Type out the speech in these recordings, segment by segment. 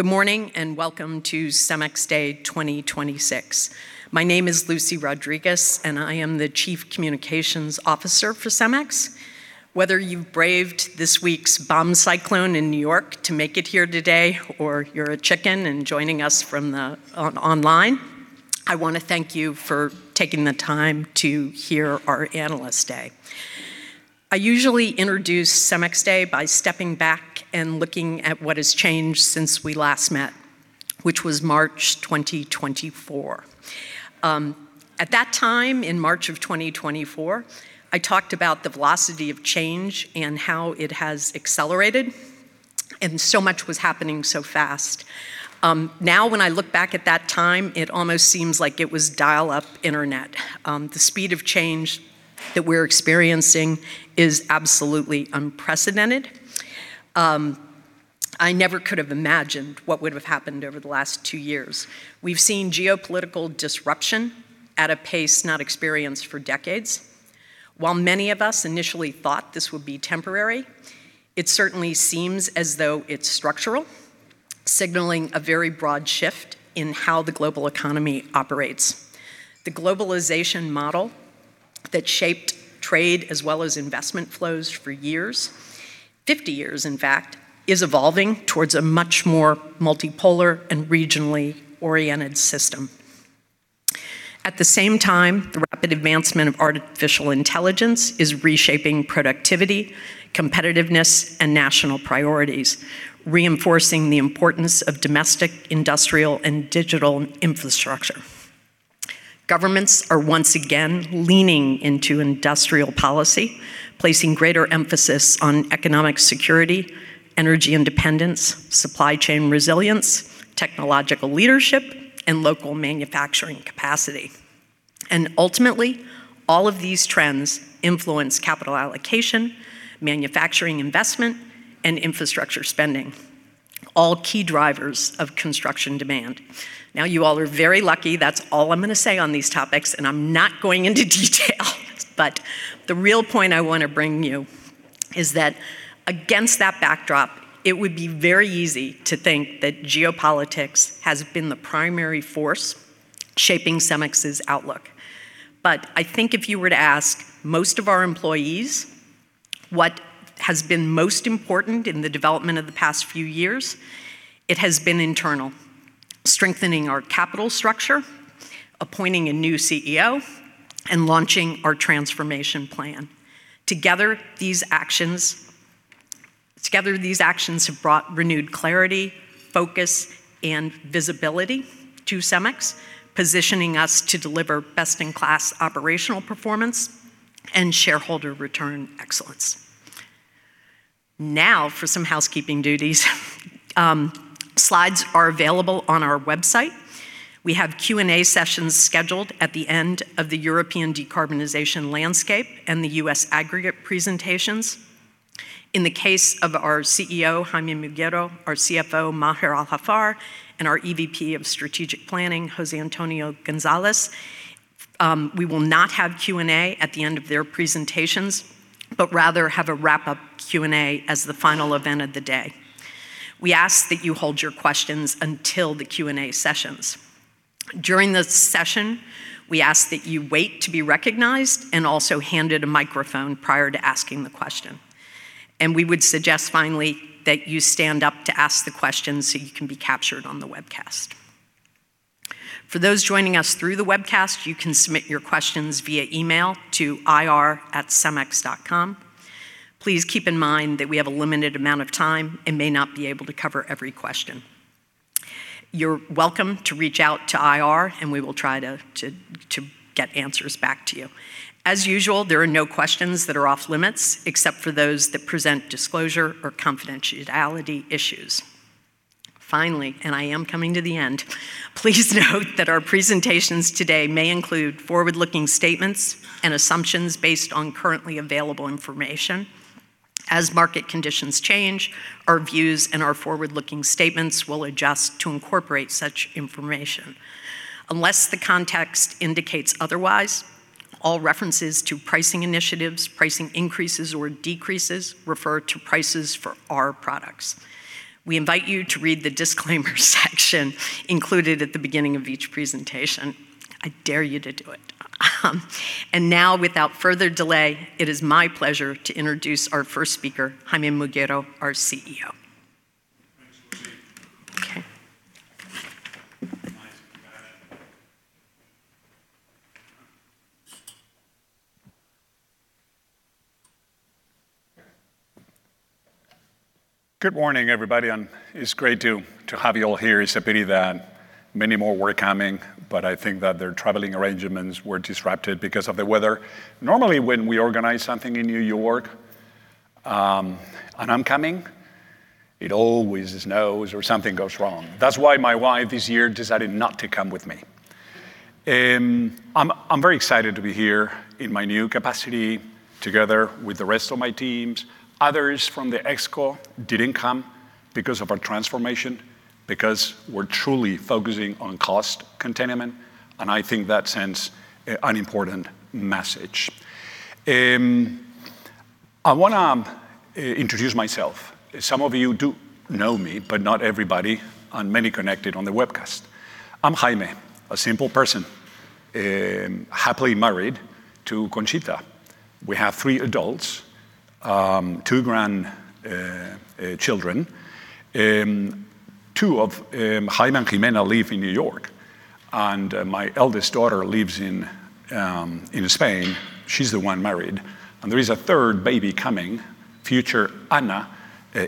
Good morning, welcome to Cemex Day 2026. My name is Lucy Rodriguez, and I am the Chief Communications Officer for Cemex. Whether you've braved this week's bomb cyclone in New York to make it here today, or you're a chicken and joining us from the online, I want to thank you for taking the time to hear our Analyst Day. I usually introduce Cemex Day by stepping back and looking at what has changed since we last met, which was March 2024. At that time, in March of 2024, I talked about the velocity of change and how it has accelerated, and so much was happening so fast. Now, when I look back at that time, it almost seems like it was dial-up internet. The speed of change that we're experiencing is absolutely unprecedented. I never could have imagined what would have happened over the last two years. We've seen geopolitical disruption at a pace not experienced for decades. While many of us initially thought this would be temporary, it certainly seems as though it's structural, signaling a very broad shift in how the global economy operates. The globalization model that shaped trade as well as investment flows for years, 50 years, in fact, is evolving towards a much more multipolar and regionally oriented system. At the same time, the rapid advancement of artificial intelligence is reshaping productivity, competitiveness, and national priorities, reinforcing the importance of domestic, industrial, and digital infrastructure. Governments are once again leaning into industrial policy, placing greater emphasis on economic security, energy independence, supply chain resilience, technological leadership, and local manufacturing capacity. Ultimately, all of these trends influence capital allocation, manufacturing investment, and infrastructure spending, all key drivers of construction demand. You all are very lucky, that's all I'm going to say on these topics, and I'm not going into detail. The real point I want to bring you is that against that backdrop, it would be very easy to think that geopolitics has been the primary force shaping CEMEX's outlook. I think if you were to ask most of our employees what has been most important in the development of the past few years, it has been internal: strengthening our capital structure, appointing a new CEO, and launching our transformation plan. Together, these actions have brought renewed clarity, focus, and visibility to CEMEX, positioning us to deliver best-in-class operational performance and shareholder return excellence. For some housekeeping duties. Slides are available on our website. We have Q&A sessions scheduled at the end of the European Decarbonization Landscape and the U.S. Aggregate presentations. In the case of our CEO, Jaime Muguiro, our CFO, Maher Al-Haffar, and our EVP of Strategic Planning, José Antonio González, we will not have Q&A at the end of their presentations, but rather have a wrap-up Q&A as the final event of the day. We ask that you hold your questions until the Q&A sessions. During the session, we ask that you wait to be recognized and also handed a microphone prior to asking the question, and we would suggest, finally, that you stand up to ask the question so you can be captured on the webcast. For those joining us through the webcast, you can submit your questions via email to ir@cemex.com. Please keep in mind that we have a limited amount of time and may not be able to cover every question. You're welcome to reach out to IR. We will try to get answers back to you. As usual, there are no questions that are off-limits, except for those that present disclosure or confidentiality issues. Finally, I am coming to the end. Please note that our presentations today may include forward-looking statements and assumptions based on currently available information. As market conditions change, our views and our forward-looking statements will adjust to incorporate such information. Unless the context indicates otherwise, all references to pricing initiatives, pricing increases or decreases refer to prices for our products. We invite you to read the disclaimer section included at the beginning of each presentation. I dare you to do it. Now, without further delay, it is my pleasure to introduce our first speaker, Jaime Muguiro, our CEO. Good morning, everybody, it's great to have you all here. It's a pity that many more were coming, I think that their traveling arrangements were disrupted because of the weather. Normally, when we organize something in New York, I'm coming, it always snows or something goes wrong. That's why my wife this year decided not to come with me. I'm very excited to be here in my new capacity, together with the rest of my teams. Others from the ExCo didn't come because of our transformation, because we're truly focusing on cost containment, I think that sends an important message. I wanna introduce myself. Some of you do know me, not everybody, many connected on the webcast. I'm Jaime, a simple person, happily married to Conchita. We have three adults, two children. Two of Jaime and Ximena live in New York. My eldest daughter lives in Spain. She's the one married. There is a third baby coming, future Anna,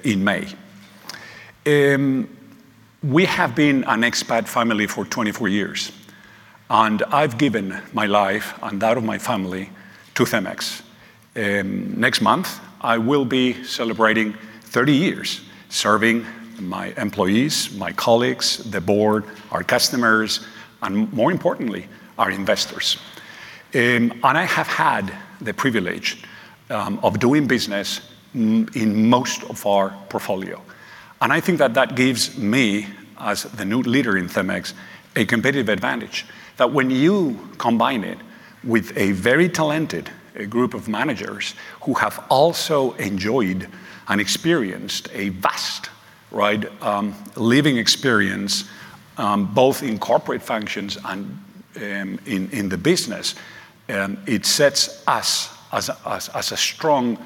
in May. We have been an expat family for 24 years, and I've given my life and that of my family to CEMEX. Next month, I will be celebrating 30 years serving my employees, my colleagues, the board, our customers, and more importantly, our investors. I have had the privilege of doing business in most of our portfolio. I think that that gives me, as the new leader in CEMEX, a competitive advantage, that when you combine it with a very talented group of managers who have also enjoyed and experienced a vast, right, living experience, both in corporate functions and in the business, it sets us as a strong,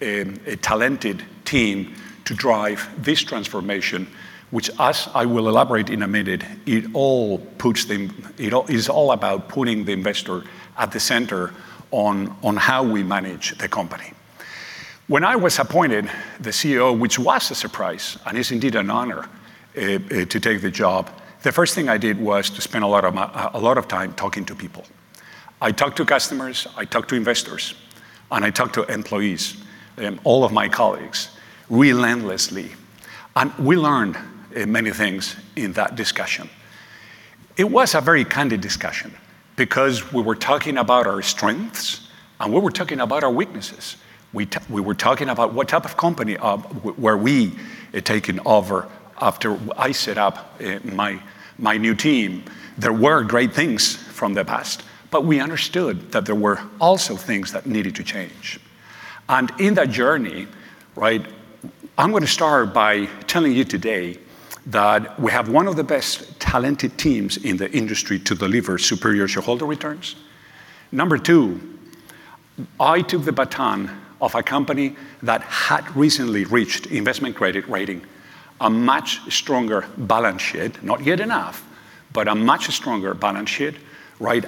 a talented team to drive this transformation, which as I will elaborate in a minute, it is all about putting the investor at the center on how we manage the company. When I was appointed the CEO, which was a surprise and is indeed an honor to take the job, the first thing I did was to spend a lot of time talking to people. I talked to customers, I talked to investors, and I talked to employees, and all of my colleagues, relentlessly. We learned many things in that discussion. It was a very candid discussion because we were talking about our strengths, and we were talking about our weaknesses. We were talking about what type of company were we taking over after I set up my new team. There were great things from the past, but we understood that there were also things that needed to change. In that journey, right, I'm going to start by telling you today that we have one of the best talented teams in the industry to deliver superior shareholder returns. Number two, I took the baton of a company that had recently reached investment credit rating, a much stronger balance sheet, not yet enough, but a much stronger balance sheet, right?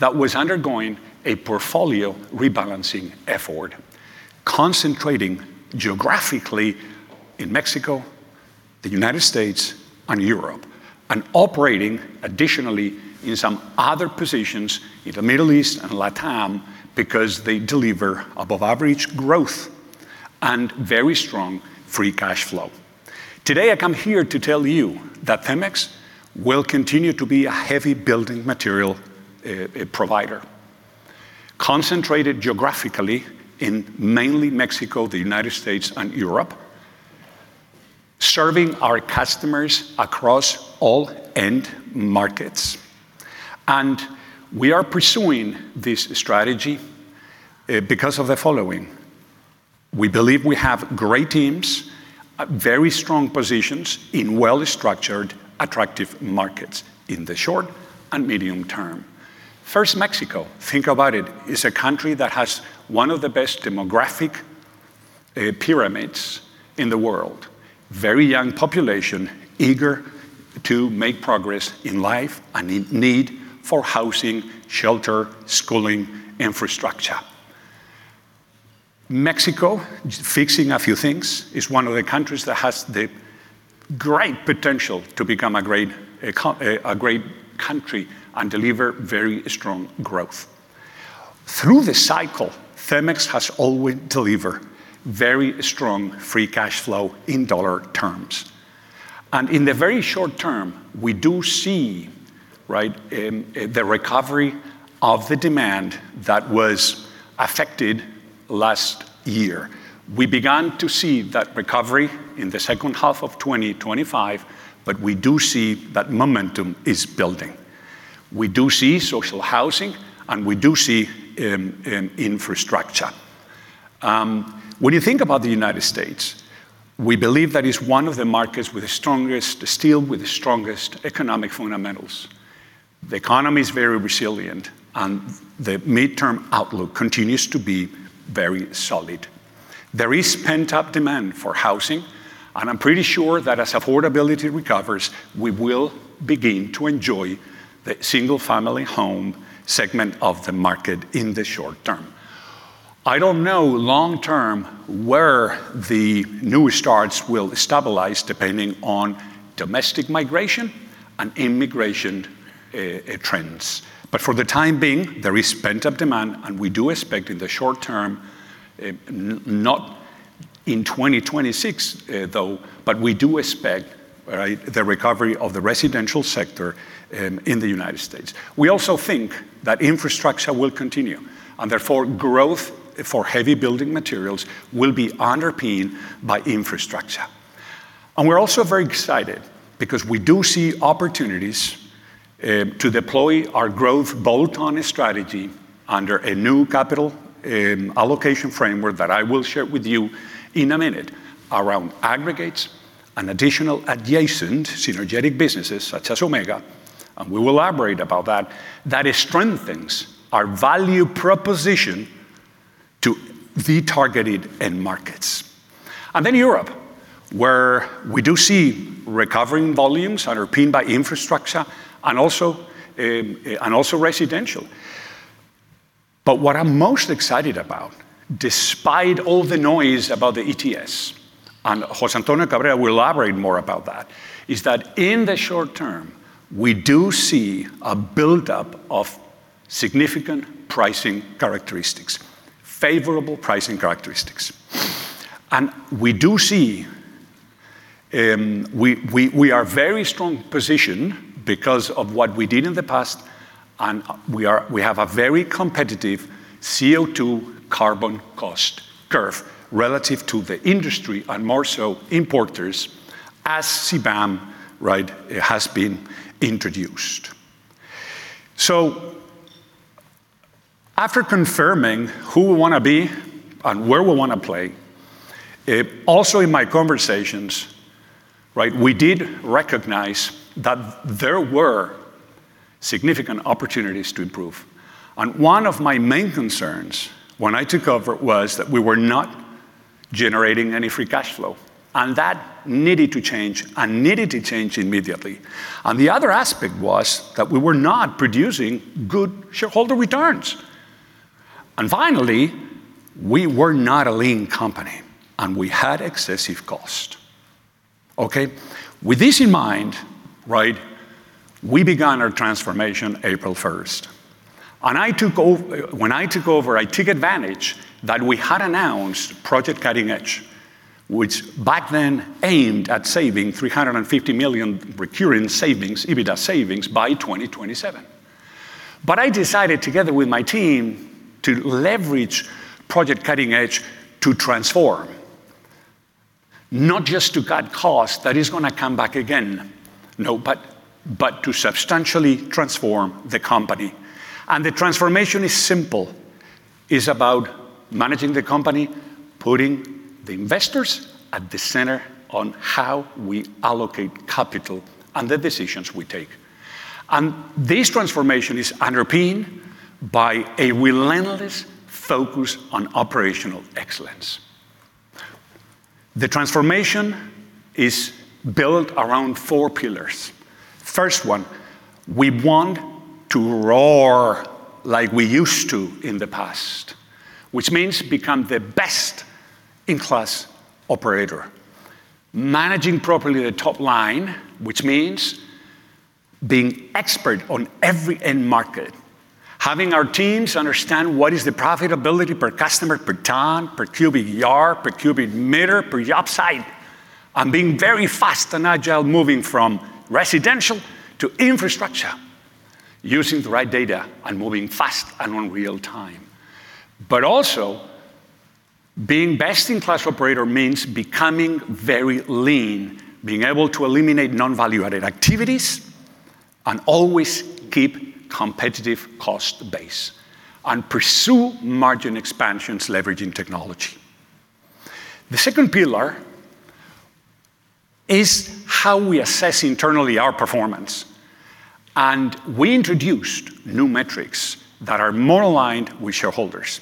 That was undergoing a portfolio rebalancing effort, concentrating geographically in Mexico, the United States, and Europe, and operating additionally in some other positions in the Middle East and LatAm because they deliver above-average growth and very strong free cash flow. Today, I come here to tell you that CEMEX will continue to be a heavy building material provider, concentrated geographically in mainly Mexico, the United States, and Europe, serving our customers across all end markets. We are pursuing this strategy because of the following: We believe we have great teams, very strong positions in well-structured, attractive markets in the short and medium term. Mexico, think about it, is a country that has one of the best demographic pyramids in the world. Very young population, eager to make progress in life and in need for housing, shelter, schooling, infrastructure. Mexico, fixing a few things, is one of the countries that has the great potential to become a great country and deliver very strong growth. Through the cycle, CEMEX has always delivered very strong free cash flow in dollar terms, in the very short term, we do see the recovery of the demand that was affected last year. We began to see that recovery in the second half of 2025, we do see that momentum is building. We do see social housing, we do see infrastructure. When you think about the United States, we believe that it's one of the markets with the strongest steel, with the strongest economic fundamentals. The economy is very resilient, and the midterm outlook continues to be very solid. There is pent-up demand for housing, and I'm pretty sure that as affordability recovers, we will begin to enjoy the single-family home segment of the market in the short term. I don't know long term where the new starts will stabilize, depending on domestic migration and immigration trends. For the time being, there is pent-up demand, and we do expect in the short term, not in 2026, though, but we do expect, right, the recovery of the residential sector in the United States. We also think that infrastructure will continue, and therefore, growth for heavy building materials will be underpinned by infrastructure.p. We're also very excited because we do see opportunities to deploy our growth bolt-on strategy under a new capital allocation framework that I will share with you in a minute, around aggregates and additional adjacent synergetic businesses such as Omega, and we will elaborate about that. That strengthens our value proposition to the targeted end markets. Europe, where we do see recovering volumes underpinned by infrastructure and also residential. What I'm most excited about, despite all the noise about the ETS, and José Antonio Cabrera will elaborate more about that, is that in the short term, we do see a build-up of significant pricing characteristics, favorable pricing characteristics. We do see, we are very strong position because of what we did in the past, we have a very competitive CO2 carbon cost curve relative to the industry and more so importers, as CBAM has been introduced. After confirming who we wanna be and where we wanna play, also in my conversations, we did recognize that there were significant opportunities to improve. One of my main concerns when I took over was that we were not generating any free cash flow, and that needed to change and needed to change immediately. The other aspect was that we were not producing good shareholder returns. Finally, we were not a lean company, and we had excessive cost. Okay? With this in mind, right, when I took over, I took advantage that we had announced Project Cutting Edge, which back then aimed at saving $350 million recurring savings, EBITDA savings by 2027. I decided, together with my team, to leverage Project Cutting Edge to transform, not just to cut costs that is gonna come back again, no, but to substantially transform the company. The transformation is simple. It's about managing the company, putting the investors at the center on how we allocate capital and the decisions we take. This transformation is underpinned by a relentless focus on operational excellence. The transformation is built around four pillars. First one, we want to roar like we used to in the past, which means become the best-in-class operator.nManaging properly the top line, which means being expert on every end market, having our teams understand what is the profitability per customer, per ton, per cubic yard, per cubic meter, per job site, and being very fast and agile, moving from residential to infrastructure, using the right data and moving fast and on real time. Also, being best-in-class operator means becoming very lean, being able to eliminate non-value-added activities, and always keep competitive cost base, and pursue margin expansions leveraging technology. The second pillar is how we assess internally our performance. We introduced new metrics that are more aligned with shareholders.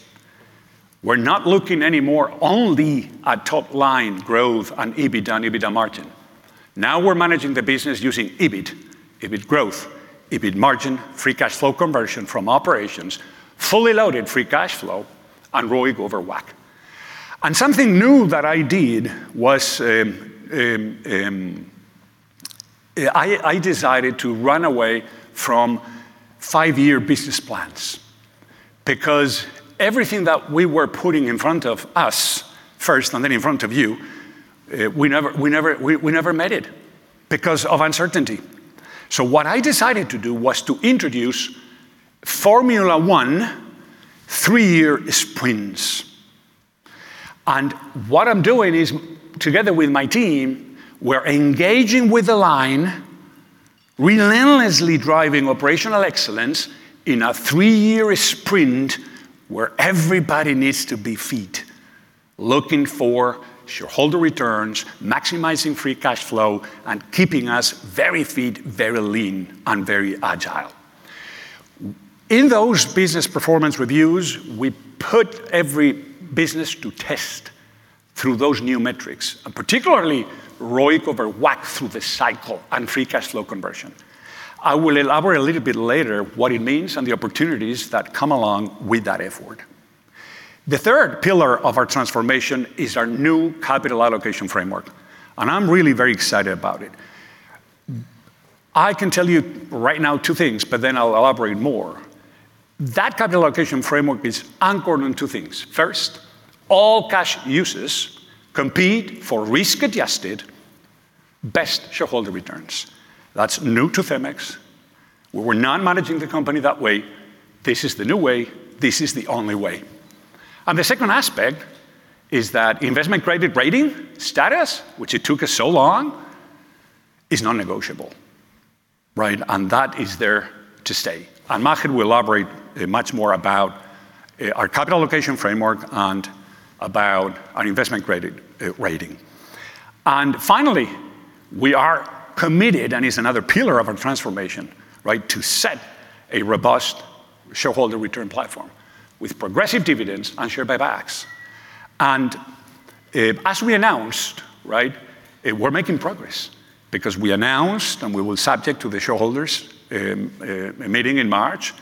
We're not looking anymore only at top-line growth and EBITDA and EBITDA margin. Now we're managing the business using EBIT growth, EBIT margin, free cash flow conversion from operations, fully loaded free cash flow, and ROIC over WACC. Something new that I did was, I decided to run away from five-year business plans because everything that we were putting in front of us first and then in front of you, we never met it because of uncertainty. What I decided to do was to introduce Formula 1 three-year sprints. What I'm doing is, together with my team, we're engaging with the line, relentlessly driving operational excellence in a three-year sprint, where everybody needs to be fit, looking for shareholder returns, maximizing free cash flow, and keeping us very fit, very lean, and very agile. In those business performance reviews, we put every business to test through those new metrics, and particularly ROIC over WACC through the cycle and free cash flow conversion. I will elaborate a little bit later what it means and the opportunities that come along with that effort. The third pillar of our transformation is our new capital allocation framework, I'm really very excited about it. I can tell you right now two things, but then I'll elaborate more. That capital allocation framework is anchored on two things. First, all cash uses compete for risk-adjusted best shareholder returns. That's new to CEMEX. We were not managing the company that way. This is the new way. This is the only way. The second aspect is that investment credit rating status, which it took us so long, is non-negotiable, right. That is there to stay. Maher will elaborate much more about our capital allocation framework and about our investment credit rating. Finally, we are committed, and it's another pillar of our transformation, right. To set a robust shareholder return platform with progressive dividends and share buybacks. As we announced, right, we're making progress. Because we announced, and we will subject to the shareholders meeting in March,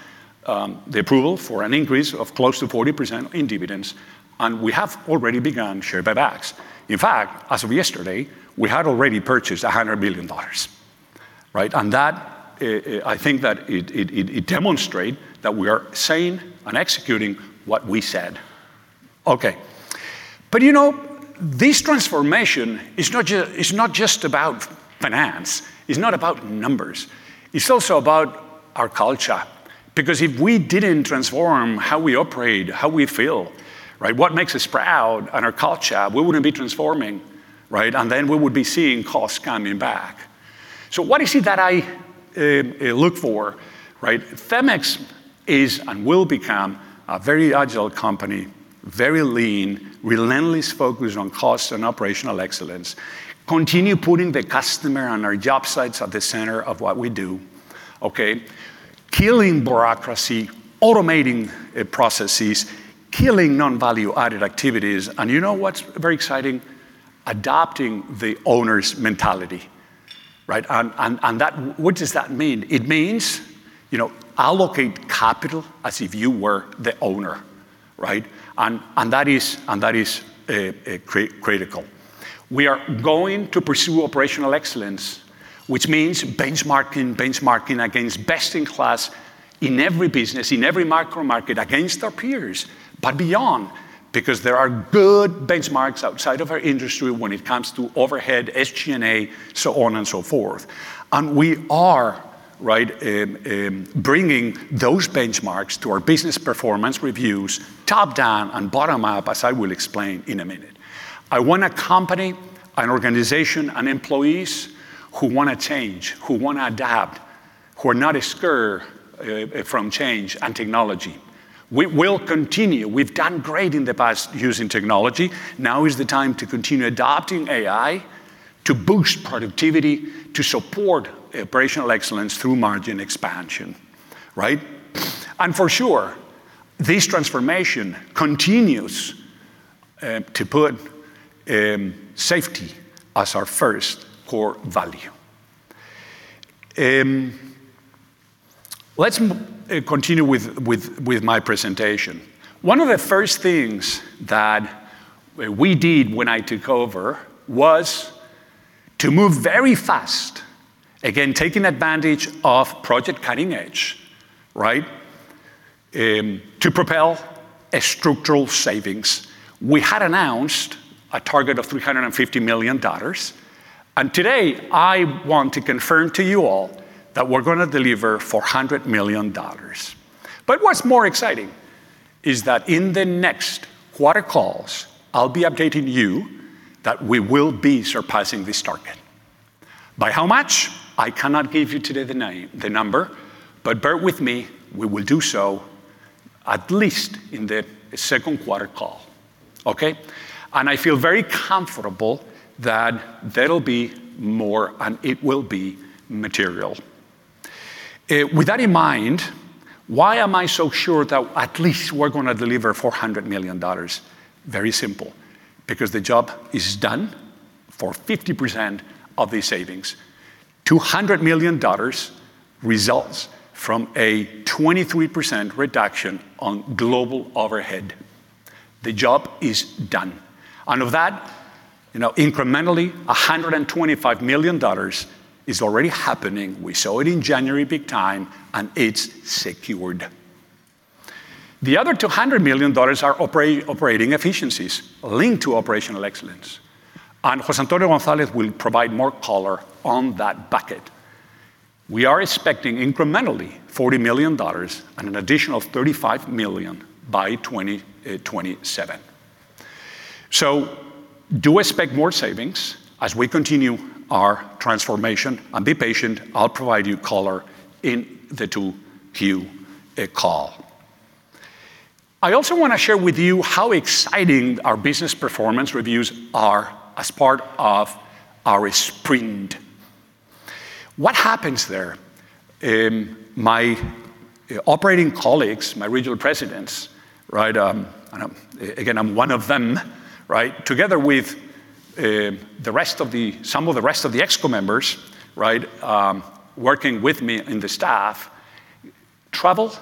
the approval for an increase of close to 40% in dividends, and we have already begun share buybacks. In fact, as of yesterday, we had already purchased $100 billion, right. That, I think that it demonstrate that we are saying and executing what we said. Okay. You know, this transformation is not just about finance, it's not about numbers, it's also about our culture. Because if we didn't transform how we operate, how we feel, right, what makes us proud and our culture, we wouldn't be transforming, right. Then we would be seeing costs coming back. What is it that I look for, right? CEMEX is and will become a very agile company, very lean, relentlessly focused on cost and operational excellence, continue putting the customer on our job sites at the center of what we do, okay? Killing bureaucracy, automating processes, killing non-value-added activities. You know what's very exciting? Adopting the owner's mentality, right? What does that mean? It means, you know, allocate capital as if you were the owner, right? That is critical. We are going to pursue operational excellence, which means benchmarking against best-in-class, in every business, in every micro-market, against our peers, but beyond, because there are good benchmarks outside of our industry when it comes to overhead, SG&A, so on and so forth. We are, right, bringing those benchmarks to our business performance reviews, top-down and bottom-up, as I will explain in a minute. I want a company, an organization, and employees who wanna change, who wanna adapt, who are not scared from change and technology. We will continue. We've done great in the past using technology. Now is the time to continue adopting AI, to boost productivity, to support operational excellence through margin expansion, right? For sure, this transformation continues to put safety as our first core value. Let's continue with my presentation. One of the first things that we did when I took over was to move very fast. Again, taking advantage of Project Cutting Edge, right, to propel a structural savings. We had announced a target of $350 million, today, I want to confirm to you all that we're gonna deliver $400 million. What's more exciting is that in the next quarter calls, I'll be updating you that we will be surpassing this target. By how much? I cannot give you today the name, the number, but bear with me, we will do so at least in the second quarter call, okay? I feel very comfortable that there will be more, and it will be material. With that in mind, why am I so sure that at least we're gonna deliver $400 million? Very simple, because the job is done for 50% of the savings. $200 million results from a 23% reduction on global overhead. The job is done. Of that, you know, incrementally, $125 million is already happening. We saw it in January big time, and it's secured. The other $200 million are operating efficiencies linked to operational excellence, and José Antonio González will provide more color on that bucket. We are expecting incrementally $40 million and an additional $35 million by 2027. Do expect more savings as we continue our transformation, and be patient, I'll provide you color in the 2Q call. I also wanna share with you how exciting our business performance reviews are as part of our sprint. What happens there? My operating colleagues, my regional presidents, right, and again, I'm one of them, right? Together with the rest of the Expo members, right, working with me and the staff, travel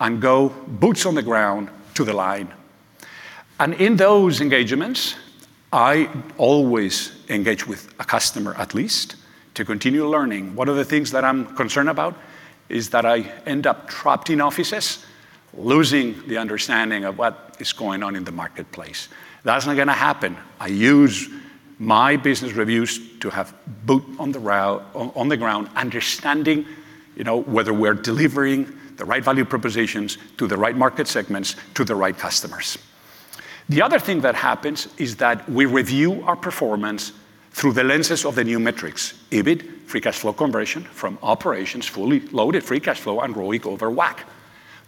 and go boots on the ground to the line. In those engagements, I always engage with a customer at least to continue learning. One of the things that I'm concerned about is that I end up trapped in offices, losing the understanding of what is going on in the marketplace. That's not gonna happen. I use my business reviews to have boot on the ground. You know, whether we're delivering the right value propositions to the right market segments, to the right customers. The other thing that happens is that we review our performance through the lenses of the new metrics: EBIT, free cash flow conversion from operations, fully loaded free cash flow, and ROIC over WACC.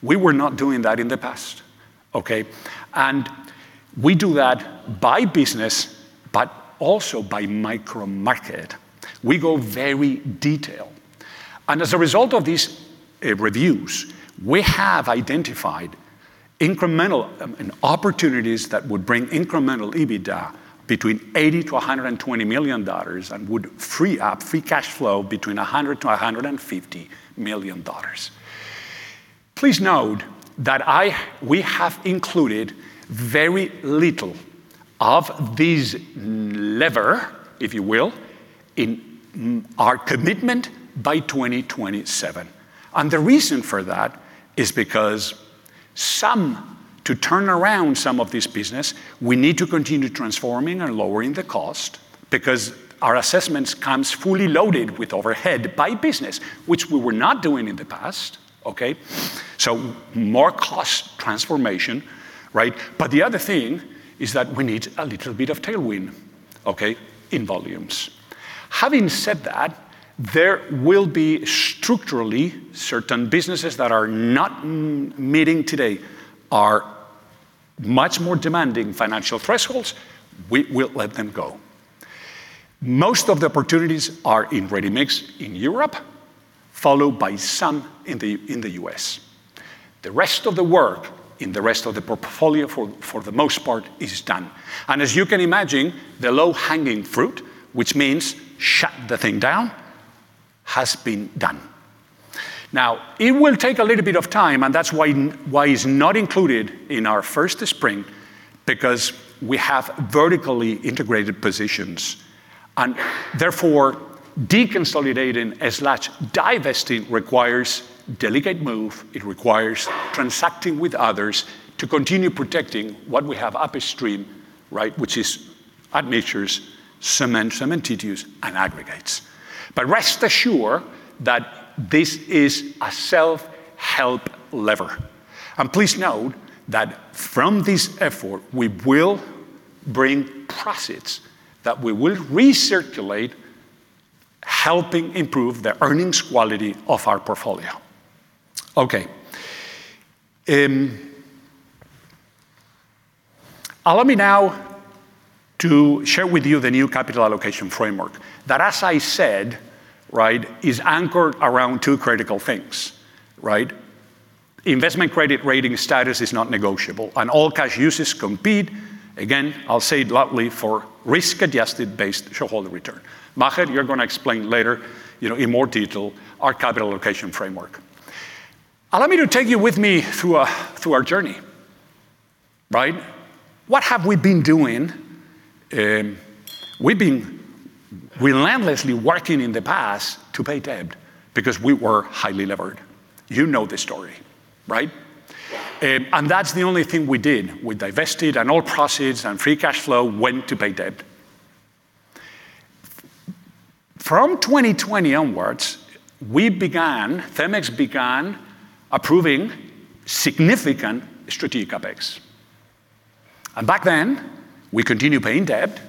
We were not doing that in the past, okay. We do that by business, but also by micro market. We go very detailed. As a result of these reviews, we have identified incremental opportunities that would bring incremental EBITDA between $80 million-$120 million, and would free up free cash flow between $100 million-$150 million. Please note that we have included very little of this lever, if you will, in our commitment by 2027, and the reason for that is because to turn around some of this business, we need to continue transforming and lowering the cost, because our assessments comes fully loaded with overhead by business, which we were not doing in the past, okay. More cost transformation, right? The other thing is that we need a little bit of tailwind, okay, in volumes. Having said that, there will be structurally certain businesses that are not meeting today, are much more demanding financial thresholds, we will let them go. Most of the opportunities are in Ready-Mix in Europe, followed by some in the U.S. The rest of the work in the rest of the portfolio for the most part, is done. As you can imagine, the low-hanging fruit, which means shut the thing down, has been done. It will take a little bit of time, and that's why it's not included in our first spring, because we have vertically integrated positions. Therefore, deconsolidating assets divesting requires delicate move, it requires transacting with others to continue protecting what we have upstream, right, which is admixtures, cement, cementitious, and aggregates. Rest assured that this is a self-help lever. Please note that from this effort, we will bring profits that we will recirculate, helping improve the earnings quality of our portfolio. Okay. Allow me now to share with you the new capital allocation framework, that, as I said, right, is anchored around two critical things, right? Investment credit rating status is not negotiable, and all cash uses compete. Again, I'll say it loudly, for risk-adjusted based shareholder return. Maher, you're gonna explain later, you know, in more detail, our capital allocation framework. Allow me to take you with me through our journey, right? What have we been doing? We've been relentlessly working in the past to pay debt because we were highly levered. You know the story, right? That's the only thing we did. We divested, and all proceeds and free cash flow went to pay debt. From 2020 onwards, we began, CEMEX began approving significant strategic CapEx. Back then, we continued paying debt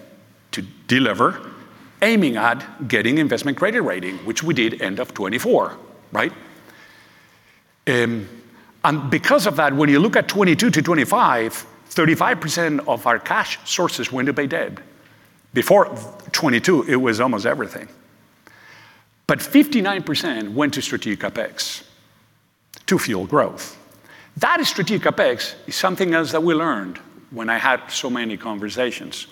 to delever, aiming at getting investment credit rating, which we did end of 2024, right? Because of that, when you look at 2022–2025, 35% of our cash sources went to pay debt. Before 2022, it was almost everything. 59% went to strategic CapEx to fuel growth. That strategic CapEx is something else that we learned when I had so many conversations,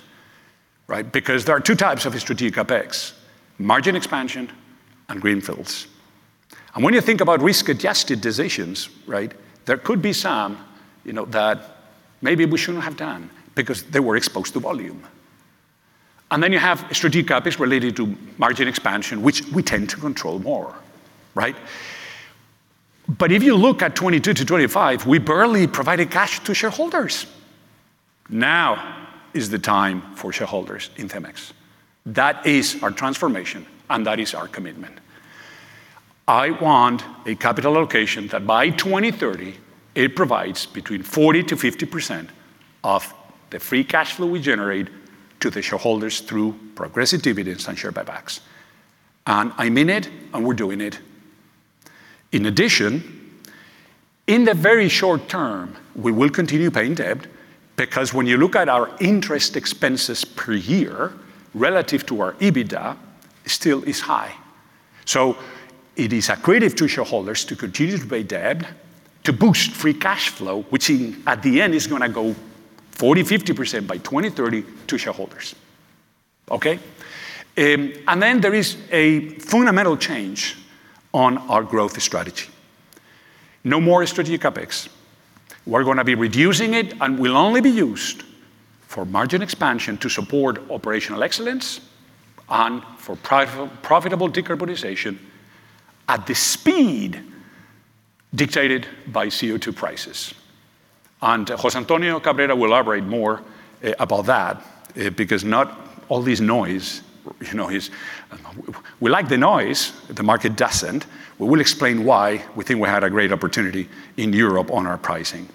right? Because there are two types of strategic CapEx: margin expansion and greenfields. When you think about risk-adjusted decisions, right, there could be some, you know, that maybe we shouldn't have done because they were exposed to volume. You have strategic CapEx related to margin expansion, which we tend to control more, right? If you look at 2022–2025, we barely provided cash to shareholders. Now is the time for shareholders in CEMEX. That is our transformation, and that is our commitment. I want a capital allocation that by 2030, it provides between 40%-50% of the free cash flow we generate to the shareholders through progressive dividends and share buybacks. I mean it, and we're doing it. In addition, in the very short term, we will continue paying debt, because when you look at our interest expenses per year relative to our EBITDA, it still is high. It is accretive to shareholders to continue to pay debt, to boost free cash flow, which in, at the end, is gonna go 40%, 50% by 2030 to shareholders. Okay? There is a fundamental change on our growth strategy. No more strategic CapEx. We're gonna be reducing it, and will only be used for margin expansion to support operational excellence and for profitable decarbonization at the speed dictated by CO2 prices. José Antonio Cabrera will elaborate more about that because not all this noise, you know, is, and we like the noise, the market doesn't. We will explain why we think we had a great opportunity in Europe on our pricing.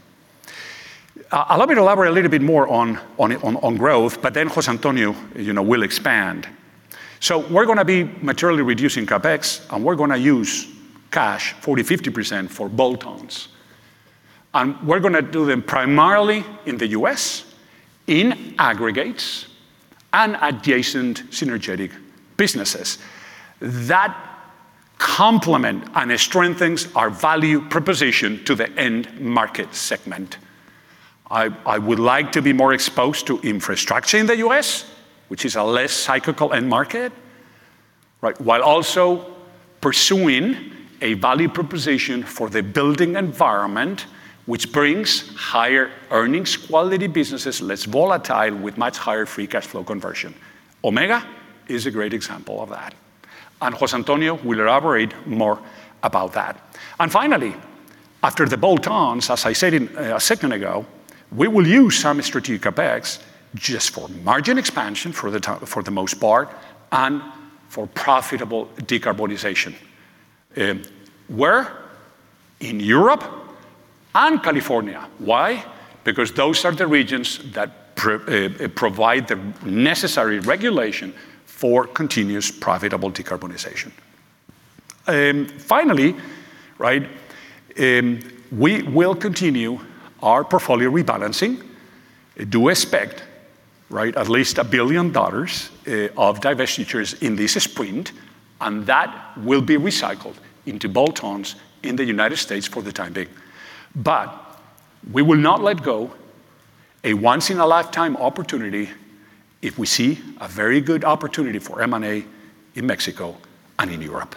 Allow me to elaborate a little bit more on growth, José Antonio, you know, will expand.nWe're going to be materially reducing CapEx, and we're going to use cash 40%-50% for bolt-ons. We're going to do them primarily in the U.S. in Aggregates and adjacent synergetic businesses. That complement and it strengthens our value proposition to the end market segment. I would like to be more exposed to infrastructure in the U.S., which is a less cyclical end market, right? While also pursuing a value proposition for the building environment, which brings higher earnings, quality businesses, less volatile, with much higher free cash flow conversion. Omega is a great example of that, and José Antonio will elaborate more about that. Finally, after the bolt-ons, as I said a second ago, we will use some strategic CapEx just for margin expansion for the most part, and for profitable decarbonization. Where? In Europe and California. Why? Those are the regions that provide the necessary regulation for continuous profitable decarbonization. Finally, right, we will continue our portfolio rebalancing. Do expect, right, at least $1 billion of divestitures in this sprint, and that will be recycled into bolt-ons in the United States for the time being. We will not let go a once-in-a-lifetime opportunity if we see a very good opportunity for M&A in Mexico and in Europe.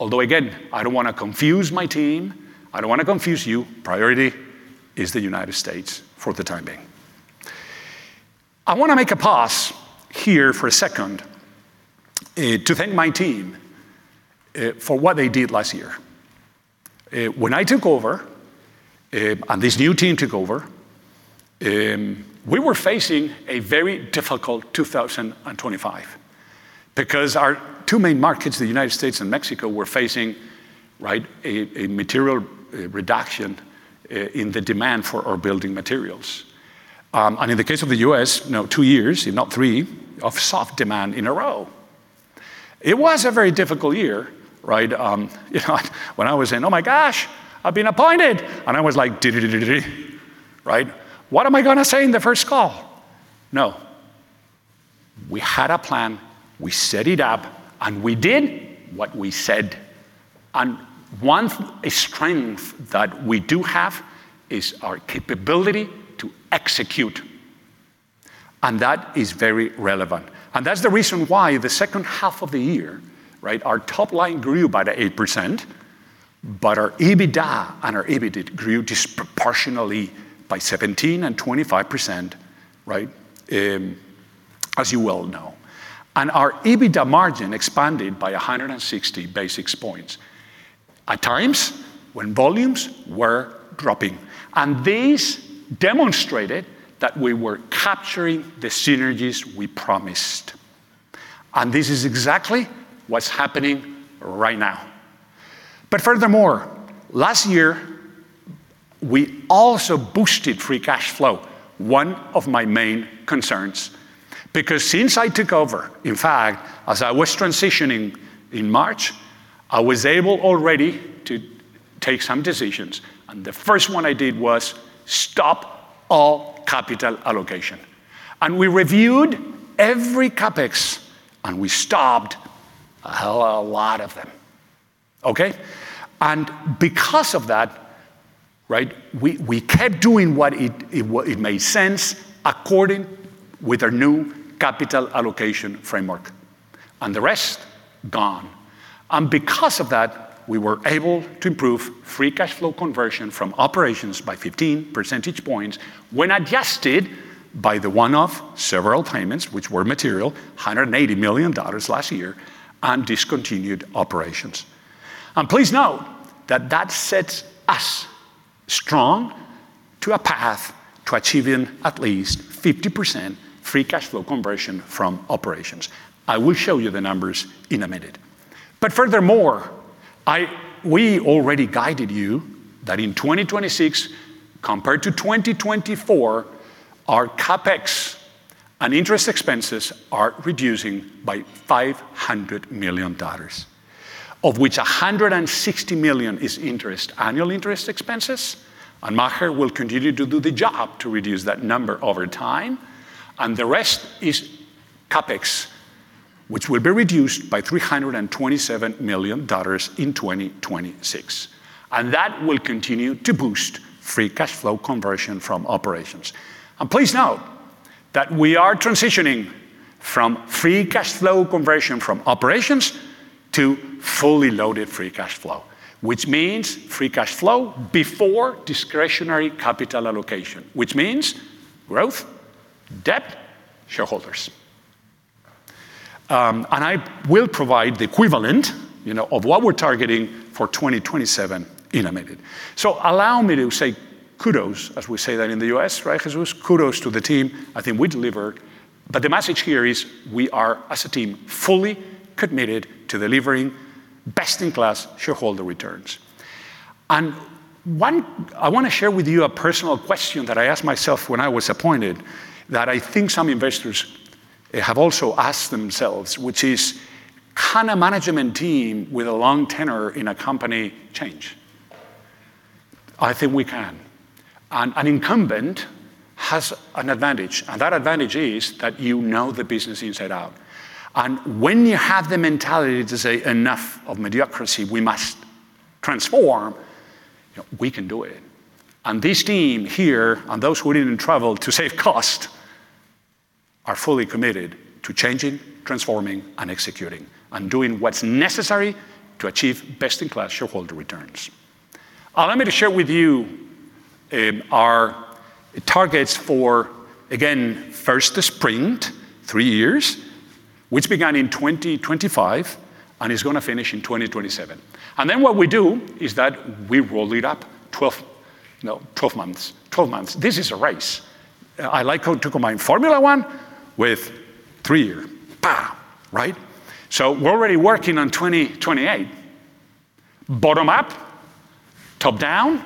Again, I don't wanna confuse my team, I don't wanna confuse you, priority is the United States for the time being. I wanna make a pause here for a second to thank my team for what they did last year. When I took over, and this new team took over, we were facing a very difficult 2025.nBecause our two main markets, the United States and Mexico, were facing, right, a material reduction in the demand for our building materials. In the case of the U.S., now, two years, if not three, of soft demand in a row. It was a very difficult year, right? You know, when I was saying, "Oh, my gosh, I've been appointed!" I was like, di-di-di-di-di, right? "What am I gonna say in the first call?" No. We had a plan, we set it up, and we did what we said. One strength that we do have is our capability to execute, and that is very relevant. That's the reason why the second half of the year, right, our top line grew by the 8%, but our EBITDA and our EBITA grew disproportionately by 17% and 25%, right? As you well know. Our EBITDA margin expanded by 160 basis points at times when volumes were dropping. This demonstrated that we were capturing the synergies we promised. This is exactly what's happening right now. Furthermore, last year, we also boosted free cash flow, one of my main concerns. Since I took over, in fact, as I was transitioning in March, I was able already to take some decisions, and the first one I did was stop all capital allocation. We reviewed every CapEx, and we stopped a hell of a lot of them, okay? Because of that, right, we kept doing what it made sense according with our new capital allocation framework, and the rest, gone. Because of that, we were able to improve free cash flow conversion from operations by 15 percentage points when adjusted by the one-off several payments, which were material, $180 million last year, and discontinued operations. Please note that that sets us strong to a path to achieving at least 50% free cash flow conversion from operations. I will show you the numbers in a minute. Furthermore, We already guided you that in 2026, compared to 2024, our CapEx and interest expenses are reducing by $500 million, of which $160 million is interest, annual interest expenses. Maher will continue to do the job to reduce that number over time, and the rest is CapEx, which will be reduced by $327 million in 2026. That will continue to boost free cash flow conversion from operations. Please note that we are transitioning from free cash flow conversion from operations to fully loaded free cash flow, which means free cash flow before discretionary capital allocation, which means growth, debt, shareholders. I will provide the equivalent, you know, of what we're targeting for 2027 in a minute. Allow me to say kudos, as we say that in the U.S., right, Jesus? Kudos to the team. I think we delivered. The message here is we are, as a team, fully committed to delivering best-in-class shareholder returns. I wanna share with you a personal question that I asked myself when I was appointed, that I think some investors have also asked themselves, which is: Can a management team with a long tenure in a company change? I think we can. An incumbent has an advantage, and that advantage is that you know the business inside out. When you have the mentality to say, "Enough of mediocrity, we must transform," you know, we can do it. This team here, and those who didn't travel to save cost, are fully committed to changing, transforming, and executing, and doing what's necessary to achieve best-in-class shareholder returns. Allow me to share with you our targets for, again, first sprint, three years, which began in 2025 and is gonna finish in 2027. Then what we do is that we roll it up 12, no, 12 months. 12 months. This is a race. I like to combine Formula 1 with three-year. Pow! Right? We're already working on 2028, bottom up, top down,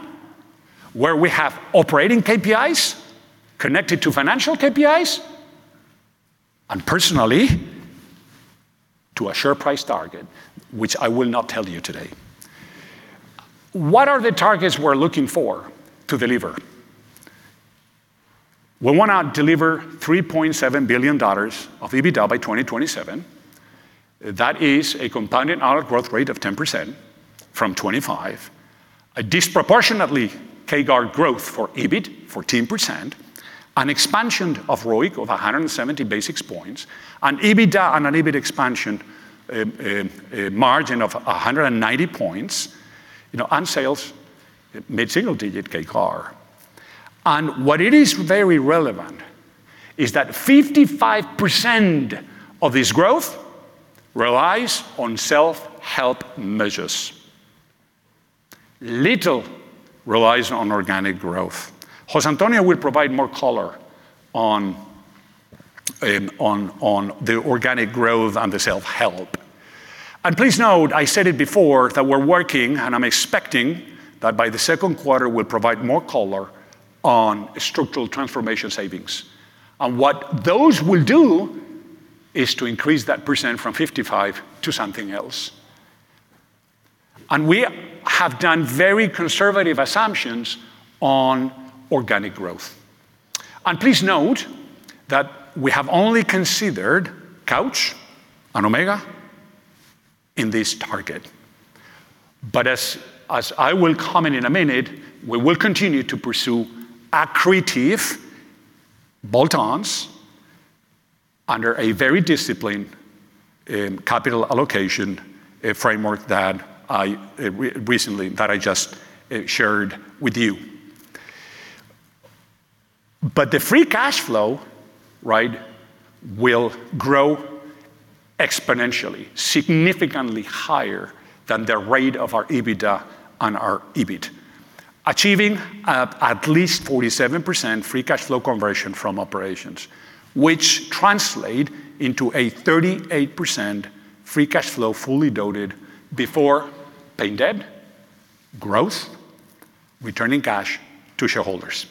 where we have operating KPIs connected to financial KPIs and personally to a share price target, which I will not tell you today. What are the targets we're looking for to deliver? We wanna deliver $3.7 billion of EBITDA by 2027. That is a compounded annual growth rate of 10% from 2025, a disproportionately CAGR growth for EBIT, 14%, an expansion of ROIC of 170 basis points, an EBITDA and an EBIT expansion, a margin of 190 points, you know, and sales mid-single-digit CAGR. What it is very relevant is that 55% of this growth relies on self-help measures. Little relies on organic growth. José Antonio will provide more color on the organic growth and the self-help. Please note, I said it before, that we're working, and I'm expecting that by the second quarter, we'll provide more color on structural transformation savings. What those will do is to increase that percent from 55% to something else. We have done very conservative assumptions on organic growth. Please note that we have only considered Couch and Omega in this target. As I will comment in a minute, we will continue to pursue accretive bolt-ons under a very disciplined capital allocation, a framework that I recently, that I just shared with you. The free cash flow, right, will grow exponentially, significantly higher than the rate of our EBITDA and our EBIT, achieving at least 47% free cash flow conversion from operations, which translate into a 38% free cash flow, fully diluted before paying debt, growth, returning cash to shareholders.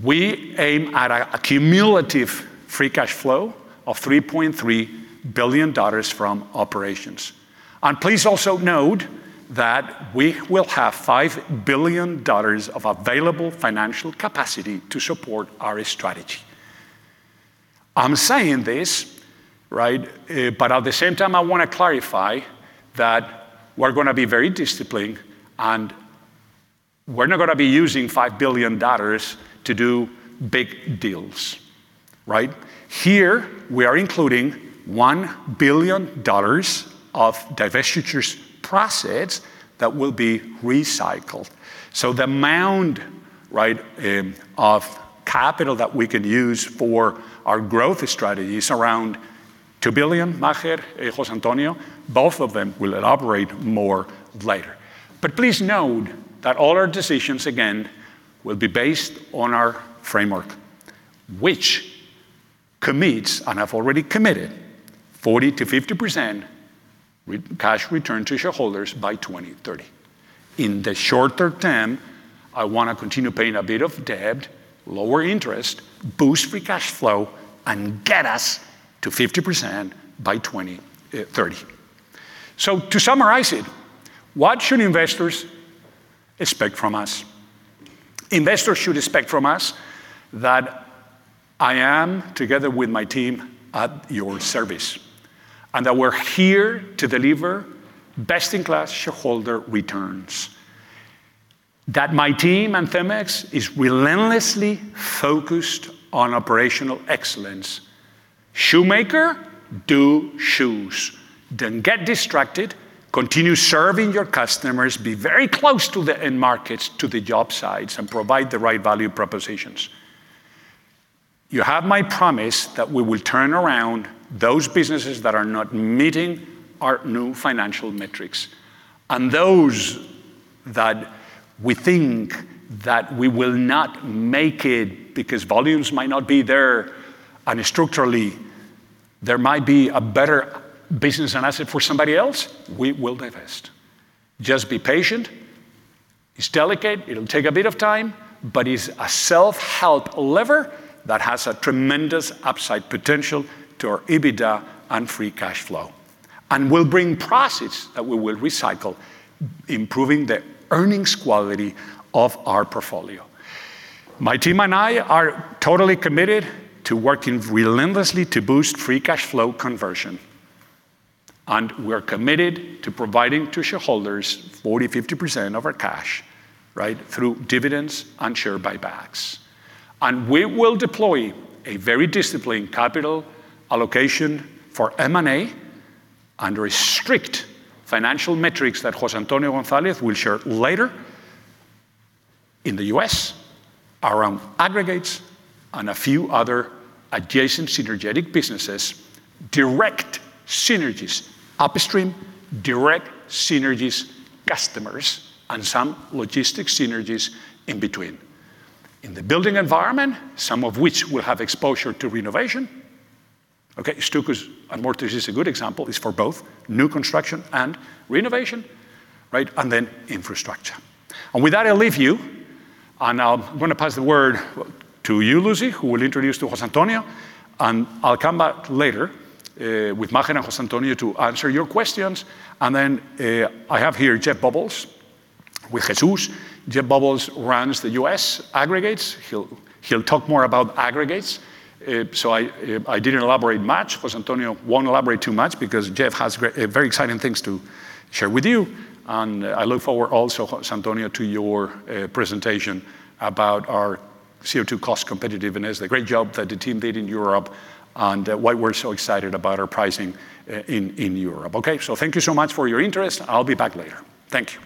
We aim at a cumulative free cash flow of $3.3 billion from operations. Please also note that we will have $5 billion of available financial capacity to support our strategy. I'm saying this, right, but at the same time, I wanna clarify that we're gonna be very disciplined, and we're not gonna be using $5 billion to do big deals, right? Here, we are including $1 billion of divestitures proceeds that will be recycled. The amount, right, of capital that we can use for our growth strategy is around $2 billion, Maher, José Antonio. Both of them will elaborate more later. Please note that all our decisions, again, will be based on our framework, which commits, and I've already committed, 40%-50% cash return to shareholders by 2030. In the shorter term, I wanna continue paying a bit of debt, lower interest, boost free cash flow, and get us to 50% by 2030. To summarize it, what should investors expect from us? Investors should expect from us that I am, together with my team, at your service, and that we're here to deliver best-in-class shareholder returns. That my team and CEMEX is relentlessly focused on operational excellence. Shoemaker, do shoes!... Don't get distracted, continue serving your customers, be very close to the end markets, to the job sites, and provide the right value propositions. You have my promise that we will turn around those businesses that are not meeting our new financial metrics, and those that we think that we will not make it because volumes might not be there and structurally there might be a better business and asset for somebody else, we will divest. Just be patient. It's delicate, it'll take a bit of time, but it's a self-help lever that has a tremendous upside potential to our EBITDA and free cash flow, and will bring profits that we will recycle, improving the earnings quality of our portfolio. My team and I are totally committed to working relentlessly to boost free cash flow conversion. We're committed to providing to shareholders 40%, 50% of our cash, right? Through dividends and share buybacks. We will deploy a very disciplined capital allocation for M&A under strict financial metrics that José Antonio González will share later. In the U.S., around aggregates and a few other adjacent synergetic businesses, direct synergies upstream, direct synergies customers, and some logistics synergies in between. In the building environment, some of which will have exposure to renovation. Okay, stuccos and mortars is a good example, is for both new construction and renovation, right? Infrastructure. With that, I'll leave you, and I'm gonna pass the word to you, Lucy, who will introduce to José Antonio, and I'll come back later with José Antonio to answer your questions. I have here Jeff Bobolts with Jesus. Jeff Bobolts runs the U.S. Aggregates. He'll talk more about aggregates. I didn't elaborate much. José Antonio won't elaborate too much because Jeff has very exciting things to share with you. I look forward also, José Antonio, to your presentation about our CO2 cost competitiveness, the great job that the team did in Europe, and why we're so excited about our pricing in Europe. Okay. Thank you so much for your interest. I'll be back later. Thank you.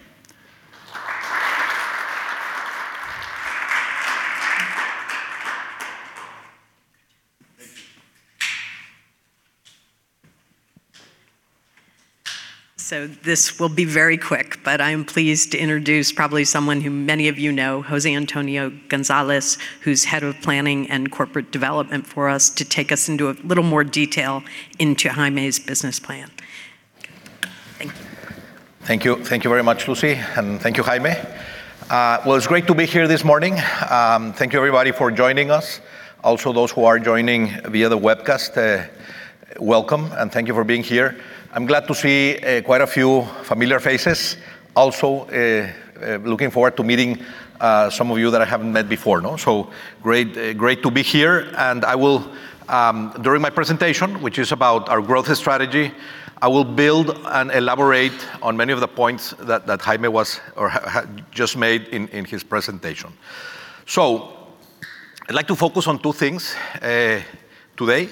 Thank you. This will be very quick, but I am pleased to introduce probably someone who many of you know, José Antonio González, who's Head of Planning and Corporate Development for us, to take us into a little more detail into Jaime's business plan. Thank you. Thank you. Thank you very much, Lucy, and thank you, Jaime. Well, it's great to be here this morning. Thank you, everybody, for joining us. Those who are joining via the webcast, welcome, and thank you for being here. I'm glad to see quite a few familiar faces. Looking forward to meeting some of you that I haven't met before, no? Great, great to be here, and I will, during my presentation, which is about our growth strategy, I will build and elaborate on many of the points that Jaime was or had just made in his presentation. I'd like to focus on two things today.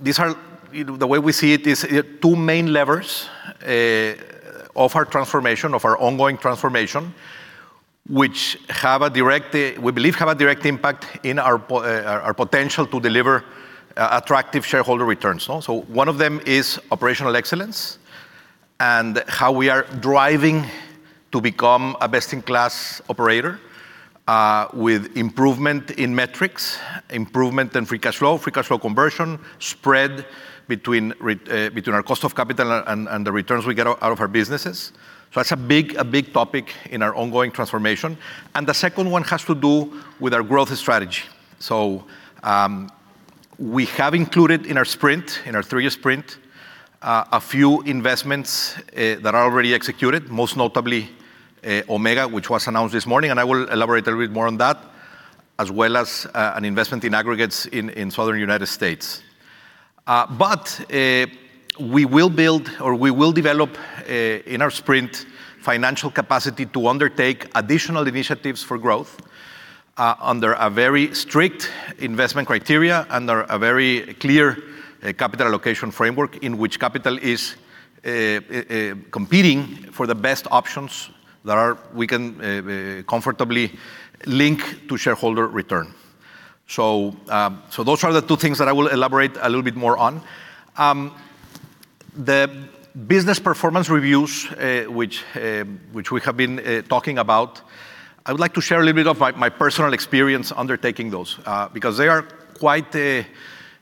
These are, you know, the way we see it, is two main levers of our transformation, of our ongoing transformation, which have a direct—we believe, have a direct impact in our potential to deliver attractive shareholder returns, no? One of them is operational excellence and how we are driving to become a best-in-class operator, with improvement in metrics, improvement in free cash flow, free cash flow conversion, spread between our cost of capital and the returns we get out of our businesses. That's a big topic in our ongoing transformation. The second one has to do with our growth strategy. We have included in our sprint, in our three-year sprint, a few investments that are already executed, most notably Omega, which was announced this morning, and I will elaborate a little bit more on that, as well as an investment in Aggregates in southern United States. We will build or we will develop, in our sprint, financial capacity to undertake additional initiatives for growth, under a very strict investment criteria, under a very clear capital allocation framework, in which capital is competing for the best options that we can comfortably link to shareholder return. Those are the two things that I will elaborate a little bit more on. The business performance reviews, which we have been talking about, I would like to share a little bit of my personal experience undertaking those, because they are quite, they're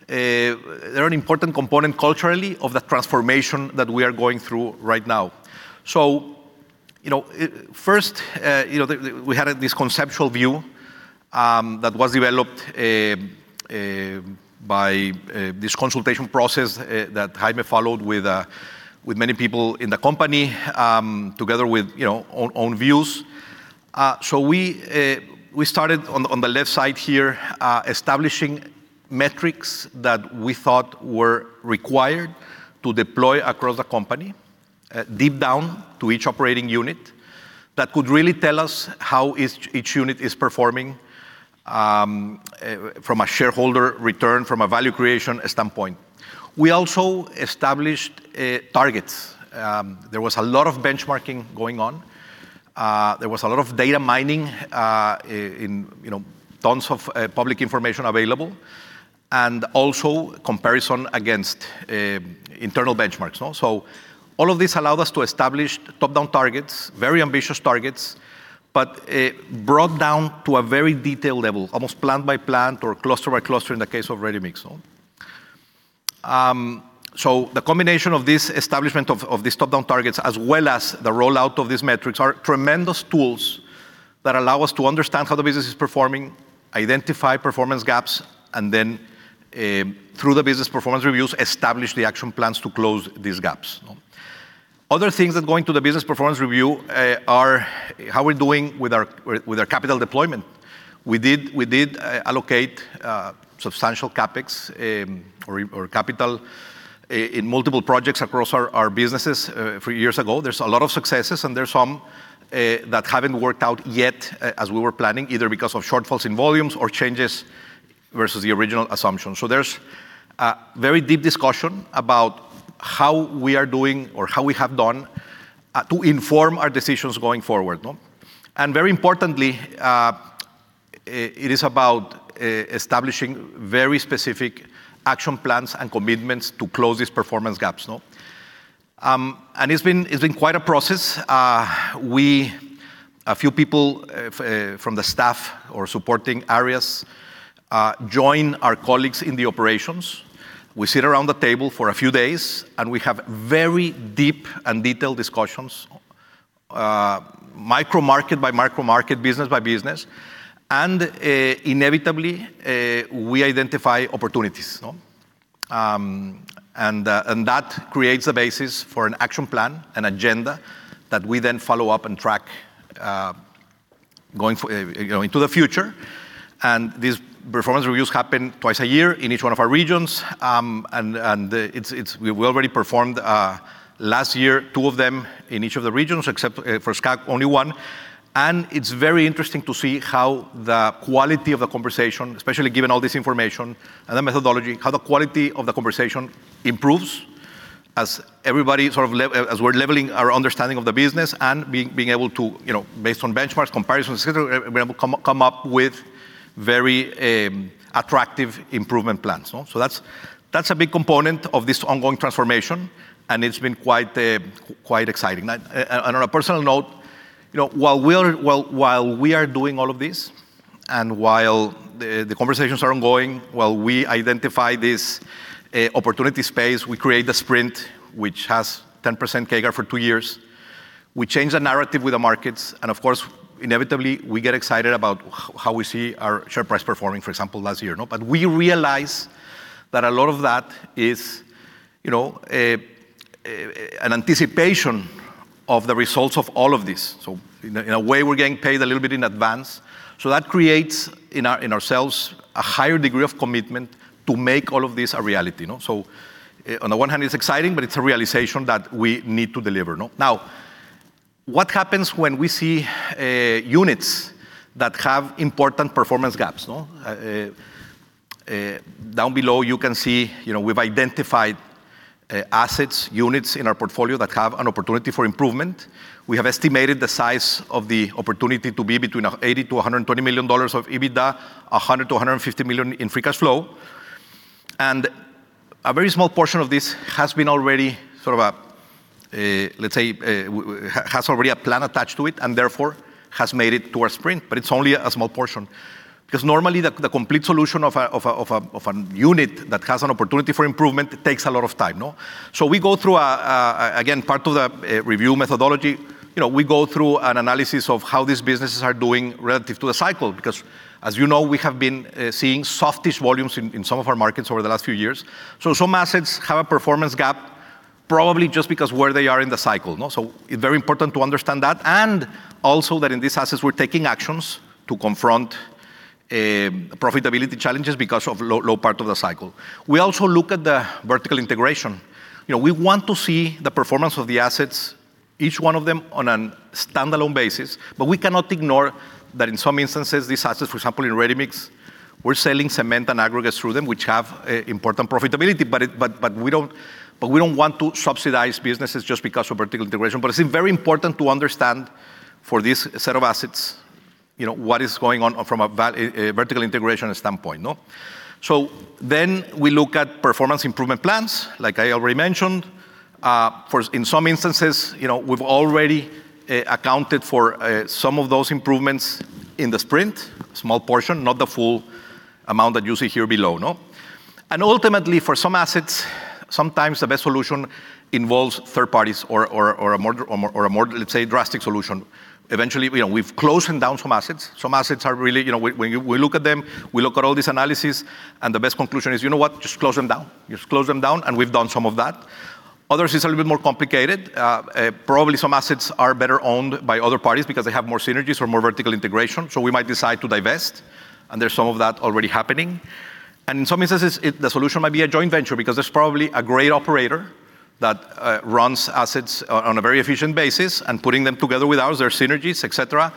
an important component culturally of the transformation that we are going through right now. You know, first, you know, we had this conceptual view that was developed by this consultation process that Jaime followed with many people in the company, together with, you know, own views. We started on the left side here, establishing metrics that we thought were required to deploy across the company. Deep down to each operating unit that could really tell us how each unit is performing from a shareholder return, from a value creation standpoint. We also established targets. There was a lot of benchmarking going on. There was a lot of data mining, in, you know, tons of public information available, and also comparison against internal benchmarks. All of this allowed us to establish top-down targets, very ambitious targets, but brought down to a very detailed level, almost plant by plant or cluster by cluster, in the case of Ready-Mix zone. The combination of this establishment of these top-down targets, as well as the rollout of these metrics, are tremendous tools that allow us to understand how the business is performing, identify performance gaps, and then, through the business performance reviews, establish the action plans to close these gaps. Other things that go into the business performance review, are how we're doing with our capital deployment. We did allocate substantial CapEx, or capital in multiple projects across our businesses a few years ago. There's a lot of successes, and there's some that haven't worked out yet as we were planning, either because of shortfalls in volumes or changes versus the original assumption. There's a very deep discussion about how we are doing or how we have done to inform our decisions going forward, no? Very importantly, it is about establishing very specific action plans and commitments to close these performance gaps, no? It's been quite a process. A few people from the staff or supporting areas join our colleagues in the operations. We sit around the table for a few days, and we have very deep and detailed discussions, micro market by micro market, business by business, and inevitably, we identify opportunities, no? That creates a basis for an action plan, an agenda, that we then follow up and track going into the future. These performance reviews happen twice a year in each one of our regions. It's we already performed last year, two of them in each of the regions, except for SCAC, only one. It's very interesting to see how the quality of the conversation, especially given all this information and the methodology, how the quality of the conversation improves as everybody sort of as we're leveling our understanding of the business and being able to, based on benchmarks, comparisons, et cetera, we're able to come up with very attractive improvement plans, no? That's, that's a big component of this ongoing transformation, and it's been quite exciting. And on a personal note, you know, While we are doing all of this, and while the conversations are ongoing, while we identify this opportunity space, we create the sprint, which has 10% CAGR for two years. We change the narrative with the markets, of course, inevitably, we get excited about how we see our share price performing, for example, last year, no? We realize that a lot of that is, you know, an anticipation of the results of all of this. In a way, we're getting paid a little bit in advance. That creates in our, in ourselves, a higher degree of commitment to make all of this a reality, no? On the one hand, it's exciting, but it's a realization that we need to deliver, no? What happens when we see units that have important performance gaps, no? Down below, you can see, you know, we've identified assets, units in our portfolio that have an opportunity for improvement. We have estimated the size of the opportunity to be between $80 million-$120 million of EBITDA, $100 million-$150 million in free cash flow. A very small portion of this has been already sort of a, let's say, has already a plan attached to it, and therefore has made it to our sprint. It's only a small portion, because normally the complete solution of a unit that has an opportunity for improvement takes a lot of time. We go through again, part of the review methodology. You know, we go through an analysis of how these businesses are doing relative to the cycle, because, as you know, we have been seeing softish volumes in some of our markets over the last few years. Some assets have a performance gap, probably just because where they are in the cycle. It's very important to understand that, and also that in these assets, we're taking actions to confront profitability challenges because of low part of the cycle. We also look at the vertical integration. You know, we want to see the performance of the assets, each one of them, on a standalone basis, but we cannot ignore that in some instances, these assets, for example, in Ready-Mix, we're selling cement and aggregates through them, which have important profitability, but we don't want to subsidize businesses just because of vertical integration. It's very important to understand for this set of assets, you know, what is going on from a vertical integration standpoint, no? We look at performance improvement plans, like I already mentioned. In some instances, you know, we've already accounted for some of those improvements in the sprint. Small portion, not the full amount that you see here below, no? Ultimately, for some assets, sometimes the best solution involves third parties or a more, let's say, drastic solution. Eventually, you know, we've closed down some assets. Some assets are really, you know, when we look at them, we look at all this analysis, and the best conclusion is, "You know what? Just close them down," and we've done some of that. Others, it's a little bit more complicated. Probably some assets are better owned by other parties because they have more synergies or more vertical integration, so we might decide to divest, and there's some of that already happening. In some instances, it, the solution might be a joint venture because there's probably a great operator that runs assets on a very efficient basis, and putting them together with ours, there are synergies, et cetera.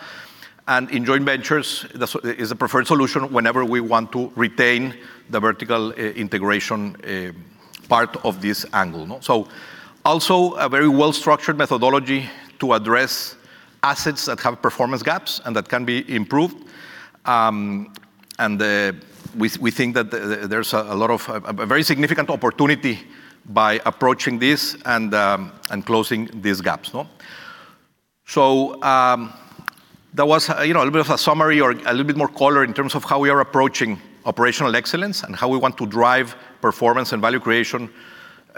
In joint ventures, that's, is the preferred solution whenever we want to retain the vertical integration, part of this angle, no? Also, a very well-structured methodology to address assets that have performance gaps and that can be improved. And we think that there's a lot of a very significant opportunity by approaching this and closing these gaps, no? That was, you know, a little bit of a summary or a little bit more color in terms of how we are approaching operational excellence, and how we want to drive performance and value creation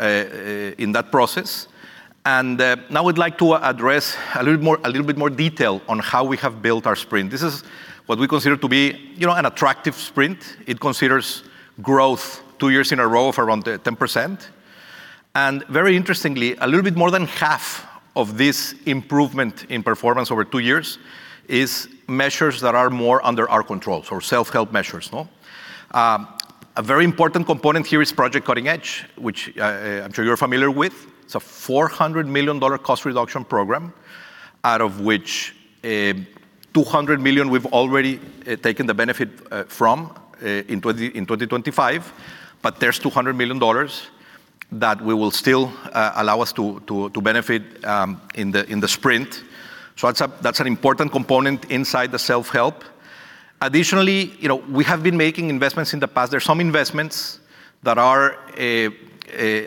in that process. Now I'd like to address a little bit more detail on how we have built our sprint. This is what we consider to be, you know, an attractive sprint. It considers growth two years in a row of around 10%. Very interestingly, a little bit more than half of this improvement in performance over two years is measures that are more under our control, so self-help measures, no? A very important component here is Project Cutting Edge, which I'm sure you're familiar with. It's a $400 million cost reduction program, out of which $200 million we've already taken the benefit from in 2025, but there's $200 million that we will still allow us to benefit in the sprint. That's an important component inside the self-help. Additionally, you know, we have been making investments in the past. There are some investments that are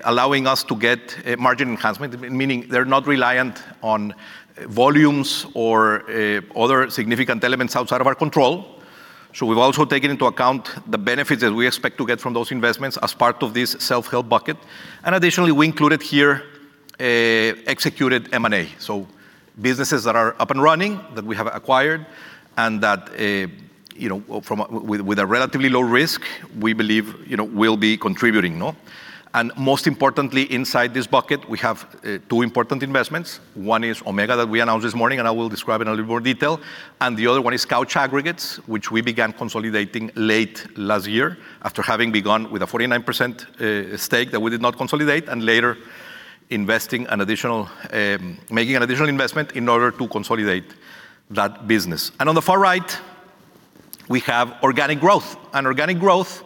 allowing us to get a margin enhancement, meaning they're not reliant on volumes or other significant elements outside of our control. We've also taken into account the benefits that we expect to get from those investments as part of this self-help bucket. Additionally, we included here executed M&A. Businesses that are up and running, that we have acquired, and that, you know, with a relatively low risk, we believe, you know, will be contributing, no? Most importantly, inside this bucket, we have two important investments. One is Omega, that we announced this morning, I will describe in a little more detail, the other one is Couch Aggregates, which we began consolidating late last year, after having begun with a 49% stake that we did not consolidate, later making an additional investment in order to consolidate that business. On the far right, we have organic growth. Organic growth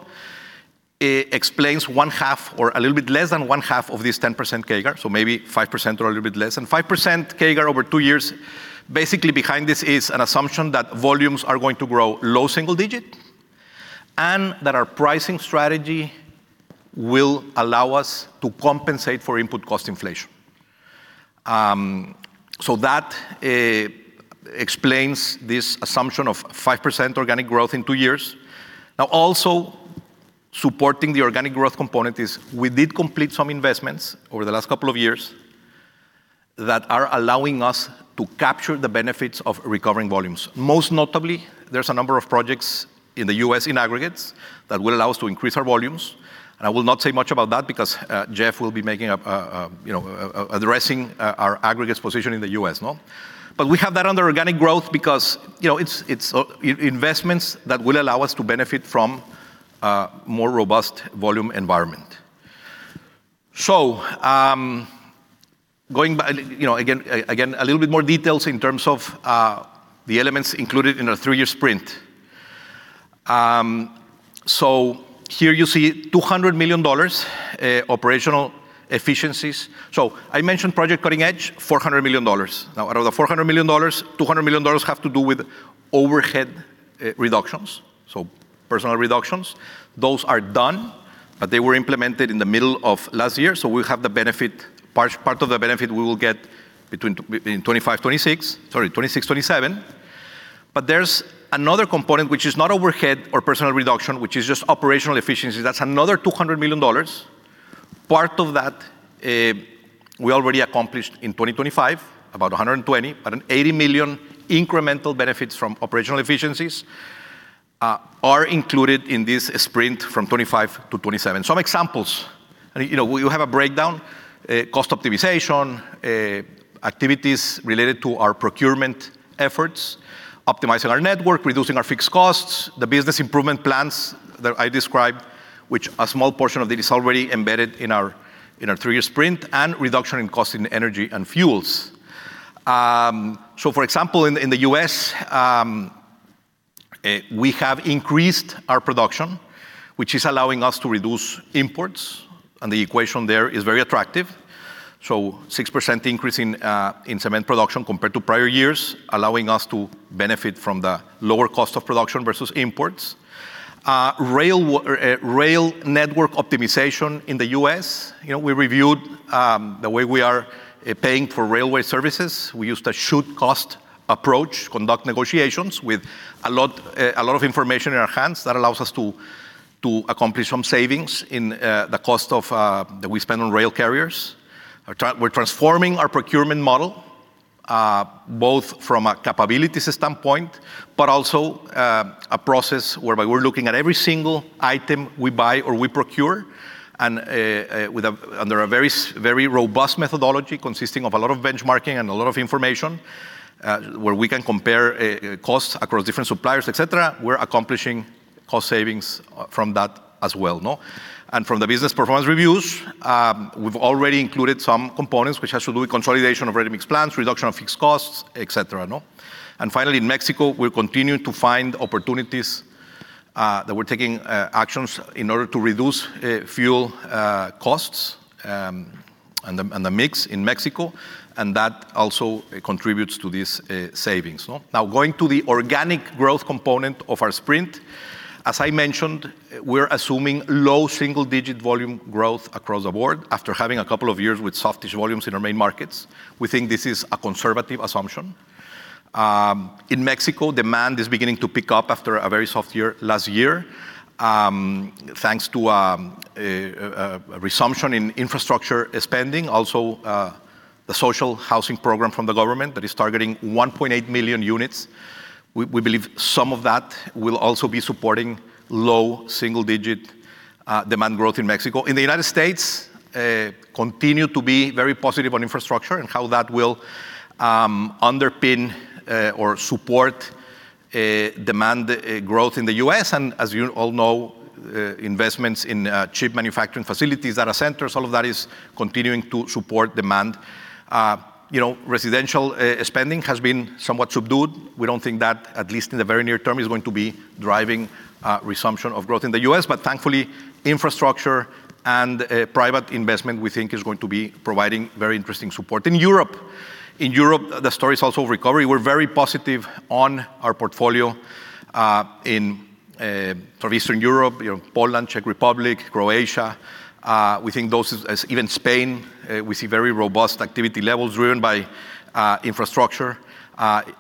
explains one half or a little bit less than one half of this 10% CAGR, so maybe 5% or a little bit less than 5% CAGR over two years. Basically, behind this is an assumption that volumes are going to grow low single digit, and that our pricing strategy will allow us to compensate for input cost inflation. So that explains this assumption of 5% organic growth in two years. Also supporting the organic growth component is we did complete some investments over the last couple of years that are allowing us to capture the benefits of recovering volumes. Most notably, there's a number of projects in the U.S. in Aggregates that will allow us to increase our volumes, and I will not say much about that because Jeff will be making a, you know, addressing our Aggregates position in the U.S., no? We have that under organic growth because, you know, it's investments that will allow us to benefit from a more robust volume environment. going back, you know, again, a little bit more details in terms of the elements included in our three-year sprint. Here you see $200 million operational efficiencies. I mentioned Project Cutting Edge, $400 million. Out of the $400 million, $200 million have to do with overhead reductions, so personnel reductions. Those are done, but they were implemented in the middle of last year, so we'll have the benefit, part of the benefit we will get between 2025, 2026, sorry, 2026, 2027. There's another component which is not overhead or personnel reduction, which is just operational efficiency. That's another $200 million. Part of that, we already accomplished in 2025, about $120 million, but $80 million incremental benefits from operational efficiencies are included in this sprint from 2025-2027. Some examples, you know, we will have a breakdown, cost optimization activities related to our procurement efforts, optimizing our network, reducing our fixed costs, the business improvement plans that I described, which a small portion of it is already embedded in our three-year sprint, and reduction in cost in energy and fuels. For example, in the U.S., we have increased our production, which is allowing us to reduce imports, and the equation there is very attractive. 6% increase in cement production compared to prior years, allowing us to benefit from the lower cost of production versus imports. Rail network optimization in the U.S., you know, we reviewed the way we are paying for railway services. We used a should-cost approach, conduct negotiations with a lot of information in our hands. That allows us to accomplish some savings in the cost of that we spend on rail carriers. We're transforming our procurement model, both from a capabilities standpoint, but also a process whereby we're looking at every single item we buy or we procure and under a very robust methodology consisting of a lot of benchmarking and a lot of information, where we can compare costs across different suppliers, et cetera, we're accomplishing cost savings from that as well, no? From the business performance reviews, we've already included some components which has to do with consolidation of ready-mix plants, reduction of fixed costs, et cetera, no? Finally, in Mexico, we're continuing to find opportunities that we're taking actions in order to reduce fuel costs and the mix in Mexico, and that also contributes to these savings. Going to the organic growth component of our sprint, as I mentioned, we're assuming low single-digit volume growth across the board after having a couple of years with softish volumes in our main markets. We think this is a conservative assumption. In Mexico, demand is beginning to pick up after a very soft year last year, thanks to a resumption in infrastructure spending. The social housing program from the government that is targeting 1.8 million units. We believe some of that will also be supporting low single-digit demand growth in Mexico. In the United States, continue to be very positive on infrastructure and how that will underpin or support demand growth in the U.S. As you all know, investments in chip manufacturing facilities, data centers, all of that is continuing to support demand. You know, residential spending has been somewhat subdued. We don't think that, at least in the very near term, is going to be driving resumption of growth in the U.S. Thankfully, infrastructure and private investment, we think, is going to be providing very interesting support. In Europe, the story is also recovery. We're very positive on our portfolio in for Eastern Europe, you know, Poland, Czech Republic, Croatia. As even Spain, we see very robust activity levels driven by infrastructure,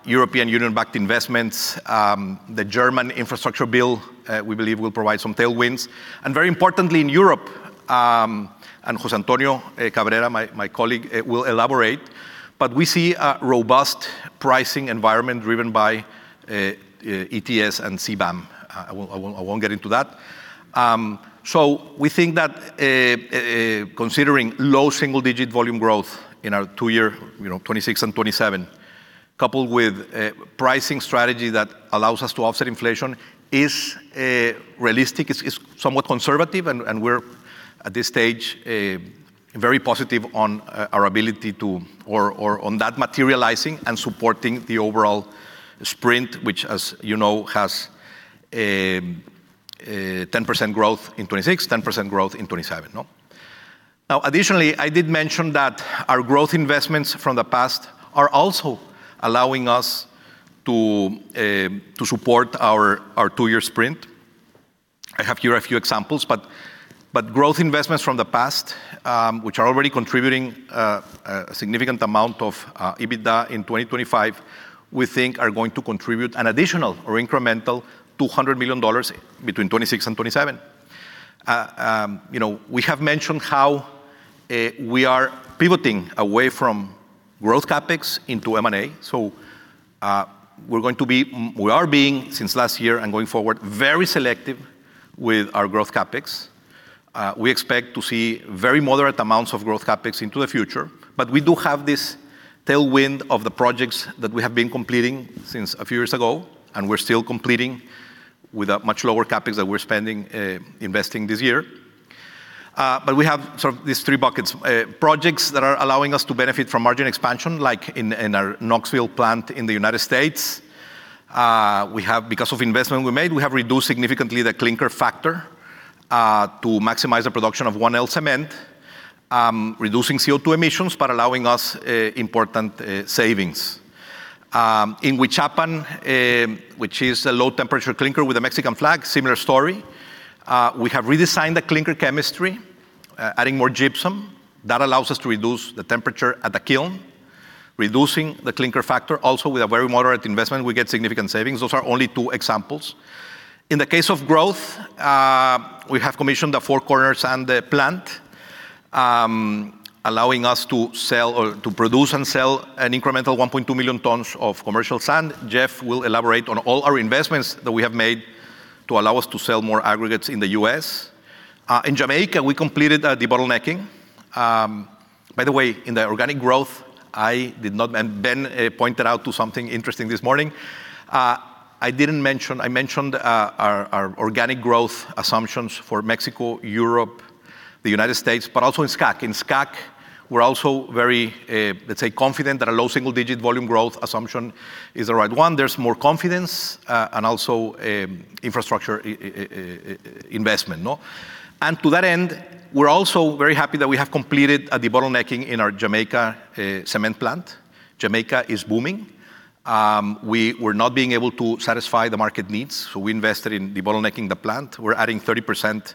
European Union-backed investments. The German infrastructure bill, we believe, will provide some tailwinds. Very importantly, in Europe, and José Antonio Cabrera, my colleague, will elaborate, but we see a robust pricing environment driven by ETS and CBAM. I won't get into that. We think that considering low single-digit volume growth in our two-year, you know, 2026 and 2027, coupled with a pricing strategy that allows us to offset inflation, is realistic, is somewhat conservative, and we're, at this stage, very positive on our ability to or on that materializing and supporting the overall sprint, which, as you know, has 10% growth in 2026, 10% growth in 2027, no? Additionally, I did mention that our growth investments from the past are also allowing us to support our two-year sprint. I have here a few examples, but growth investments from the past, which are already contributing a significant amount of EBITDA in 2025, we think are going to contribute an additional or incremental $200 million between 2026 and 2027. You know, we have mentioned how we are pivoting away from growth CapEx into M&A. We are being, since last year and going forward, very selective with our growth CapEx. We expect to see very moderate amounts of growth CapEx into the future, but we do have this tailwind of the projects that we have been completing since a few years ago, and we're still completing with a much lower CapEx that we're spending, investing this year. We have sort of these three buckets. Projects that are allowing us to benefit from margin expansion, like in our Knoxville plant in the United States. We have, because of investment we made, we have reduced significantly the clinker factor to maximize the production of 1L cement, reducing CO2 emissions, but allowing us important savings. In Huichapan, which is a low-temperature clinker with a Mexican flag, similar story. We have redesigned the clinker chemistry, adding more gypsum. That allows us to reduce the temperature at the kiln, reducing the clinker factor. With a very moderate investment, we get significant savings. Those are only two examples. In the case of growth, we have commissioned the Four Corners and the plant, allowing us to sell or to produce and sell an incremental 1.2 million tons of commercial sand. Jeff will elaborate on all our investments that we have made to allow us to sell more aggregates in the U.S. In Jamaica, we completed a debottlenecking. By the way, in the organic growth, Ben pointed out to something interesting this morning. I mentioned our organic growth assumptions for Mexico, Europe, the United States, but also in SCAC. In SCAC, we're also very, let's say, confident that a low single-digit volume growth assumption is the right one. There's more confidence, and also, infrastructure investment, no? To that end, we're also very happy that we have completed a debottlenecking in our Jamaica cement plant. Jamaica is booming. We were not being able to satisfy the market needs, so we invested in debottlenecking the plant. We're adding 30%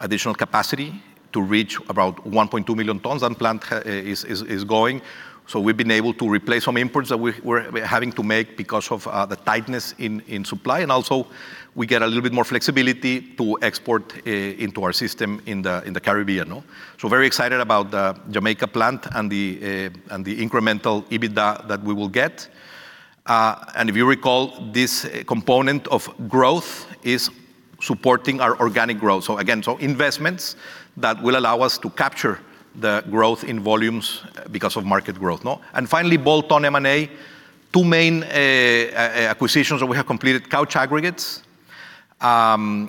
additional capacity to reach about 1.2 million tons, and plant is going. We've been able to replace some imports that we're having to make because of, the tightness in supply, and also we get a little bit more flexibility to export into our system in the Caribbean, no? Very excited about the Jamaica plant and the incremental EBITDA that we will get. If you recall, this component of growth is supporting our organic growth. Again, investments that will allow us to capture the growth in volumes because of market growth, no? Finally, bolt-on M&A, two main acquisitions that we have completed: Couch Aggregates,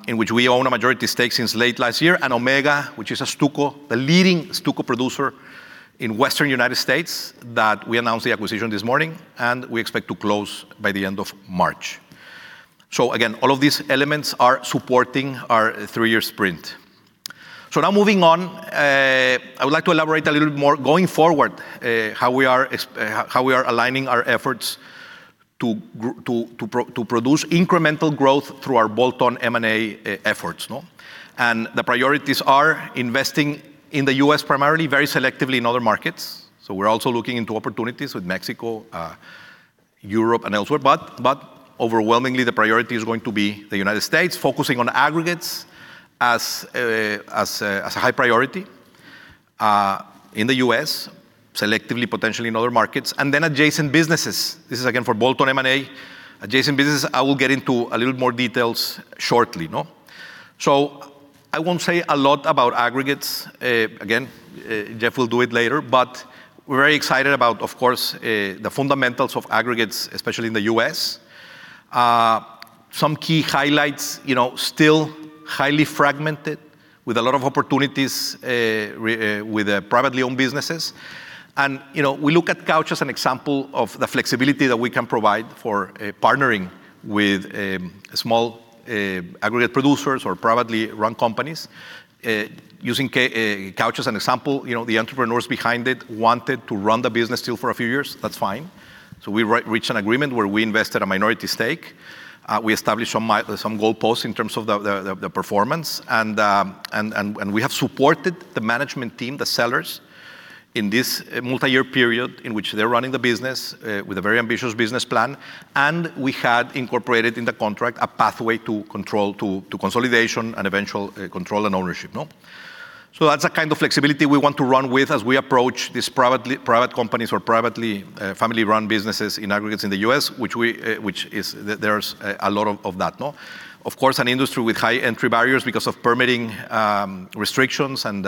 in which we own a majority stake since late last year, and Omega, which is a stucco, the leading stucco producer in western United States, that we announced the acquisition this morning, and we expect to close by the end of March. Again, all of these elements are supporting our three-year sprint. Now moving on, I would like to elaborate a little bit more going forward, how we are aligning our efforts to produce incremental growth through our bolt-on M&A efforts. The priorities are investing in the U.S. primarily, very selectively in other markets. We're also looking into opportunities with Mexico, Europe, and elsewhere. Overwhelmingly, the priority is going to be the United States, focusing on Aggregates as a high priority in the U.S., selectively, potentially in other markets, and then adjacent businesses. This is again, for bolt-on M&A, adjacent businesses. I will get into a little more details shortly. I won't say a lot about aggregates. Again, Jeff will do it later, but we're very excited about, of course, the fundamentals of aggregates, especially in the U.S. Some key highlights, you know, still highly fragmented, with a lot of opportunities, with the privately owned businesses. You know, we look at Couch as an example of the flexibility that we can provide for partnering with small aggregate producers or privately run companies. Using Couch as an example, you know, the entrepreneurs behind it wanted to run the business still for a few years. That's fine. We re-reached an agreement where we invested a minority stake. We established some goalposts in terms of the performance, and we have supported the management team, the sellers, in this multi-year period in which they're running the business, with a very ambitious business plan. We had incorporated in the contract a pathway to control, to consolidation and eventual control and ownership. That's the kind of flexibility we want to run with as we approach these private companies or privately family-run businesses in aggregates in the U.S., which we, which is. There's a lot of that. Of course, an industry with high entry barriers because of permitting, restrictions and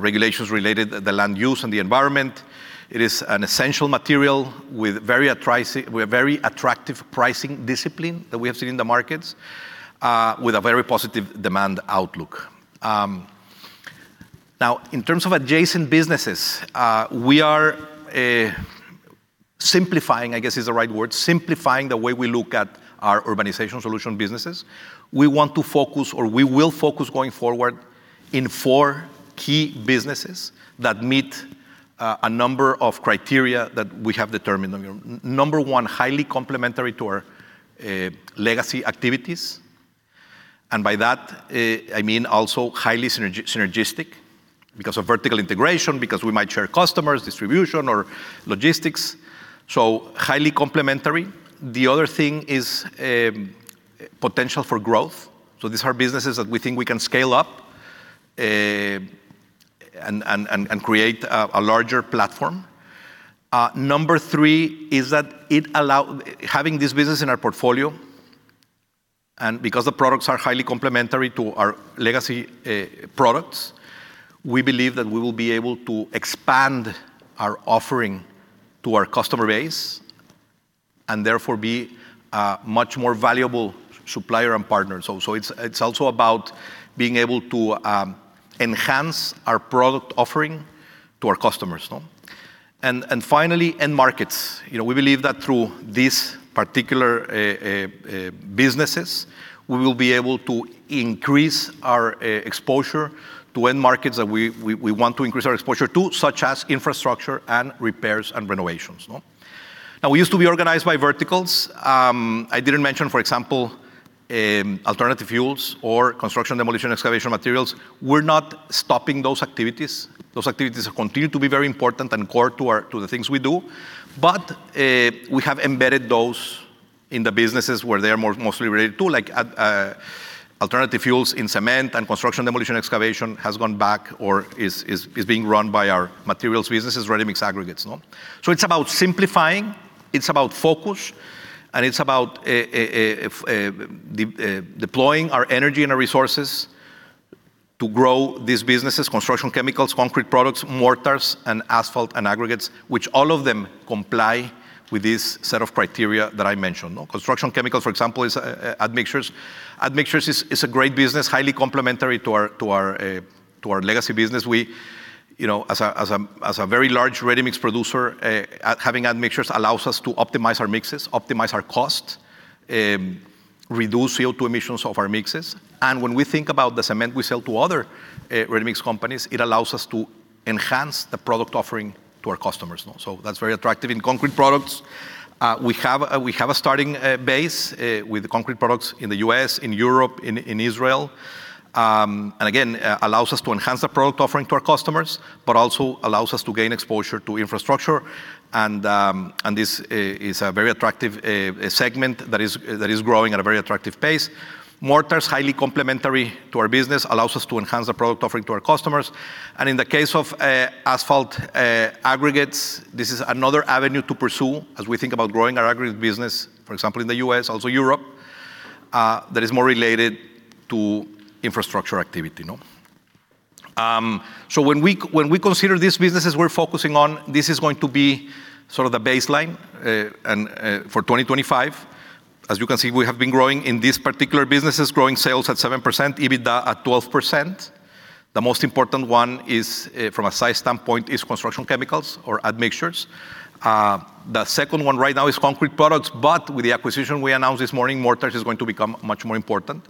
regulations related the land use and the environment. It is an essential material with very attractive pricing discipline that we have seen in the markets, with a very positive demand outlook. In terms of adjacent businesses, we are simplifying, I guess, is the right word, simplifying the way we look at our urbanization solution businesses. We want to focus, or we will focus going forward in four key businesses that meet a number of criteria that we have determined. Number one, highly complementary to our legacy activities, by that, I mean also highly synergistic because of vertical integration, because we might share customers, distribution, or logistics, so highly complementary. The other thing is potential for growth. These are businesses that we think we can scale up and create a larger platform. Number three is that having this business in our portfolio, and because the products are highly complementary to our legacy products, we believe that we will be able to expand our offering to our customer base and therefore be a much more valuable supplier and partner. It's also about being able to enhance our product offering to our customers, no. Finally, end markets. You know, we believe that through these particular businesses, we will be able to increase our exposure to end markets that we want to increase our exposure to, such as infrastructure and repairs and renovations, no. Now, we used to be organized by verticals. I didn't mention, for example, alternative fuels or construction, demolition, excavation materials. We're not stopping those activities. Those activities continue to be very important and core to the things we do, but we have embedded those in the businesses where they are more mostly related to, like, alternative fuels in cement and construction, demolition, excavation has gone back or is being run by our materials businesses, ready-mix aggregates, no? It's about simplifying, it's about focus, and it's about deploying our energy and our resources to grow these businesses: construction chemicals, concrete products, mortars, and asphalt and aggregates, which all of them comply with this set of criteria that I mentioned, no? Construction chemicals, for example, is admixtures. Admixtures is a great business, highly complementary to our legacy business. We, you know, as a very large ready-mix producer, having admixtures allows us to optimize our mixes, optimize our costs, reduce CO2 emissions of our mixes, and when we think about the cement we sell to other ready-mix companies, it allows us to enhance the product offering to our customers, no? That's very attractive. In concrete products, we have a starting base with the concrete products in the U.S., in Europe, in Israel. Again, allows us to enhance the product offering to our customers, but also allows us to gain exposure to infrastructure. This is a very attractive segment that is growing at a very attractive pace. Mortars, highly complementary to our business, allows us to enhance the product offering to our customers. In the case of asphalt, aggregates, this is another avenue to pursue as we think about growing our aggregate business, for example, in the U.S., also Europe. That is more related to infrastructure activity, no? When we consider these businesses we're focusing on, this is going to be sort of the baseline for 2025. As you can see, we have been growing in these particular businesses, growing sales at 7%, EBITDA at 12%. The most important one, from a size standpoint, is construction chemicals or admixtures. The second one right now is concrete products, but with the acquisition we announced this morning, mortars is going to become much more important,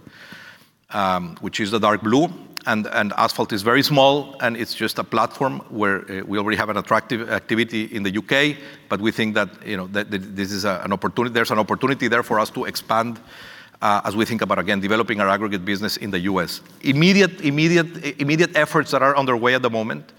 which is the dark blue. Asphalt is very small, and it's just a platform where we already have an attractive activity in the U.K., but we think that, you know, there's an opportunity there for us to expand as we think about, again, developing our Aggregate business in the U.S. Immediate efforts that are underway at the moment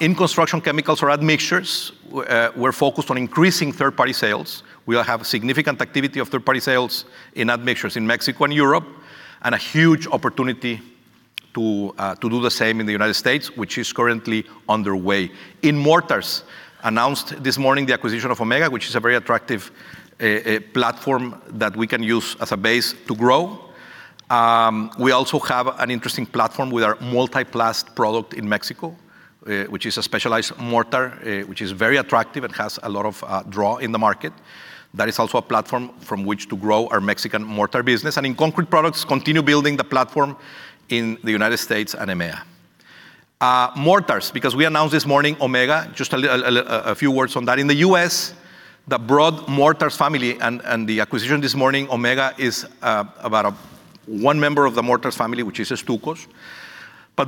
in construction chemicals or admixtures, we're focused on increasing third-party sales. We'll have significant activity of third-party sales in admixtures in Mexico and Europe, and a huge opportunity to do the same in the United States, which is currently underway. In mortars, announced this morning, the acquisition of Omega, which is a very attractive platform that we can use as a base to grow. We also have an interesting platform with our Multiplast product in Mexico, which is a specialized mortar, which is very attractive and has a lot of draw in the market. That is also a platform from which to grow our Mexican mortar business. In concrete products, continue building the platform in the United States and EMEA. Mortars, because we announced this morning, Omega, just a few words on that. In the U.S., the broad mortars family and the acquisition this morning, Omega, is about one member of the mortars family, which is stuccos.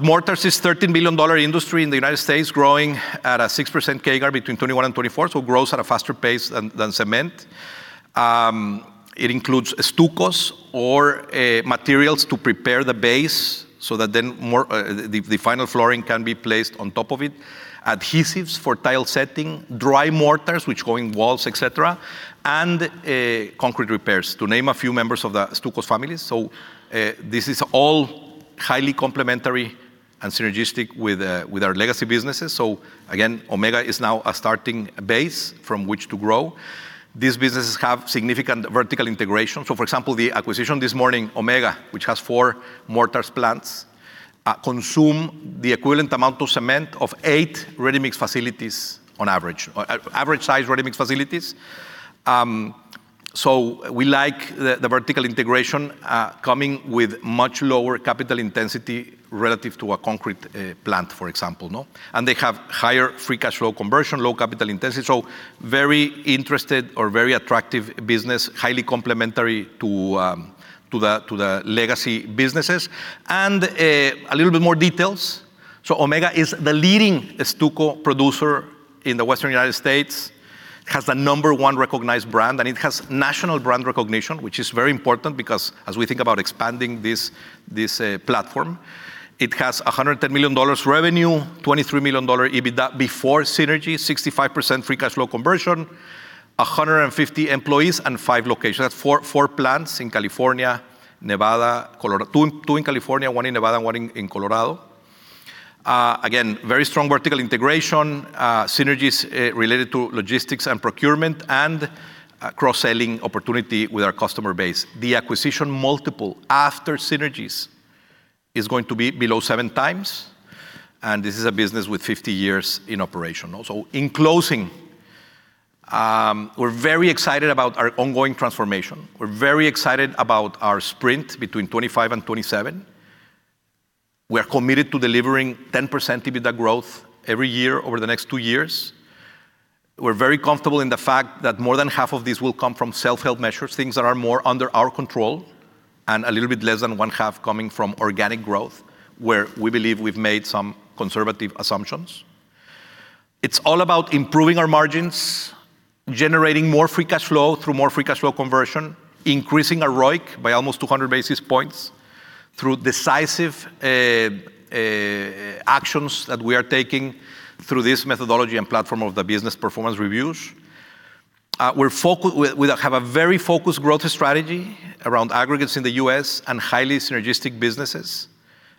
Mortars is a $13 billion industry in the United States, growing at a 6% CAGR between 2021 and 2024, so grows at a faster pace than cement. It includes stuccos or materials to prepare the base so that then more, the final flooring can be placed on top of it, adhesives for tile setting, dry mortars, which go in walls, et cetera, and concrete repairs, to name a few members of the stuccos family. This is all highly complementary and synergistic with our legacy businesses. Again, Omega is now a starting base from which to grow. These businesses have significant vertical integration. For example, the acquisition this morning, Omega, which has four mortars plants, consume the equivalent amount of cement of eight Ready-Mix facilities on average-sized Ready-Mix facilities. We like the vertical integration, coming with much lower capital intensity relative to a concrete plant, for example, no? They have higher free cash flow conversion, low capital intensity, very attractive business, highly complementary to the legacy businesses. A little bit more details. Omega is the leading stucco producer in the Western United States, has the number one recognized brand, and it has national brand recognition, which is very important because as we think about expanding this platform. It has $110 million revenue, $23 million EBITDA before synergy, 65% free cash flow conversion, 150 employees and five locations. That's four plants in California, Nevada, Colorado. Two in California, one in Nevada, and one in Colorado. Again, very strong vertical integration, synergies related to logistics and procurement, and a cross-selling opportunity with our customer base. The acquisition multiple after synergies is going to be below 7x, and this is a business with 50 years in operation also. In closing, we're very excited about our ongoing transformation. We're very excited about our sprint between 2025 and 2027. We are committed to delivering 10% EBITDA growth every year over the next two years. We're very comfortable in the fact that more than half of these will come from self-help measures, things that are more under our control, and a little bit less than one-half coming from organic growth, where we believe we've made some conservative assumptions. It's all about improving our margins, generating more free cash flow through more free cash flow conversion, increasing our ROIC by almost 200 basis points through decisive actions that we are taking through this methodology and platform of the business performance reviews. We're focus We have a very focused growth strategy around Aggregates in the U.S. and highly synergistic businesses.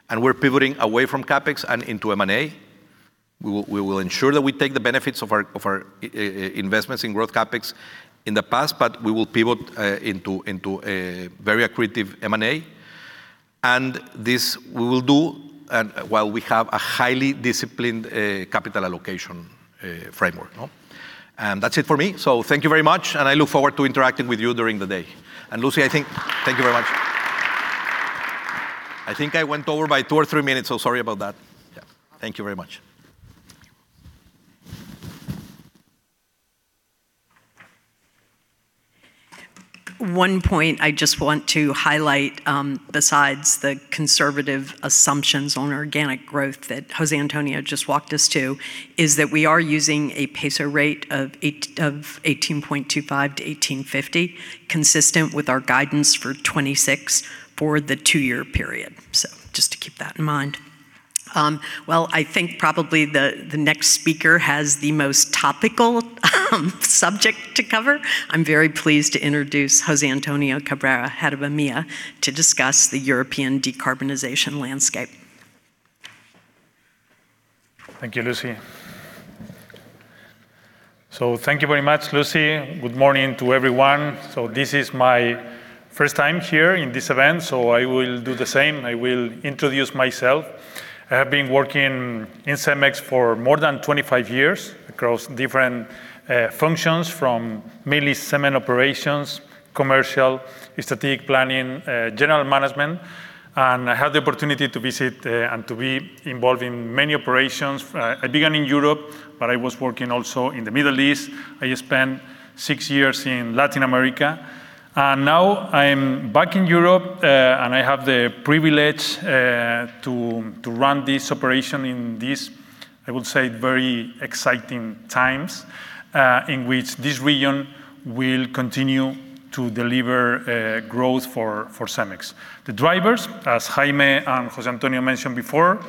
We're pivoting away from CapEx and into M&A. We will ensure that we take the benefits of our investments in growth CapEx in the past. We will pivot into a very accretive M&A. This we will do, while we have a highly disciplined capital allocation framework, no. That's it for me. Thank you very much. I look forward to interacting with you during the day. Lucy, I think, thank you very much. I think I went over by two or three minutes, sorry about that. Yeah. Thank you very much. One point I just want to highlight, besides the conservative assumptions on organic growth that José Antonio just walked us to, is that we are using a MXN rate of 18.2- 18.50, consistent with our guidance for 2026, for the two-year period. Just to keep that in mind. Well, I think probably the next speaker has the most topical subject to cover. I'm very pleased to introduce José Antonio Cabrera, Head of EMEA, to discuss the European decarbonization landscape. Thank you, Lucy. Thank you very much, Lucy. Good morning to everyone. This is my first time here in this event, so I will do the same. I will introduce myself. I have been working in CEMEX for more than 25 years across different functions, from mainly cement operations, commercial, strategic planning, general management, and I had the opportunity to visit and to be involved in many operations. I began in Europe, but I was working also in the Middle East. I spent six years in Latin America, and now I'm back in Europe, and I have the privilege to run this operation in these, I would say, very exciting times, in which this region will continue to deliver growth for CEMEX. The drivers, as Jaime and José Antonio mentioned before,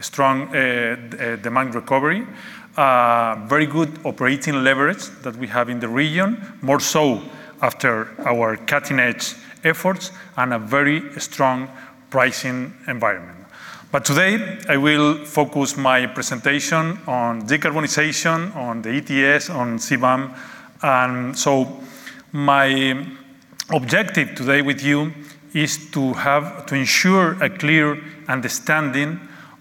strong demand recovery, very good operating leverage that we have in the region, more so after our Project Cutting Edge efforts and a very strong pricing environment. Today, I will focus my presentation on decarbonization, on the ETS, on CBAM. My objective today with you is to ensure a clear understanding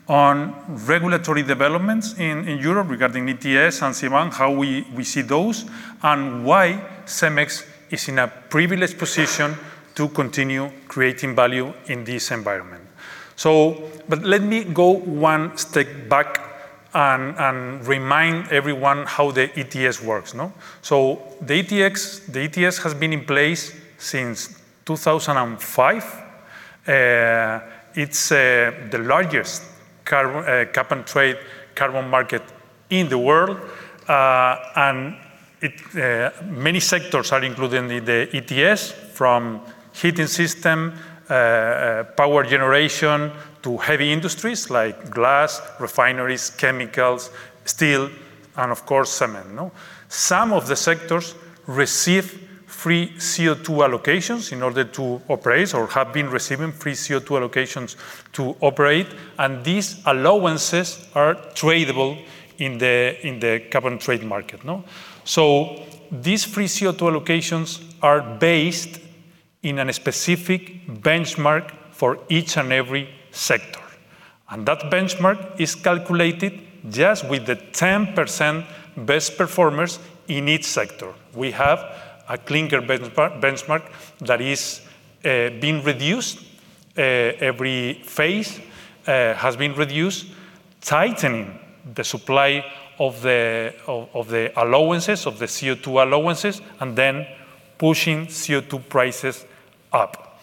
on regulatory developments in Europe regarding ETS and CBAM, how we see those, and why CEMEX is in a privileged position to continue creating value in this environment. Let me go one step back and remind everyone how the ETS works, no? The ETS has been in place since 2005. It's the largest carbon cap and trade carbon market in the world. It—many sectors are included in the ETS, from heating system, power generation, to heavy industries like glass, refineries, chemicals, steel, and of course, cement, no? Some of the sectors receive free CO2 allocations in order to operate or have been receiving free CO2 allocations to operate, and these allowances are tradable in the carbon trade market, no? These free CO2 allocations are based in a specific benchmark for each and every sector, and that benchmark is calculated just with the 10% best performers in each sector. We have a clinker benchmark that is being reduced. Every phase has been reduced, tightening the supply of the allowances, of the CO2 allowances, and then pushing CO2 prices up.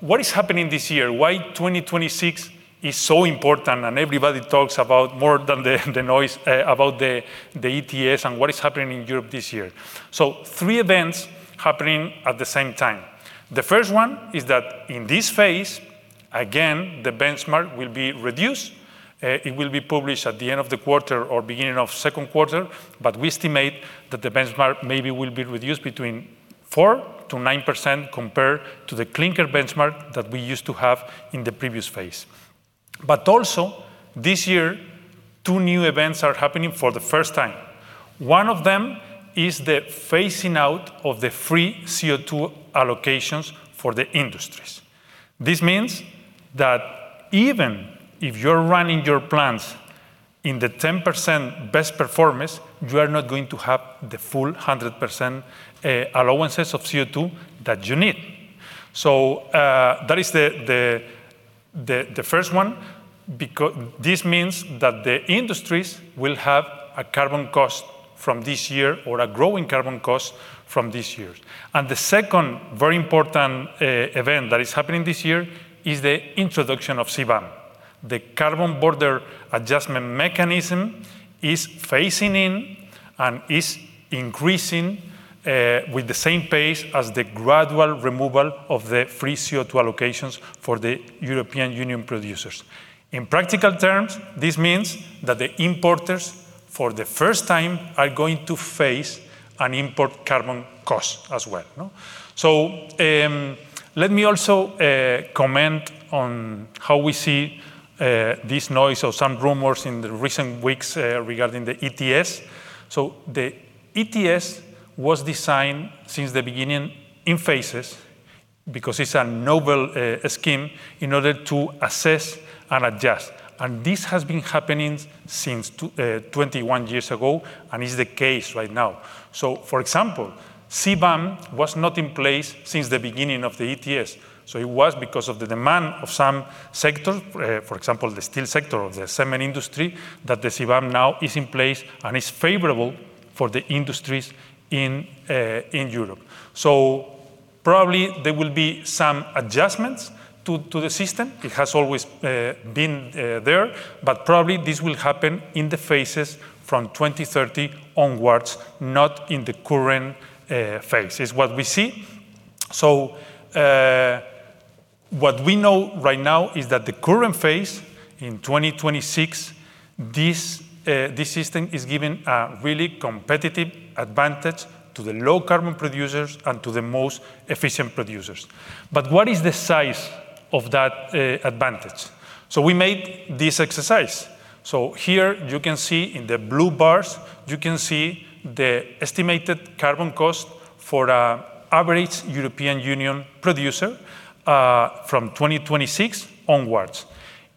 What is happening this year? Why 2026 is so important? Everybody talks about more than the noise about the ETS and what is happening in Europe this year? Three events happening at the same time. The first one is that in this phase, again, the benchmark will be reduced. It will be published at the end of the quarter or beginning of second quarter. We estimate that the benchmark maybe will be reduced between 4%-9% compared to the clinker benchmark that we used to have in the previous phase. Also, this year, two new events are happening for the first time. One of them is the phasing out of the free CO2 allocations for the industries. This means that even if you're running your plants in the 10% best performance, you are not going to have the full 100% allowances of CO2 that you need. That is the first one, because this means that the industries will have a carbon cost from this year or a growing carbon cost from this year. The second very important event that is happening this year is the introduction of CBAM. The Carbon Border Adjustment Mechanism is phasing in and is increasing with the same pace as the gradual removal of the free CO2 allocations for the European Union producers. In practical terms, this means that the importers, for the first time, are going to face an import carbon cost as well, no? Let me also comment on how we see this noise or some rumors in the recent weeks regarding the ETS. The ETS was designed since the beginning in phases because it's a noble scheme in order to assess and adjust, and this has been happening since 21 years ago, and is the case right now. For example, CBAM was not in place since the beginning of the ETS. It was because of the demand of some sectors, for example, the steel sector or the cement industry, that the CBAM now is in place and is favorable for the industries in Europe. Probably there will be some adjustments to the system. It has always been there, but probably this will happen in the phases from 2030 onwards, not in the current phase, is what we see. What we know right now is that the current phase in 2026, this system is giving a really competitive advantage to the low carbon producers and to the most efficient producers. What is the size of that advantage? We made this exercise. Here you can see in the blue bars, you can see the estimated carbon cost for a average European Union producer from 2026 onwards.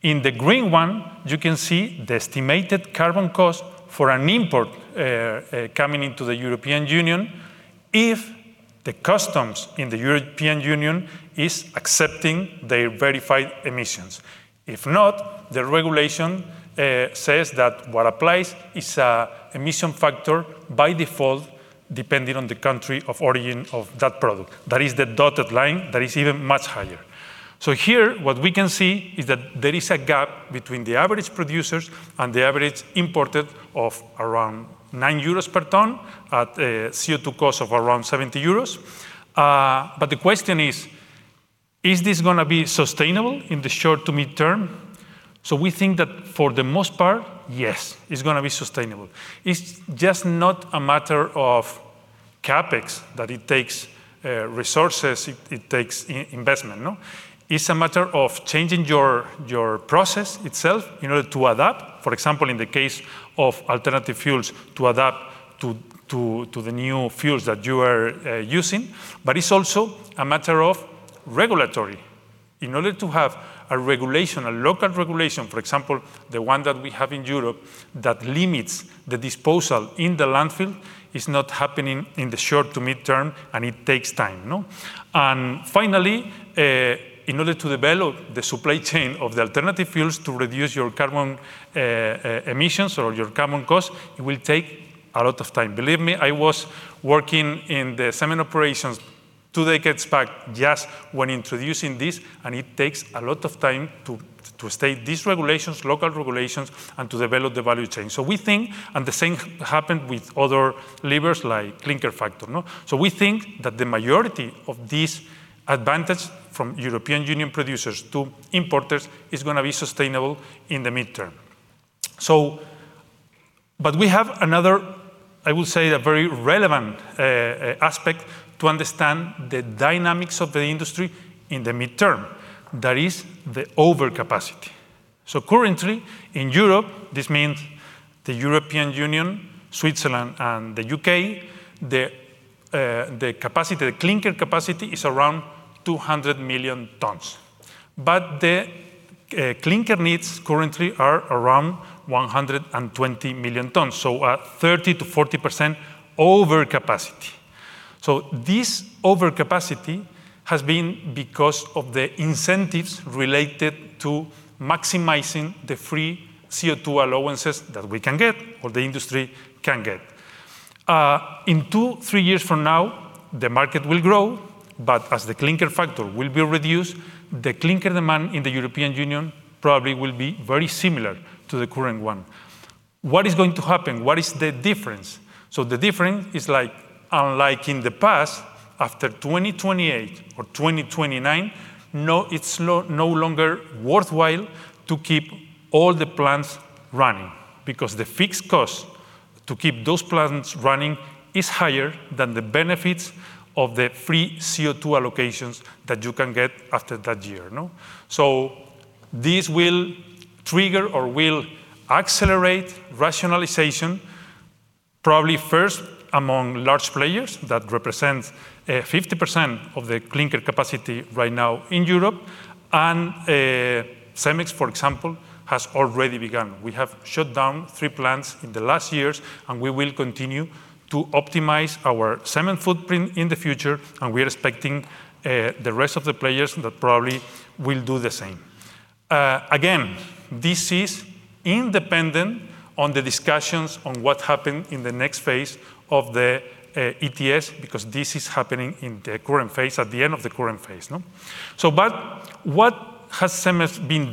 In the green one, you can see the estimated carbon cost for an import coming into the European Union if the customs in the European Union is accepting their verified emissions. If not, the regulation says that what applies is a emission factor by default, depending on the country of origin of that product. That is the dotted line, that is even much higher. Here, what we can see is that there is a gap between the average producers and the average imported of around 9 euros per ton at a CO2 cost of around 70 euros. But the question is: Is this gonna be sustainable in the short to mid-term? We think that for the most part, yes, it's gonna be sustainable. It's just not a matter of CapEx, that it takes resources, it takes in-investment. It's a matter of changing your process itself in order to adapt. For example, in the case of alternative fuels, to adapt to the new fuels that you are using. It's also a matter of regulatory. In order to have a regulation, a local regulation, for example, the one that we have in Europe, that limits the disposal in the landfill, is not happening in the short to mid-term, and it takes time, no? Finally, in order to develop the supply chain of the alternative fuels to reduce your carbon emissions or your carbon cost, it will take a lot of time. Believe me, I was working in the cement operations two decades back, just when introducing this, and it takes a lot of time to state these regulations, local regulations, and to develop the value chain. We think, and the same happened with other levers, like clinker factor, no? We think that the majority of this advantage from European Union producers to importers is gonna be sustainable in the mid-term. We have another, I would say, a very relevant aspect to understand the dynamics of the industry in the mid-term. That is the overcapacity. Currently, in Europe, this means the European Union, Switzerland, and the U.K., the capacity, the clinker capacity is around 200 million tons. The clinker needs currently are around 120 million tons, so a 30%-40% overcapacity. This overcapacity has been because of the incentives related to maximizing the free CO2 allowances that we can get or the industry can get. In two, three years from now, the market will grow, but as the clinker factor will be reduced, the clinker demand in the European Union probably will be very similar to the current one. What is going to happen? What is the difference? The difference is, like, unlike in the past, after 2028 or 2029, it's no longer worthwhile to keep all the plants running, because the fixed cost to keep those plants running is higher than the benefits of the free CO2 allocations that you can get after that year, no? This will trigger or will accelerate rationalization, probably first among large players, that represents 50% of the clinker capacity right now in Europe. CEMEX, for example, has already begun. We have shut down three plants in the last years, and we will continue to optimize our cement footprint in the future, and we are expecting the rest of the players that probably will do the same.nAgain, this is independent on the discussions on what happened in the next phase of the ETS, because this is happening in the current phase, at the end of the current phase, no? But what has CEMEX been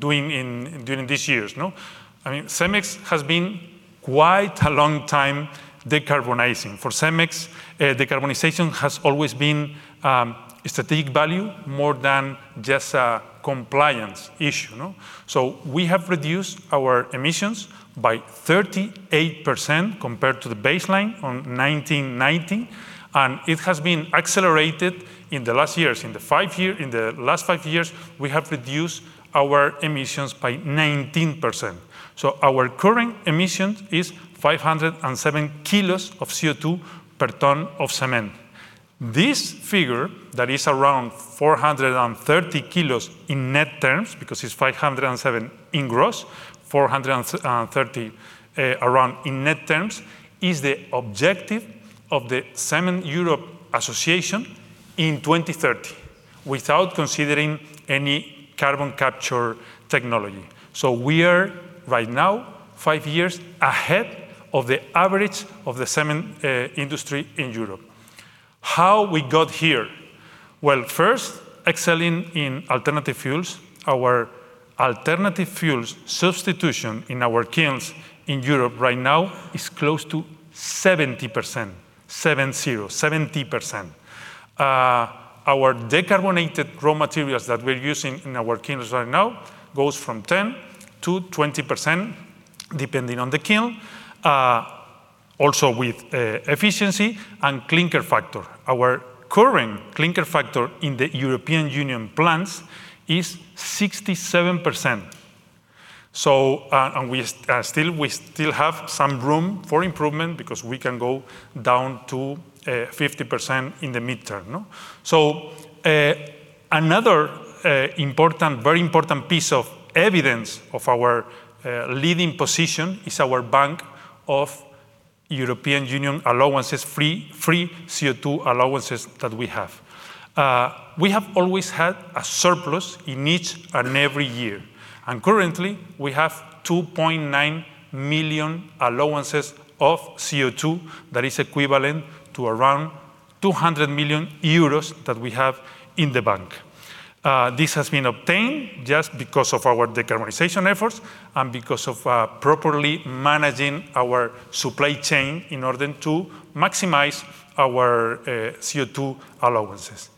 doing during these years, no? I mean, CEMEX has been quite a long time decarbonizing. For CEMEX, decarbonization has always been a strategic value more than just a compliance issue, no? We have reduced our emissions by 38% compared to the baseline on 1990, and it has been accelerated in the last years. In the last five years, we have reduced our emissions by 19%. Our current emissions is 507 kl of CO2 per ton of cement. This figure, that is around 430 kl in net terms, because it's 507 in gross, 430 around in net terms, is the objective of the European Cement Association in 2030, without considering any carbon capture technology. We are, right now, five years ahead of the average of the cement industry in Europe. How we got here? First, excelling in alternative fuels. Our alternative fuels substitution in our kilns in Europe right now is close to 70%. Our decarbonated raw materials that we're using in our kilns right now goes from 10%-20%, depending on the kiln. Also with efficiency and clinker factor. Our current clinker factor in the European Union plants is 67%.nWe still have some room for improvement because we can go down to 50% in the midterm, no? Another important, very important piece of evidence of our leading position is our bank of European Union allowances, free CO2 allowances that we have. We have always had a surplus in each and every year, and currently, we have 2.9 million allowances of CO2. That is equivalent to around 200 million euros that we have in the bank. This has been obtained just because of our decarbonization efforts and because of properly managing our supply chain in order to maximize our CO2 allowances.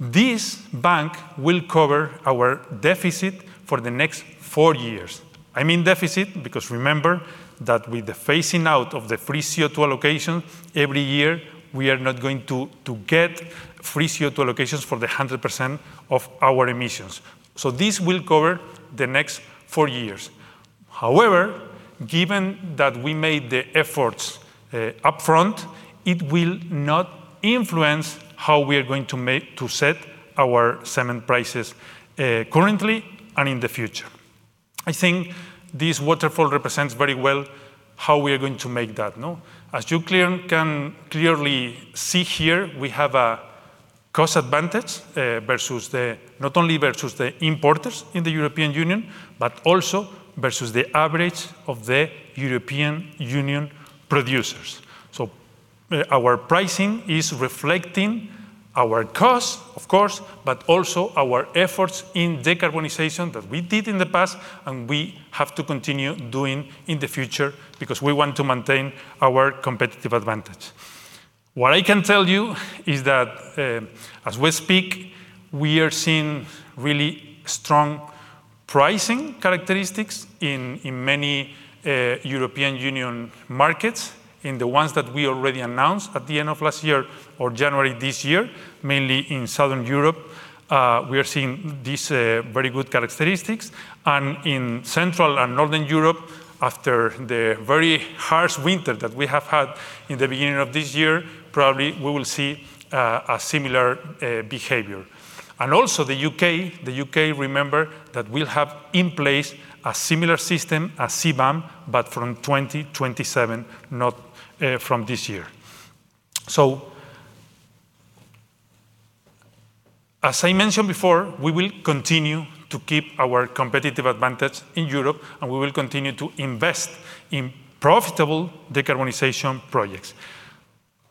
This bank will cover our deficit for the next four years. I mean, deficit, because remember that with the phasing out of the free CO2 allocation every year, we are not going to get free CO2 allocations for the 100% of our emissions. This will cover the next four years. However, given that we made the efforts upfront, it will not influence how we are going to set our cement prices currently and in the future. I think this waterfall represents very well how we are going to make that, no? As you can clearly see here, we have a cost advantage versus the not only versus the importers in the European Union, but also versus the average of the European Union producers.nOur pricing is reflecting our cost, of course, but also our efforts in decarbonization that we did in the past, and we have to continue doing in the future because we want to maintain our competitive advantage. What I can tell you is that, as we speak, we are seeing really strong pricing characteristics in many European Union markets, in the ones that we already announced at the end of last year or January this year, mainly in Southern Europe. We are seeing these very good characteristics. In Central and Northern Europe, after the very harsh winter that we have had in the beginning of this year, probably we will see a similar behavior. Also the U.K., remember that we'll have in place a similar system as CBAM, but from 2027, not from this year. As I mentioned before, we will continue to keep our competitive advantage in Europe, and we will continue to invest in profitable decarbonization projects.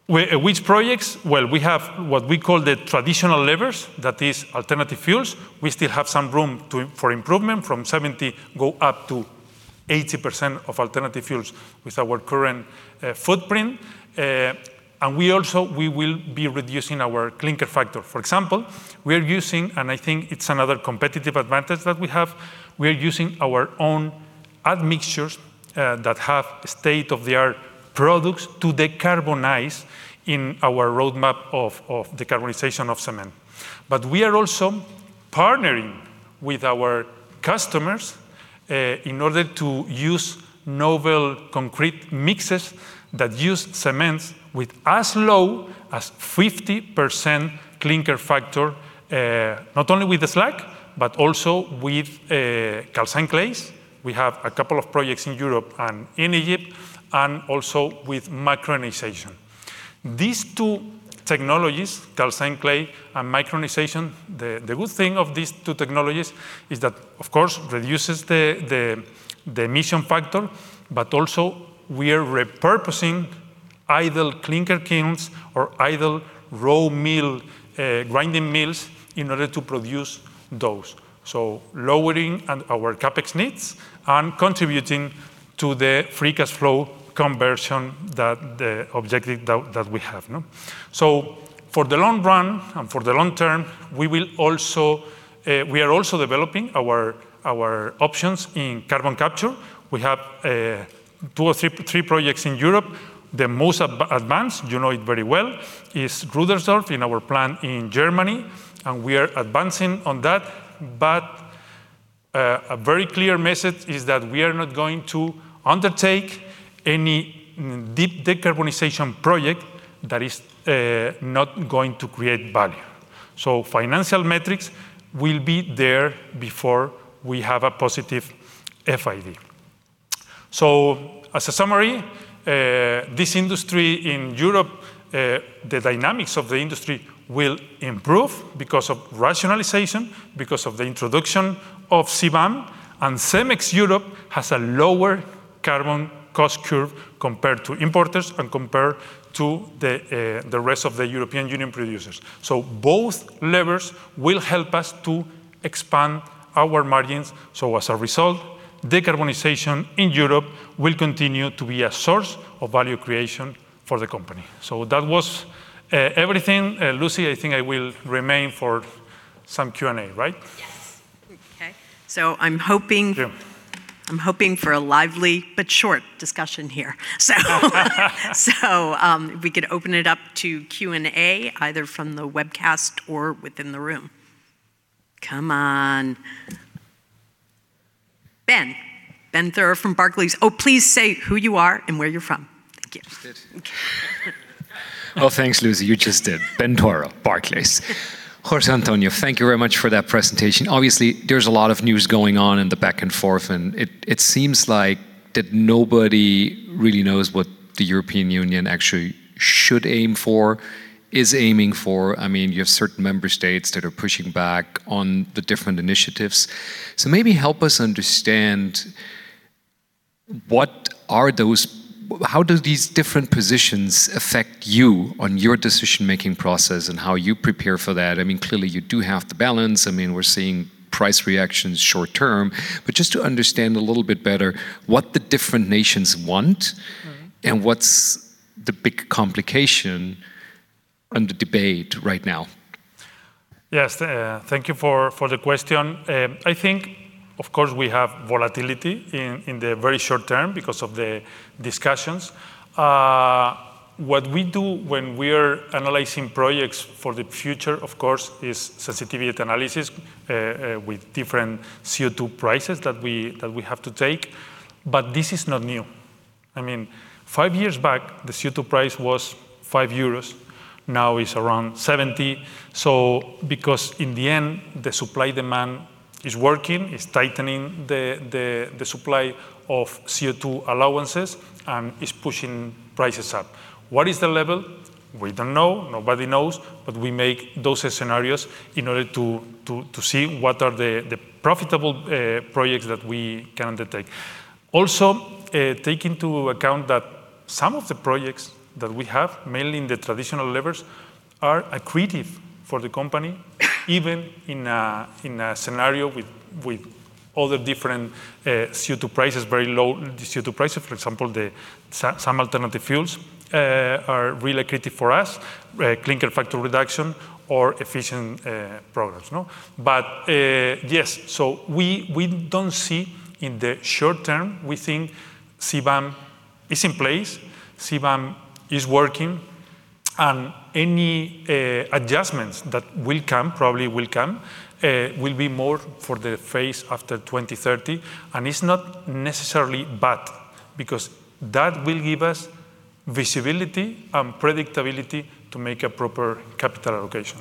Which projects? Well, we have what we call the traditional levers. That is alternative fuels. We still have some room for improvement from 70% go up to 80% of alternative fuels with our current footprint. And we also, we will be reducing our clinker factor. For example, we are using, and I think it's another competitive advantage that we have, we are using our own admixtures that have state-of-the-art products to decarbonize in our roadmap of decarbonization of cement. We are also partnering with our customers in order to use novel concrete mixes that use cements with as low as 50% clinker factor, not only with the slag, but also with calcined clays. We have a couple of projects in Europe and in Egypt, and also with micronization. These two technologies, calcined clay and micronization, the good thing of these two technologies is that, of course, reduces the emission factor, but also we are repurposing idle clinker kilns or idle raw mill grinding mills in order to produce those. Lowering and our CapEx needs and contributing to the free cash flow conversion, that the objective that we have, no. For the long run and for the long term, we will also, we are also developing our options in carbon capture. We have two or three projects in Europe. The most advanced, you know it very well, is Rudersdorf in our plant in Germany, and we are advancing on that.A very clear message is that we are not going to undertake any deep decarbonization project that is not going to create value. Financial metrics will be there before we have a positive FID. As a summary, this industry in Europe, the dynamics of the industry will improve because of rationalization, because of the introduction of CBAM, and CEMEX Europe has a lower carbon cost curve compared to importers and compared to the rest of the European Union producers. Both levers will help us to expand our margins. As a result, decarbonization in Europe will continue to be a source of value creation for the company. That was everything. Lucy, I think I will remain for some Q&A, right? Yes. Okay. Yeah. I'm hoping for a lively but short discussion here. We could open it up to Q&A, either from the webcast or within the room. Come on. Ben Theurer from Barclays. Oh, please say who you are and where you're from. Thank you. Oh, thanks, Lucy, you just did. Ben Theurer, Barclays. José Antonio, thank you very much for that presentation. There's a lot of news going on in the back and forth, and it seems like that nobody really knows what the European Union actually should aim for, is aiming for. I mean, you have certain member states that are pushing back on the different initiatives. Maybe help us understand, how do these different positions affect you on your decision-making process and how you prepare for that? I mean, clearly, you do have to balance. I mean, we're seeing price reactions short term, just to understand a little bit better, what the different nations want, what’s the big complication and the debate right now? Yes, thank you for the question. I think, of course, we have volatility in the very short term because of the discussions. What we do when we are analyzing projects for the future, of course, is sensitivity analysis with different CO2 prices that we have to take, but this is not new. I mean, five years back, the CO2 price was 5 euros. Now it's around 70. Because in the end, the supply-demand is working, it's tightening the supply of CO2 allowances and is pushing prices up. What is the level? We don't know. Nobody knows. We make those scenarios in order to see what are the profitable projects that we can undertake. Also, take into account that some of the projects that we have, mainly in the traditional levels, are accretive for the company, even in a scenario with all the different CO2 prices, very low CO2 prices. For example, some alternative fuels are really accretive for us, clinker factor reduction or efficient products, no? Yes, we don't see in the short term, we think CBAM is in place, CBAM is working, and any adjustments that will come, will be more for the phase after 2030. It's not necessarily bad because that will give us visibility and predictability to make a proper capital allocation.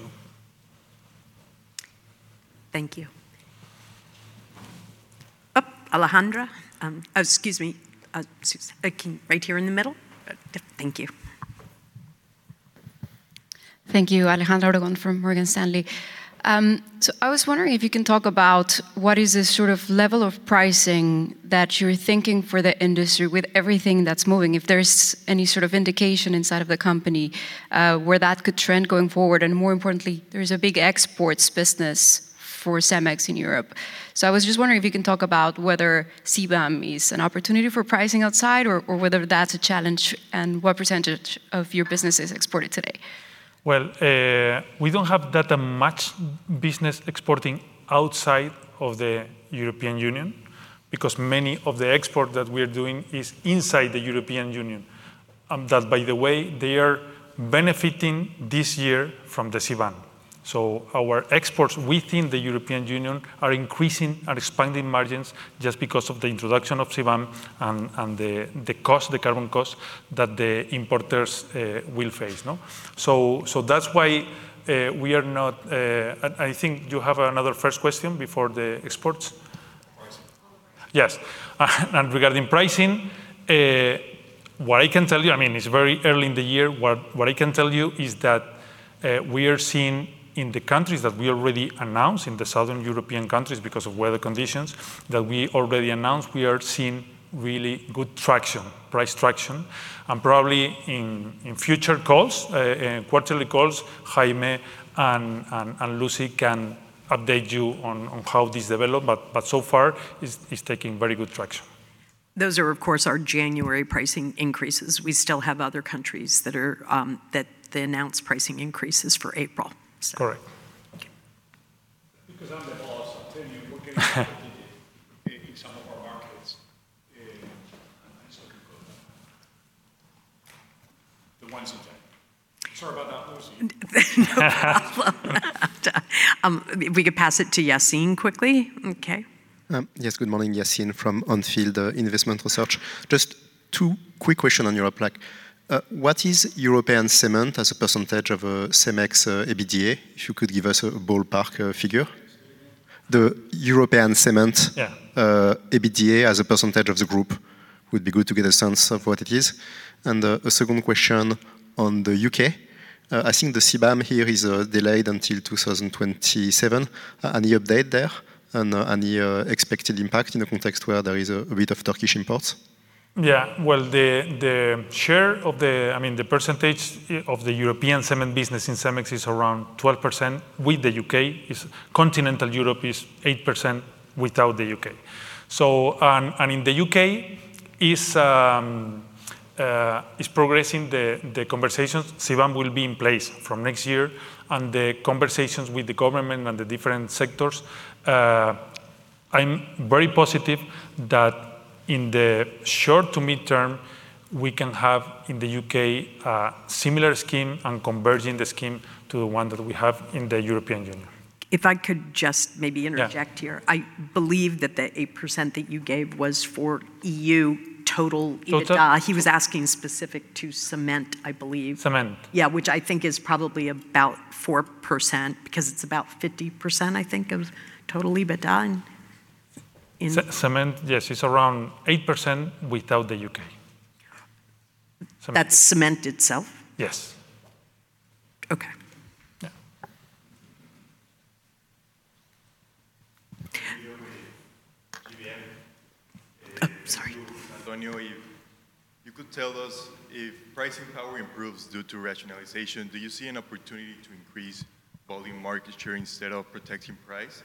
Thank you. Alejandra? Oh, excuse me, right here in the middle. Thank you. Thank you. Alejandra Obregon from Morgan Stanley. I was wondering if you can talk about what is the sort of level of pricing that you're thinking for the industry with everything that's moving, if there's any sort of indication inside of the company, where that could trend going forward? More importantly, there's a big exports business for CEMEX in Europe. I was just wondering if you can talk about whether CBAM is an opportunity for pricing outside, or whether that's a challenge, and what percentage of your business is exported today? Well, we don't have that much business exporting outside of the European Union because many of the export that we are doing is inside the European Union. That, by the way, they are benefiting this year from the CBAM. Our exports within the European Union are increasing and expanding margins just because of the introduction of CBAM and the carbon cost that the importers will face. No? I think you have another first question before the exports. Pricing. Oh. Yes. Regarding pricing, what I can tell you, I mean, it's very early in the year. What I can tell you is that we are seeing in the countries that we already announced, in the Southern European countries, because of weather conditions that we already announced, we are seeing really good traction, price traction. Probably in future calls, in quarterly calls, Jaime and Lucy can update you on how this develop. So far, it's taking very good traction. Those are, of course, our January pricing increases. We still have other countries that they announce pricing increases for April. Correct. Thank you. I'm the boss, tell you, we're getting some of our markets. The ones in tech. Sorry about that, Lucy. No problem. If we could pass it to Yassine quickly. Okay. Yes. Good morning, Yassine from On Field Investment Research. Just two quick question on your plaque. What is European cement as a percentage of CEMEX EBITDA? If you could give us a ballpark figure. Yeah The European cement EBITDA as a percentage of the group, would be good to get a sense of what it is. The second question on the U.K. I think the CBAM here is delayed until 2027. Any update there and the expected impact in the context where there is a bit of Turkish imports? Yeah, well, the share of the, I mean, the percentage of the European cement business in CEMEX is around 12% with the U.K. Continental Europe is 8% without the U.K. In the U.K., is progressing the conversations. CBAM will be in place from next year. The conversations with the government and the different sectors, I'm very positive that in the short to mid-term, we can have, in the U.K., a similar scheme and converging the scheme to the one that we have in the European Union. If I could just maybe interject here. Yeah. I believe that the 8% that you gave was for E.U. total. Total. He was asking specific to cement, I believe. Cement. Yeah, which I think is probably about 4%, because it's about 50%, I think, of total EBITDA. Cement, yes, it's around 8% without the U.K. That's cement itself? Yes. Okay. Yeah. Oh, sorry. Antonio, if you could tell us, if pricing power improves due to rationalization, do you see an opportunity to increase volume market share instead of protecting price?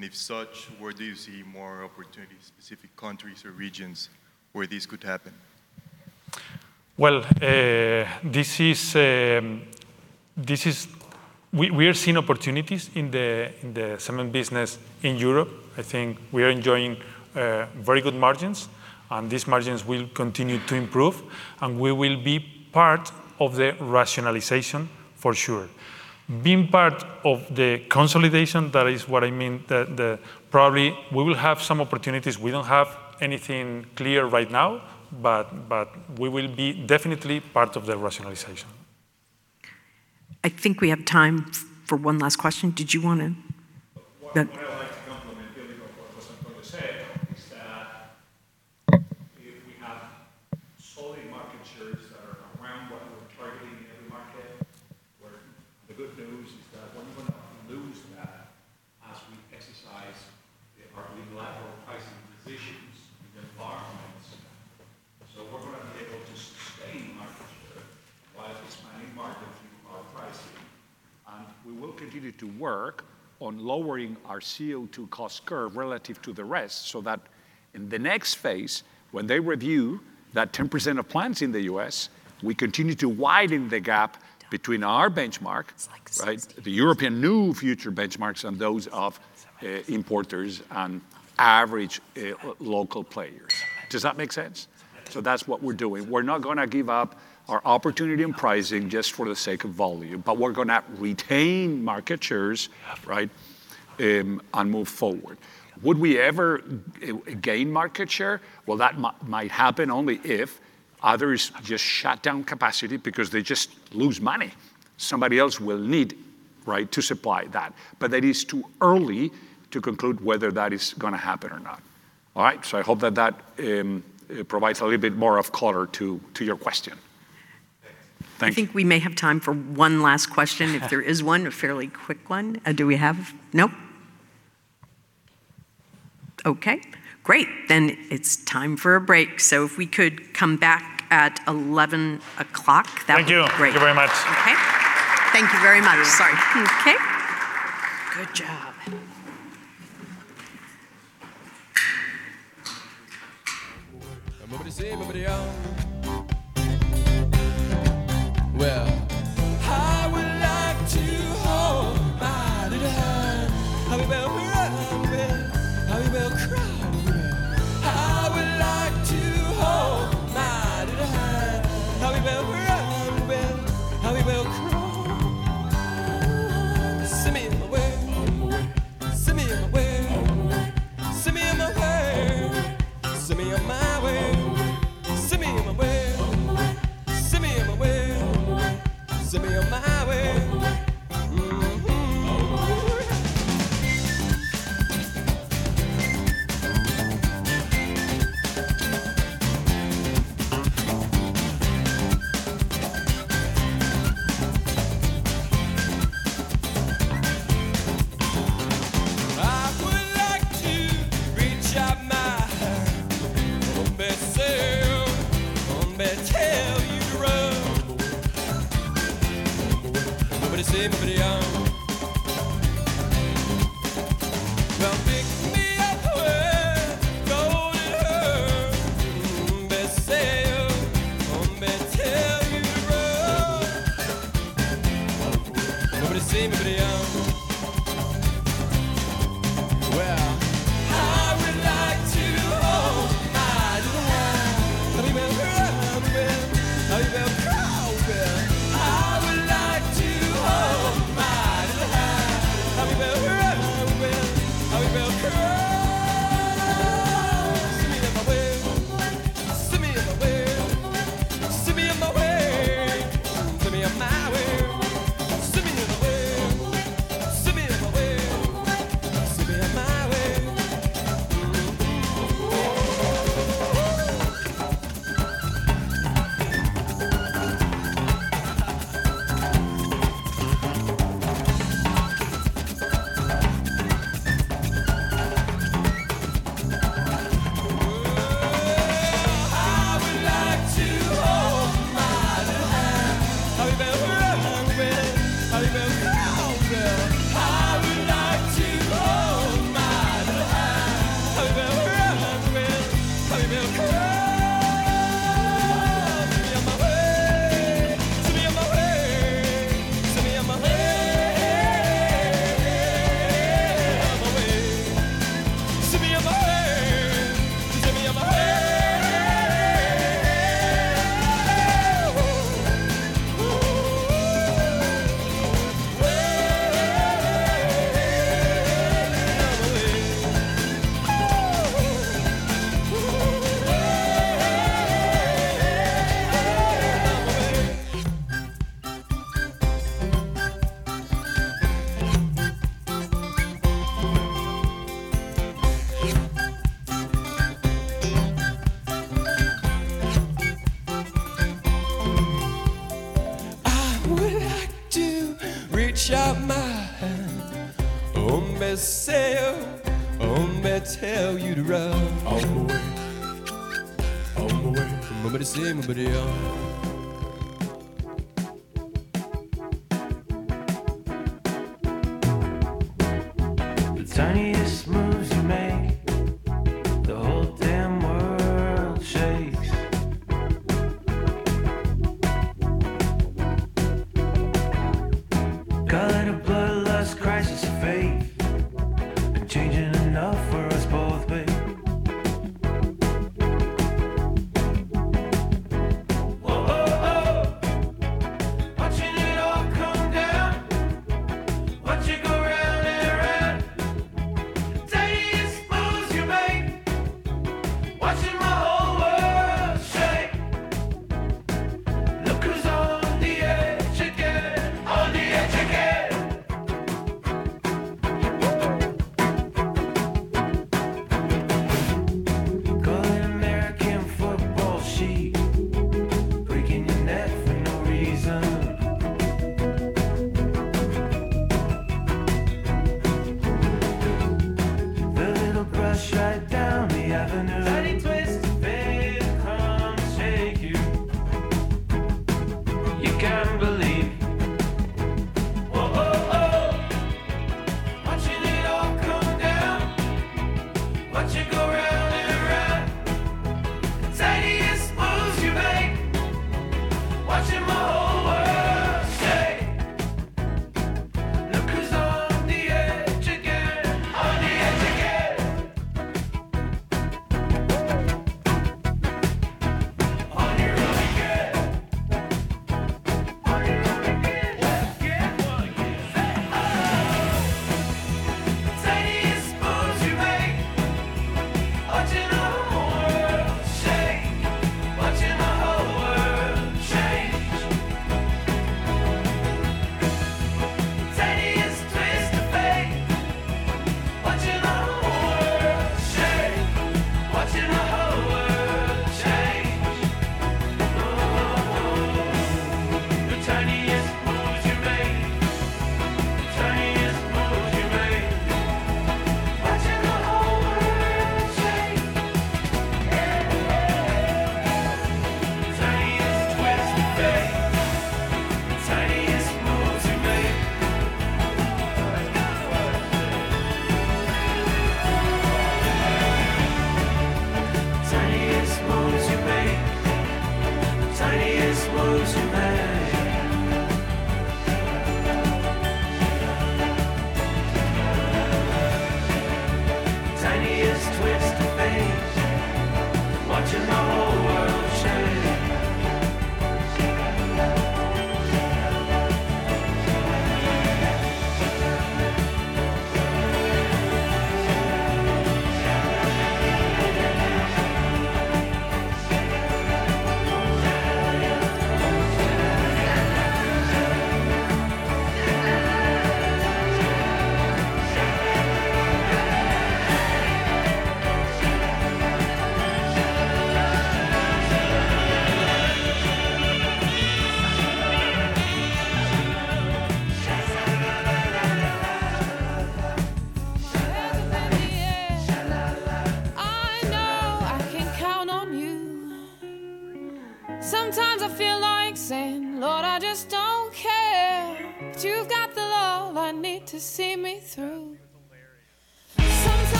If such, where do you see more opportunities, specific countries or regions where this could happen? Well, this is. We are seeing opportunities in the cement business in Europe. I think we are enjoying very good margins, and these margins will continue to improve, and we will be part of the rationalization for sure. Being part of the consolidation, that is what I mean. Probably, we will have some opportunities. We don't have anything clear right now, but we will be definitely part of the rationalization. I think we have time for one last question. Did you want to? What I'd like to complement what Antonio said is that if we have solid market shares that are around what we're targeting in every market, where the good news is that we're not going to lose that as we exercise our unilateral pricing positions in environments. We're going to be able to sustain market share while expanding margins through our pricing. We will continue to work on lowering our CO2 cost curve relative to the rest, so that in the next phase, when they review that 10% of plants in the U.S., we continue to widen the gap between our benchmark, right? The European new future benchmarks and those of, importers and average, local players. Does that make sense That's what we're doing. We're not going to give up our opportunity in pricing just for the sake of volume, but we're going to retain market shares, right, and move forward. Would we ever gain market share? That might happen only if others just shut down capacity because they just lose money. Somebody else will need, right, to supply that. That is too early to conclude whether that is going to happen or not. All right? I hope that that provides a little bit more of color to your question. Thanks. Thank you. I think we may have time for one last question, if there is one, a fairly quick one. Do we have? No? Okay, great. It's time for a break. If we could come back at 11 o'clock, that would be great. Thank you. Thank you very much. Okay. Thank you very much. Sorry. Okay. Good job..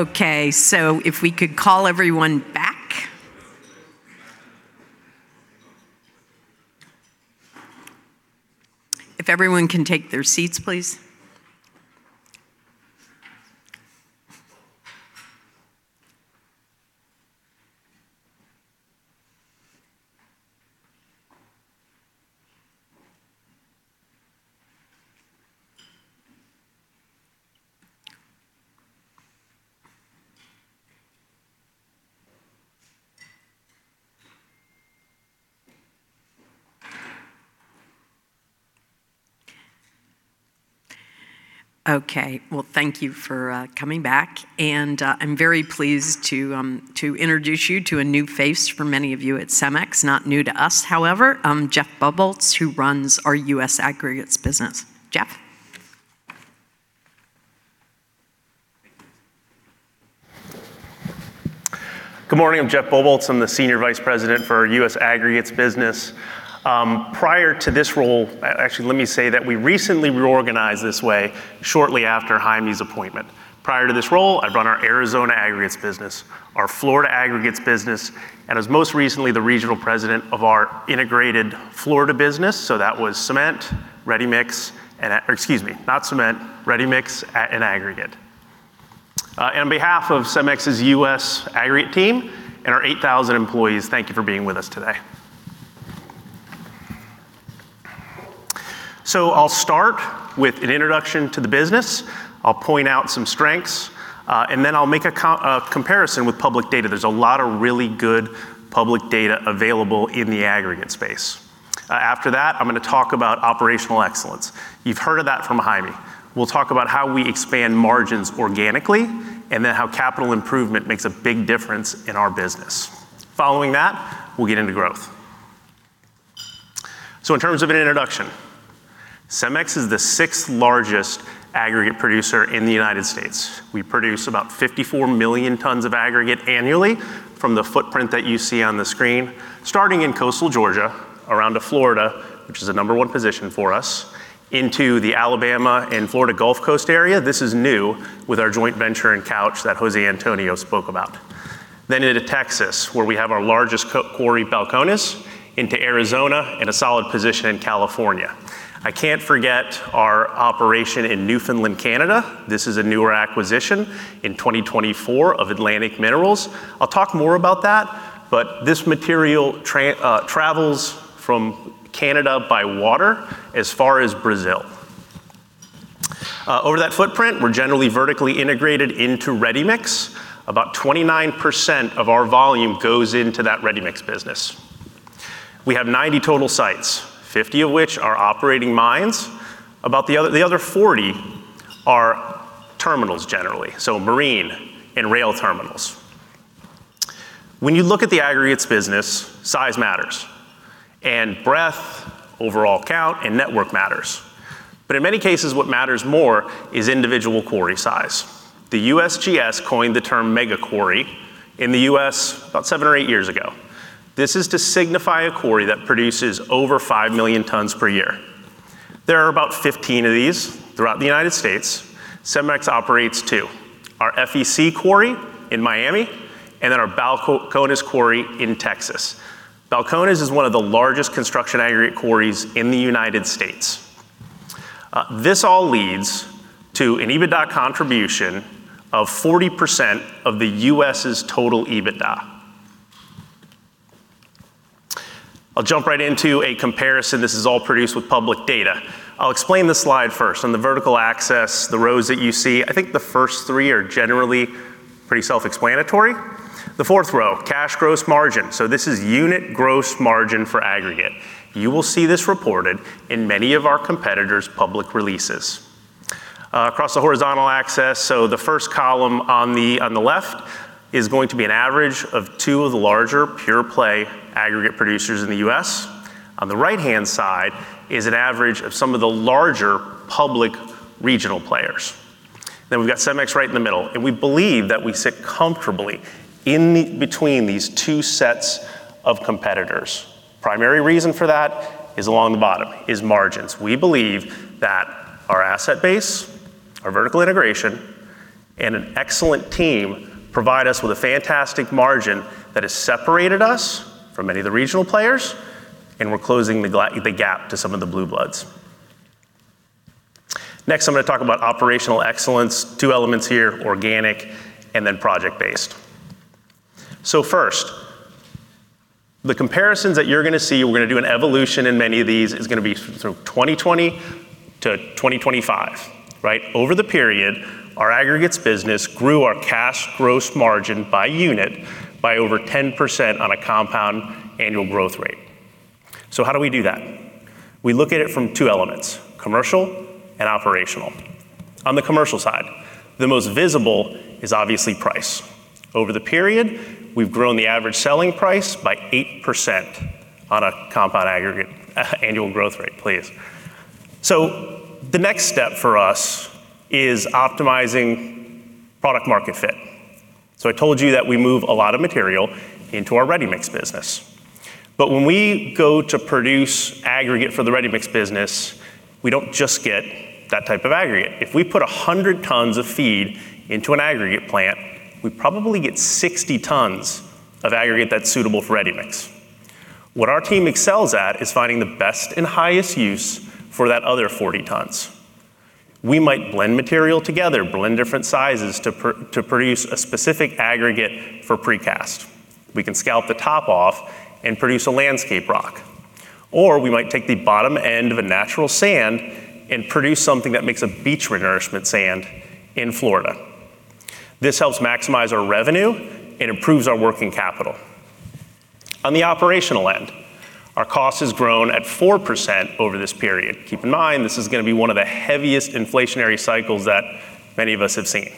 Okay, if we could call everyone back. If everyone can take their seats, please. Okay. Well, thank you for coming back, and I'm very pleased to introduce you to a new face for many of you at CEMEX. Not new to us, however, Jeff Bobolts, who runs our U.S. Aggregates business. Jeff? Good morning, I'm Jeff Boboltz. I'm the Senior Vice President for U.S. Aggregates business. Prior to this role, actually, let me say that we recently reorganized this way shortly after Jaime's appointment. Prior to this role, I've run our Arizona Aggregates business, our Florida Aggregates business, and as most recently, the regional president of our integrated Florida business, so that was cement, ready-mix, and excuse me, not cement, ready-mix, and aggregate. On behalf of CEMEX's U.S. Aggregate team and our 8,000 employees, thank you for being with us today. I'll start with an introduction to the business. I'll point out some strengths, and then I'll make a comparison with public data. There's a lot of really good public data available in the aggregate space. After that, I'm going to talk about operational excellence. You've heard of that from Jaime. We'll talk about how we expand margins organically, and then how capital improvement makes a big difference in our business. Following that, we'll get into growth. In terms of an introduction, CEMEX is the sixth-largest aggregate producer in the United States. We produce about 54 million tons of aggregate annually from the footprint that you see on the screen, starting in coastal Georgia, around to Florida, which is a number one position for us, into the Alabama and Florida Gulf Coast area. This is new with our joint venture in Couch that Jose Antonio spoke about. Into Texas, where we have our largest co-quarry, Balcones, into Arizona, and a solid position in California. I can't forget our operation in Newfoundland, Canada. This is a newer acquisition in 2024 of Atlantic Minerals. I'll talk more about that, this material travels from Canada by water as far as Brazil. Over that footprint, we're generally vertically integrated into Ready-Mix. About 29% of our volume goes into that Ready-Mix business. We have 90 total sites, 50 of which are operating mines. About the other 40 are terminals, generally, so marine and rail terminals. When you look at the aggregates business, size matters, and breadth, overall count, and network matters. In many cases, what matters more is individual quarry size. The USGS coined the term mega quarry in the U.S. about seven or eight years ago. This is to signify a quarry that produces over five million tons per year. There are about 15 of these throughout the United States. CEMEX operates two: our FEC quarry in Miami and then our Balcones quarry in Texas. Balcones is one of the largest construction aggregate quarries in the United States. This all leads to an EBITDA contribution of 40% of the U.S.'s total EBITDA. I'll jump right into a comparison. This is all produced with public data. I'll explain the slide first. On the vertical axis, the rows that you see, I think the first three are generally pretty self-explanatory. The fourth row, cash gross margin. This is unit gross margin for aggregate. You will see this reported in many of our competitors' public releases. Across the horizontal axis, the first column on the left is going to be an average of two of the larger pure-play aggregate producers in the U.S. On the right-hand side is an average of some of the larger public regional players. We've got CEMEX right in the middle, and we believe that we sit comfortably between these two sets of competitors. Primary reason for that is along the bottom, is margins. We believe that our asset base, our vertical integration, and an excellent team provide us with a fantastic margin that has separated us from many of the regional players, and we're closing the gap to some of the blue bloods. Next, I'm going to talk about operational excellence. Two elements here, organic and then project-based. First, the comparisons that you're going to see, we're going to do an evolution in many of these, is going to be from 2020–2025, right? Over the period, our Aggregates business grew our cash gross margin by unit by over 10% on a CAGR. How do we do that? We look at it from two elements, commercial and operational. On the commercial side, the most visible is obviously price. Over the period, we've grown the average selling price by 8% on a compound aggregate, annual growth rate, please. The next step for us is optimizing product market fit. I told you that we move a lot of material into our Ready-Mix business. When we go to produce aggregate for the Ready-Mix business, we don't just get that type of aggregate. If we put 100 tons of feed into an aggregate plant, we probably get 60 tons of aggregate that's suitable for Ready-Mix. What our team excels at is finding the best and highest use for that other 40 tons. We might blend material together, blend different sizes to produce a specific aggregate for precast. We can scalp the top off and produce a landscape rock, or we might take the bottom end of a natural sand and produce something that makes a beach renourishment sand in Florida. This helps maximize our revenue and improves our working capital. On the operational end, our cost has grown at 4% over this period. Keep in mind, this is going to be one of the heaviest inflationary cycles that many of us have seen.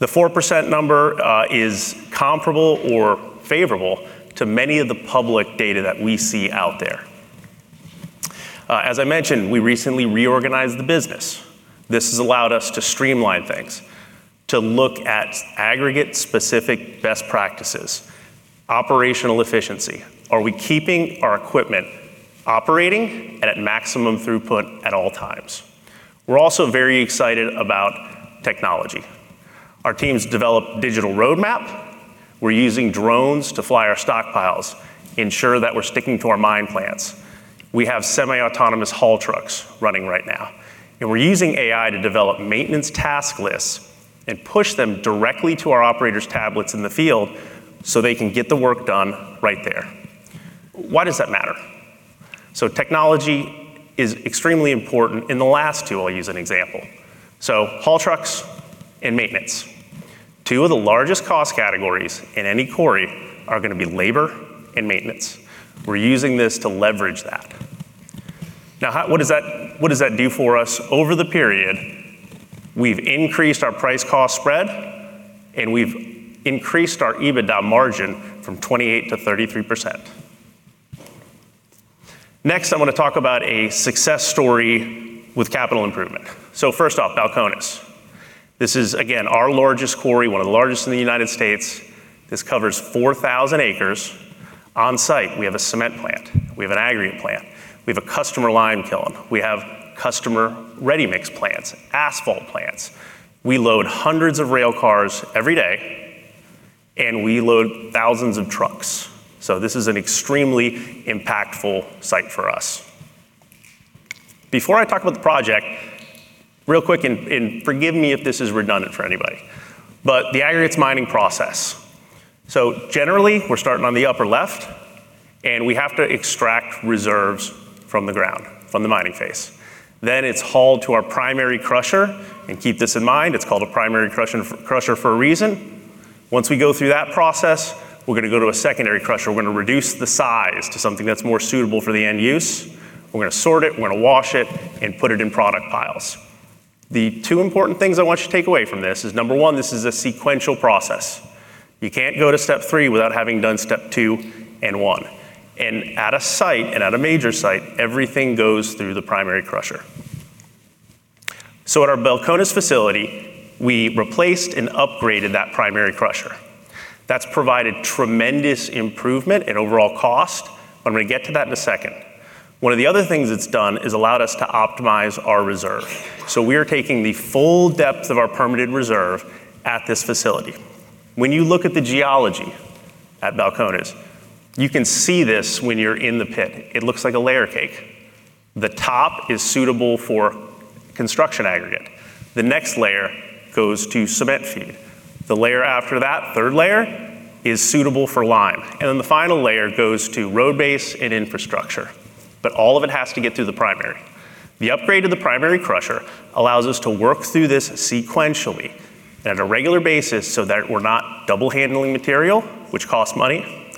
The 4% number is comparable or favorable to many of the public data that we see out there. As I mentioned, we recently reorganized the business. This has allowed us to streamline things, to look at aggregate-specific best practices, operational efficiency. Are we keeping our equipment operating and at maximum throughput at all times? We're also very excited about technology. Our teams developed digital roadmap. We're using drones to fly our stockpiles, ensure that we're sticking to our mine plans. We have semi-autonomous haul trucks running right now, we're using AI to develop maintenance task lists and push them directly to our operators' tablets in the field, they can get the work done right there. Why does that matter? Technology is extremely important. In the last two, I'll use an example. Haul trucks and maintenance. Two of the largest cost categories in any quarry are going to be labor and maintenance. We're using this to leverage that. Now, what does that do for us? Over the period, we've increased our price-cost spread, we've increased our EBITDA margin from 28%-33%. Next, I want to talk about a success story with capital improvement. First off, Balcones. This is, again, our largest quarry, one of the largest in the United States. This covers 4,000 acres. On-site, we have a cement plant. We have an aggregate plant. We have a customer lime kiln. We have customer Ready-Mix plants, asphalt plants. We load hundreds of rail cars every day, we load thousands of trucks. This is an extremely impactful site for us. Before I talk about the project, real quick, and forgive me if this is redundant for anybody, the aggregates mining process. Generally, we're starting on the upper left, we have to extract reserves from the ground, from the mining face. It's hauled to our primary crusher, keep this in mind, it's called a primary crusher for a reason. Once we go through that process, we're going to go to a secondary crusher. We're going to reduce the size to something that's more suitable for the end use. We're going to sort it, we're going to wash it, and put it in product piles. The two important things I want you to take away from this is, number one, this is a sequential process. You can't go to step three without having done step two and one. At a major site, everything goes through the primary crusher. At our Balcones facility, we replaced and upgraded that primary crusher. That's provided tremendous improvement in overall cost, but I'm going to get to that in a second. One of the other things it's done is allowed us to optimize our reserve. We are taking the full depth of our permitted reserve at this facility. When you look at the geology at Balcones, you can see this when you're in the pit. It looks like a layer cake. The top is suitable for construction aggregate. The next layer goes to cement feed. The layer after that, third layer, is suitable for lime, and then the final layer goes to road base and infrastructure. All of it has to get through the primary. The upgrade of the primary crusher allows us to work through this sequentially at a regular basis, so that we're not double handling material, which costs money.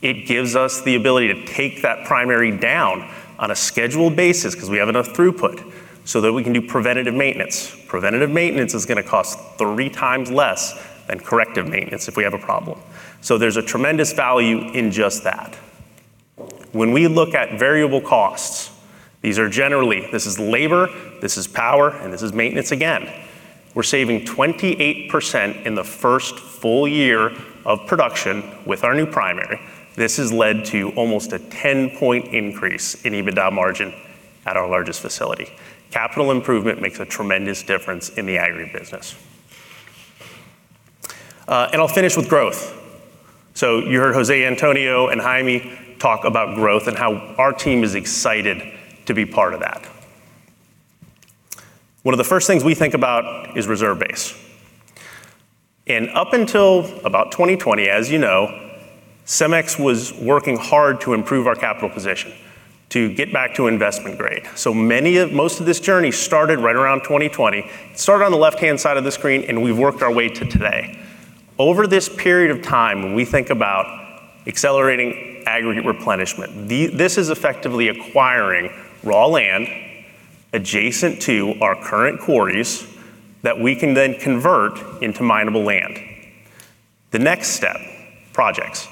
It gives us the ability to take that primary down on a scheduled basis 'cause we have enough throughput, so that we can do preventative maintenance. Preventative maintenance is going to cost three times less than corrective maintenance if we have a problem. There's a tremendous value in just that. When we look at variable costs, these are generally, this is labor, this is power, and this is maintenance again. We're saving 28% in the first full year of production with our new primary. This has led to almost a 10-point increase in EBITDA margin at our largest facility. Capital improvement makes a tremendous difference in the aggregate business. I'll finish with growth. You heard José Antonio and Jaime talk about growth and how our team is excited to be part of that. One of the first things we think about is reserve base. Up until about 2020, as you know, CEMEX was working hard to improve our capital position, to get back to investment grade. Most of this journey started right around 2020. It started on the left-hand side of the screen. We've worked our way to today. Over this period of time, when we think about accelerating aggregate replenishment, this is effectively acquiring raw land adjacent to our current quarries that we can then convert into mineable land. The next step, projects.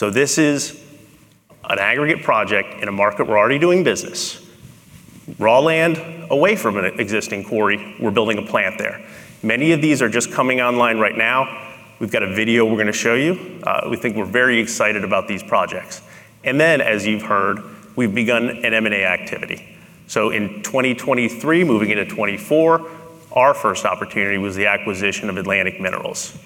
This is an aggregate project in a market we're already doing business. Raw land away from an existing quarry, we're building a plant there. Many of these are just coming online right now. We've got a video we're going to show you. We think we're very excited about these projects. As you've heard, we've begun an M&A activity. In 2023, moving into 2024, our first opportunity was the acquisition of Atlantic Minerals.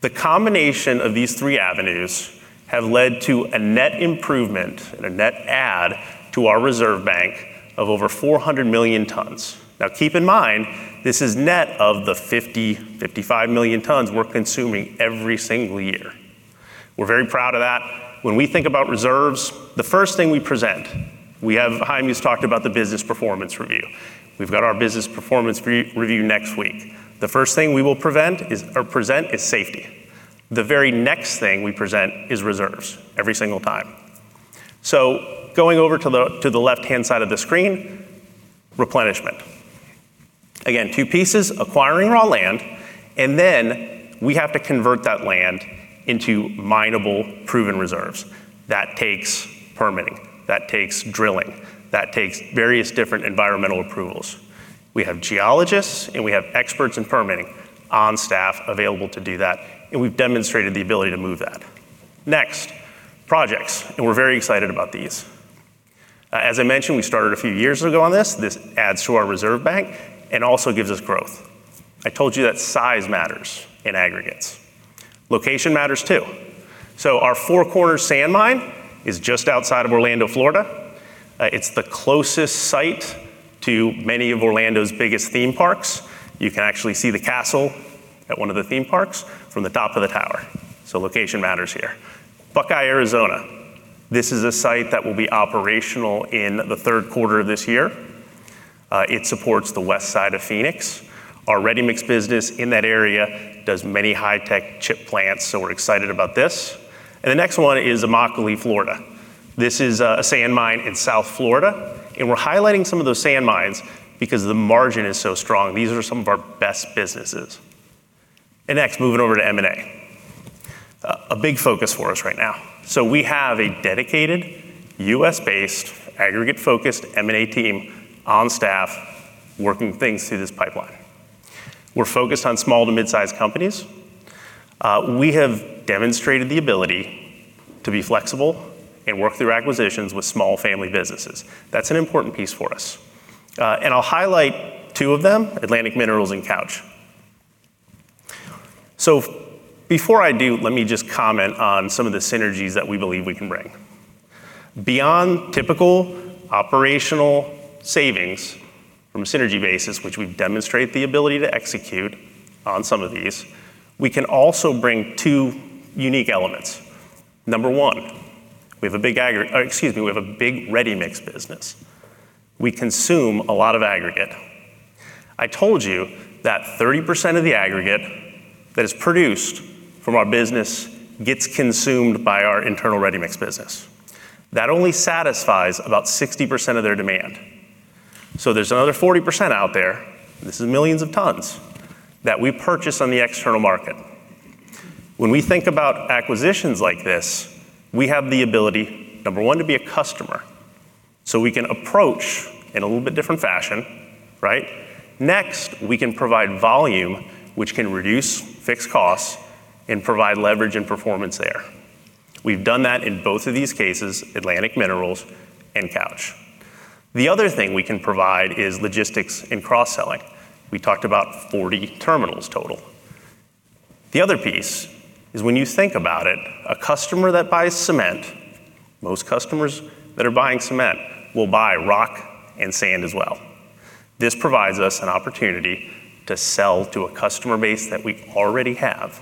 The combination of these three avenues have led to a net improvement and a net add to our reserve bank of over 400 million tons. Keep in mind, this is net of the 50-55 million tons we're consuming every single year. We're very proud of that. When we think about reserves, the first thing we present, Jaime's talked about the business performance review. We've got our business performance re-review next week. The first thing we will present is safety. The very next thing we present is reserves, every single time. Going over to the left-hand side of the screen, replenishment. Again, two pieces, acquiring raw land, and then we have to convert that land into mineable proven reserves. That takes permitting, that takes drilling, that takes various different environmental approvals. We have geologists, and we have experts in permitting on staff available to do that, and we've demonstrated the ability to move that. Next, projects, and we're very excited about these. As I mentioned, we started a few years ago on this. This adds to our reserve bank and also gives us growth. I told you that size matters in aggregates. Location matters, too. Our Four Corners sand mine is just outside of Orlando, Florida. It's the closest site to many of Orlando's biggest theme parks. You can actually see the castle at one of the theme parks from the top of the tower. Location matters here. Buckeye, Arizona, this is a site that will be operational in the third quarter of this year. It supports the west side of Phoenix. Our Ready-Mix business in that area does many high-tech chip plants, so we're excited about this. The next one is Immokalee, Florida. This is a sand mine in South Florida, and we're highlighting some of those sand mines because the margin is so strong. These are some of our best businesses. Next, moving over to M&A. A big focus for us right now. We have a dedicated U.S.-based, aggregate-focused M&A team on staff working things through this pipeline. We're focused on small to mid-sized companies. We have demonstrated the ability to be flexible and work through acquisitions with small family businesses. That's an important piece for us. I'll highlight two of them, Atlantic Minerals and Couch. Before I do, let me just comment on some of the synergies that we believe we can bring. Beyond typical operational savings from a synergy basis, which we've demonstrated the ability to execute on some of these, we can also bring two unique elements. Number one, we have a big ready-mix business. We consume a lot of aggregate. I told you that 30% of the aggregate that is produced from our business gets consumed by our internal Ready-Mix business. That only satisfies about 60% of their demand. There's another 40% out there, this is millions of tons, that we purchase on the external market. When we think about acquisitions like this, we have the ability, number one, to be a customer, so we can approach in a little bit different fashion, right? Next, we can provide volume, which can reduce fixed costs and provide leverage and performance there. We've done that in both of these cases, Atlantic Minerals and Couch. The other thing we can provide is logistics and cross-selling. We talked about 40 terminals total. The other piece is when you think about it, a customer that buys cement, most customers that are buying cement will buy rock and sand as well. This provides us an opportunity to sell to a customer base that we already have.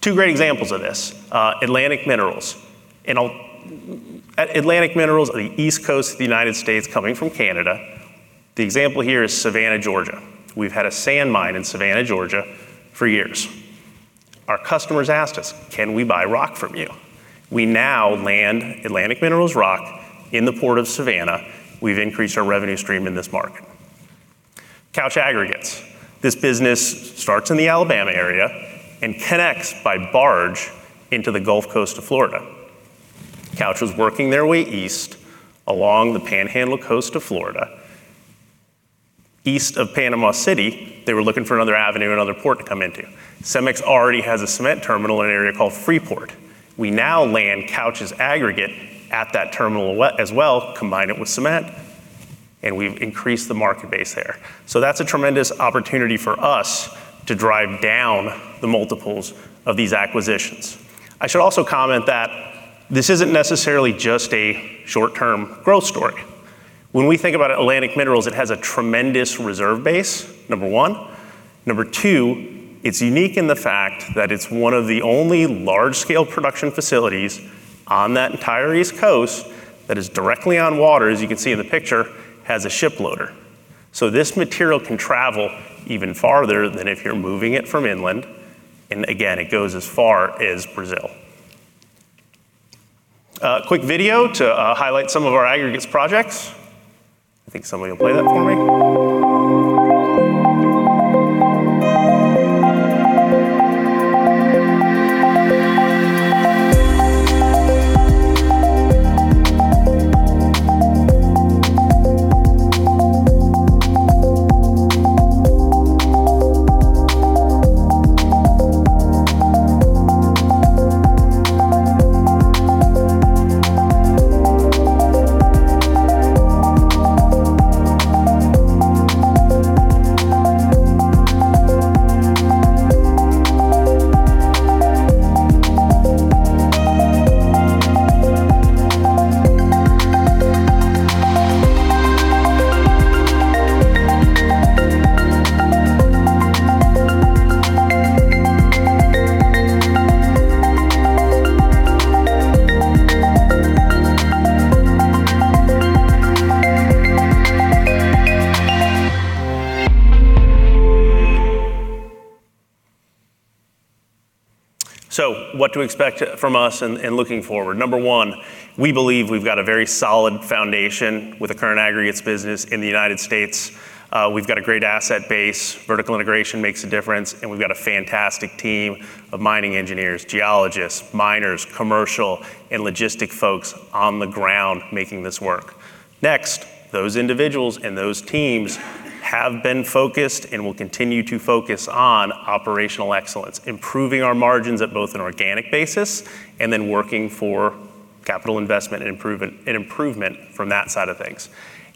Two great examples of this, Atlantic Minerals. Atlantic Minerals are the East Coast of the United States, coming from Canada. The example here is Savannah, Georgia. We've had a sand mine in Savannah, Georgia, for years. Our customers asked us, "Can we buy rock from you?" We now land Atlantic Minerals rock in the port of Savannah. We've increased our revenue stream in this market. Couch Aggregates, this business starts in the Alabama area and connects by barge into the Gulf Coast of Florida. Couch was working their way east along the Panhandle coast of Florida. East of Panama City, they were looking for another avenue, another port to come into. CEMEX already has a cement terminal in an area called Freeport. We now land Couch's aggregate at that terminal as well, combine it with cement, we've increased the market base there. That's a tremendous opportunity for us to drive down the multiples of these acquisitions. I should also comment that this isn't necessarily just a short-term growth story. When we think about Atlantic Minerals, it has a tremendous reserve base, number one. Number two, it's unique in the fact that it's one of the only large-scale production facilities on that entire East Coast that is directly on water, as you can see in the picture, has a ship loader. This material can travel even farther than if you're moving it from inland, and again, it goes as far as Brazil. A quick video to highlight some of our aggregates projects. I think somebody will play that for me.nWhat to expect from us in looking forward? Number One, we believe we've got a very solid foundation with the current aggregates business in the United States. We've got a great asset base, vertical integration makes a difference, and we've got a fantastic team of mining engineers, geologists, miners, commercial, and logistic folks on the ground making this work. Those individuals and those teams have been focused and will continue to focus on operational excellence, improving our margins at both an organic basis and then working for capital investment and improvement from that side of things.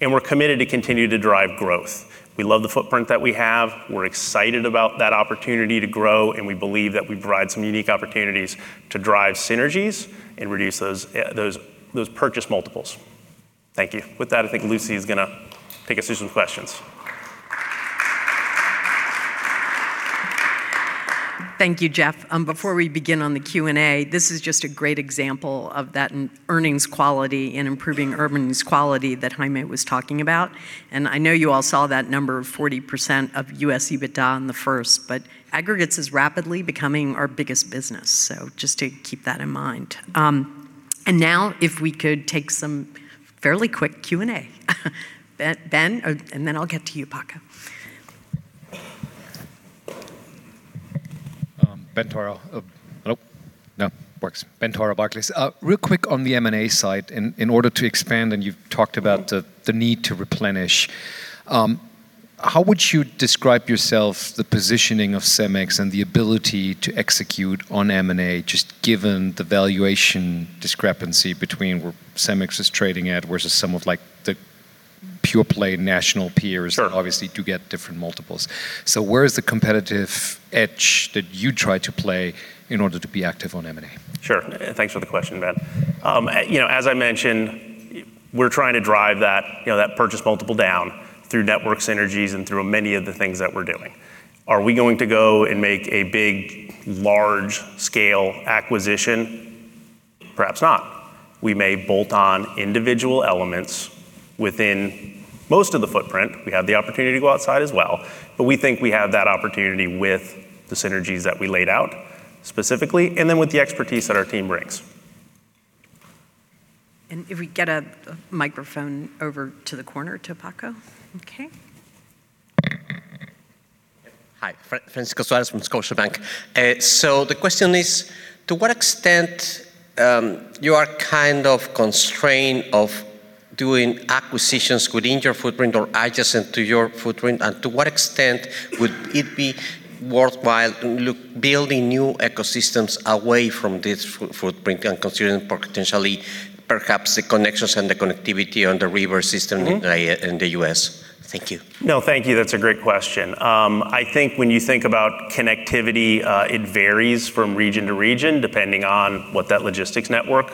We're committed to continue to drive growth. We love the footprint that we have, we're excited about that opportunity to grow, and we believe that we provide some unique opportunities to drive synergies and reduce those purchase multiples. Thank you. With that, I think Lucy is going to take us through some questions. Thank you, Jeff. Before we begin on the Q&A, this is just a great example of that earnings quality and improving earnings quality that Jaime was talking about. I know you all saw that number of 40% of U.S. EBITDA in the first, but Aggregates is rapidly becoming our biggest business, so just to keep that in mind. Now if we could take some fairly quick Q&A. Ben, and then I'll get to you, Paco. Ben Theurer, Barclays. Real quick on the M&A side, in order to expand, and you've talked about the need to replenish, how would you describe yourself, the positioning of CEMEX, and the ability to execute on M&A, just given the valuation discrepancy between where CEMEX is trading at versus some of like the pure-play national peers, obviously do get different multiples. Where is the competitive edge that you try to play in order to be active on M&A? Sure. Thanks for the question, Ben. you know, as I mentioned, we're trying to drive that, you know, that purchase multiple down through network synergies and through many of the things that we're doing. Are we going to go and make a big, large-scale acquisition? Perhaps not. We may bolt-on individual elements within most of the footprint. We have the opportunity to go outside as well, but we think we have that opportunity with the synergies that we laid out specifically, and then with the expertise that our team brings. If we get a microphone over to the corner to Paco. Okay. Hi, Francisco Suarez from Scotiabank. The question is: to what extent you are kind of constrained of doing acquisitions within your footprint or adjacent to your footprint? To what extent would it be worthwhile to look building new ecosystems away from this footprint and considering potentially perhaps the connections and the connectivity on the river system in the U.S.? Thank you. No, thank you. That's a great question. I think when you think about connectivity, it varies from region to region, depending on what that logistics network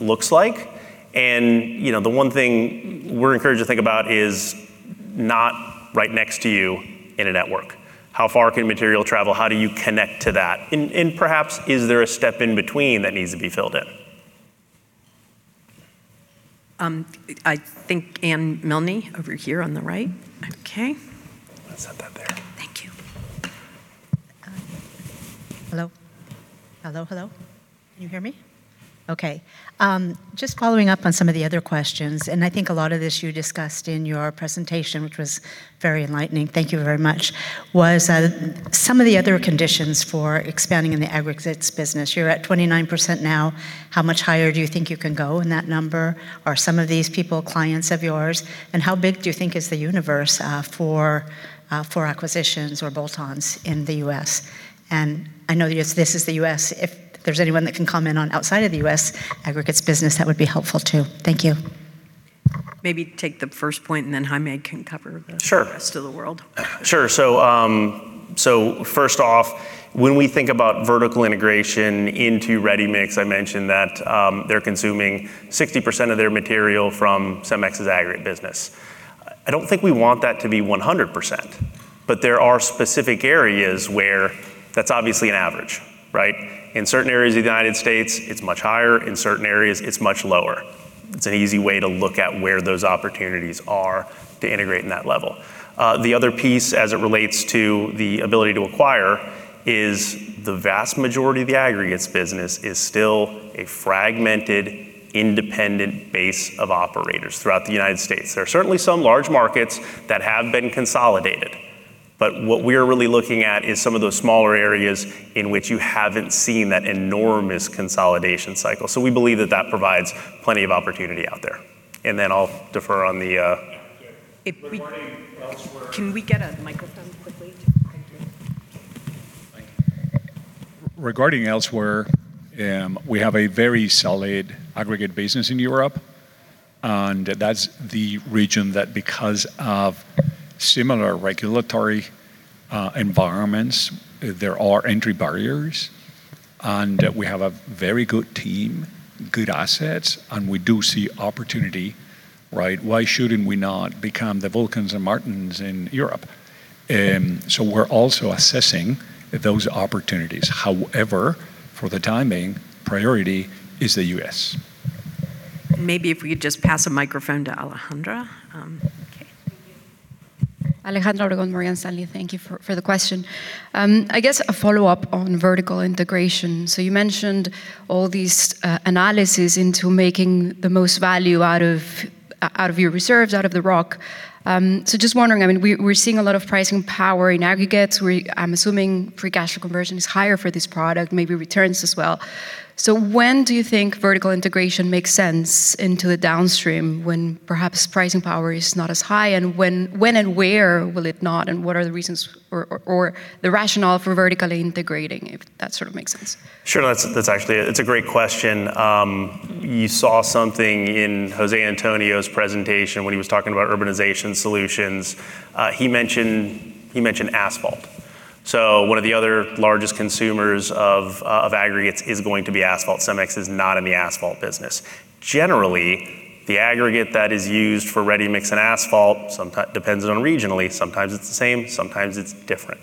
looks like. You know, the one thing we're encouraged to think about is not right next to you in a network. How far can material travel? How do you connect to that? Perhaps is there a step in between that needs to be filled in? I think Anne Milne, over here on the right. Okay. Let's set that there. Thank you. Hello? Hello, hello. Can you hear me? Okay. Just following up on some of the other questions, I think a lot of this you discussed in your presentation, which was very enlightening, thank you very much, was some of the other conditions for expanding in the Aggregates business. You're at 29% now. How much higher do you think you can go in that number? Are some of these people clients of yours? How big do you think is the universe, for acquisitions or bolt-ons in the U.S.? I know this is the U.S. If there's anyone that can comment on outside of the U.S. Aggregates business, that would be helpful, too. Thank you. Maybe take the first point, and then Jaime can cover the rest of the world. Sure. First off, when we think about vertical integration into ready-mix, I mentioned that, they're consuming 60% of their material from CEMEX's Aggregate business. I don't think we want that to be 100%, but there are specific areas where that's obviously an average, right? In certain areas of the United States, it's much higher. In certain areas, it's much lower. It's an easy way to look at where those opportunities are to integrate in that level. The other piece, as it relates to the ability to acquire, is the vast majority of the aggregates business is still a fragmented, independent base of operators throughout the United States. There are certainly some large markets that have been consolidated, but what we are really looking at is some of those smaller areas in which you haven't seen that enormous consolidation cycle. We believe that that provides plenty of opportunity out there. I'll defer on the. If we- Regarding elsewhere. Can we get a microphone quickly? Thank you. Thank you. Regarding elsewhere, we have a very solid aggregate business in Europe, and that's the region that, because of similar regulatory environments, there are entry barriers, and we have a very good team, good assets, and we do see opportunity, right? Why shouldn't we not become the Vulcans and Martins in Europe? We're also assessing those opportunities. However, for the timing, priority is the U.S. Maybe if we could just pass a microphone to Alejandra. Okay. Alejandra Obregon, Morgan Stanley, thank you for the question. I guess a follow-up on vertical integration. You mentioned all these analyses into making the most value out of your reserves, out of the rock. Just wondering, I mean, we're seeing a lot of pricing power in Aggregates, I'm assuming free cash flow conversion is higher for this product, maybe returns as well. When do you think vertical integration makes sense into the downstream when perhaps pricing power is not as high, and when and where will it not, and what are the reasons or the rationale for vertically integrating, if that sort of makes sense? Sure, that's actually, it's a great question. You saw something in José Antonio's presentation when he was talking about urbanization solutions. He mentioned asphalt. One of the other largest consumers of aggregates is going to be asphalt. CEMEX is not in the asphalt business. Generally, the aggregate that is used for ready-mix and asphalt depends on regionally, sometimes it's the same, sometimes it's different.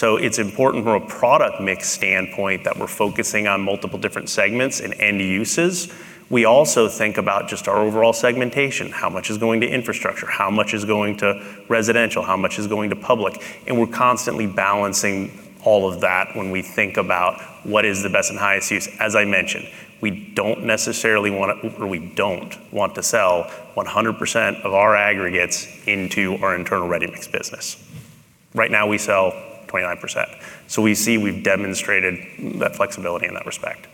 It's important from a product mix standpoint that we're focusing on multiple different segments and end uses. We also think about just our overall segmentation, how much is going to infrastructure, how much is going to residential, how much is going to public, and we're constantly balancing all of that when we think about what is the best and highest use. As I mentioned, we don't necessarily want to, or we don't want to sell 100% of our aggregates into our internal Ready-Mix business. Right now, we sell 29%, so we see we've demonstrated that flexibility in that respect.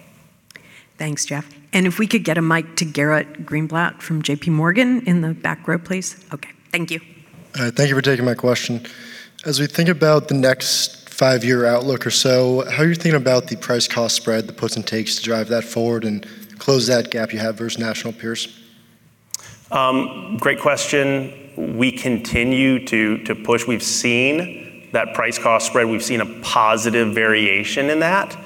Thanks, Jeff. If we could get a mic to Garrett Greenblatt from JPMorgan in the back row, please. Okay, thank you. Thank you for taking my question. As we think about the next five-year outlook or so, how are you thinking about the price-cost spread, the puts and takes to drive that forward and close that gap you have versus national peers? Great question. We continue to push. We've seen that price-cost spread. We've seen a positive variation in that.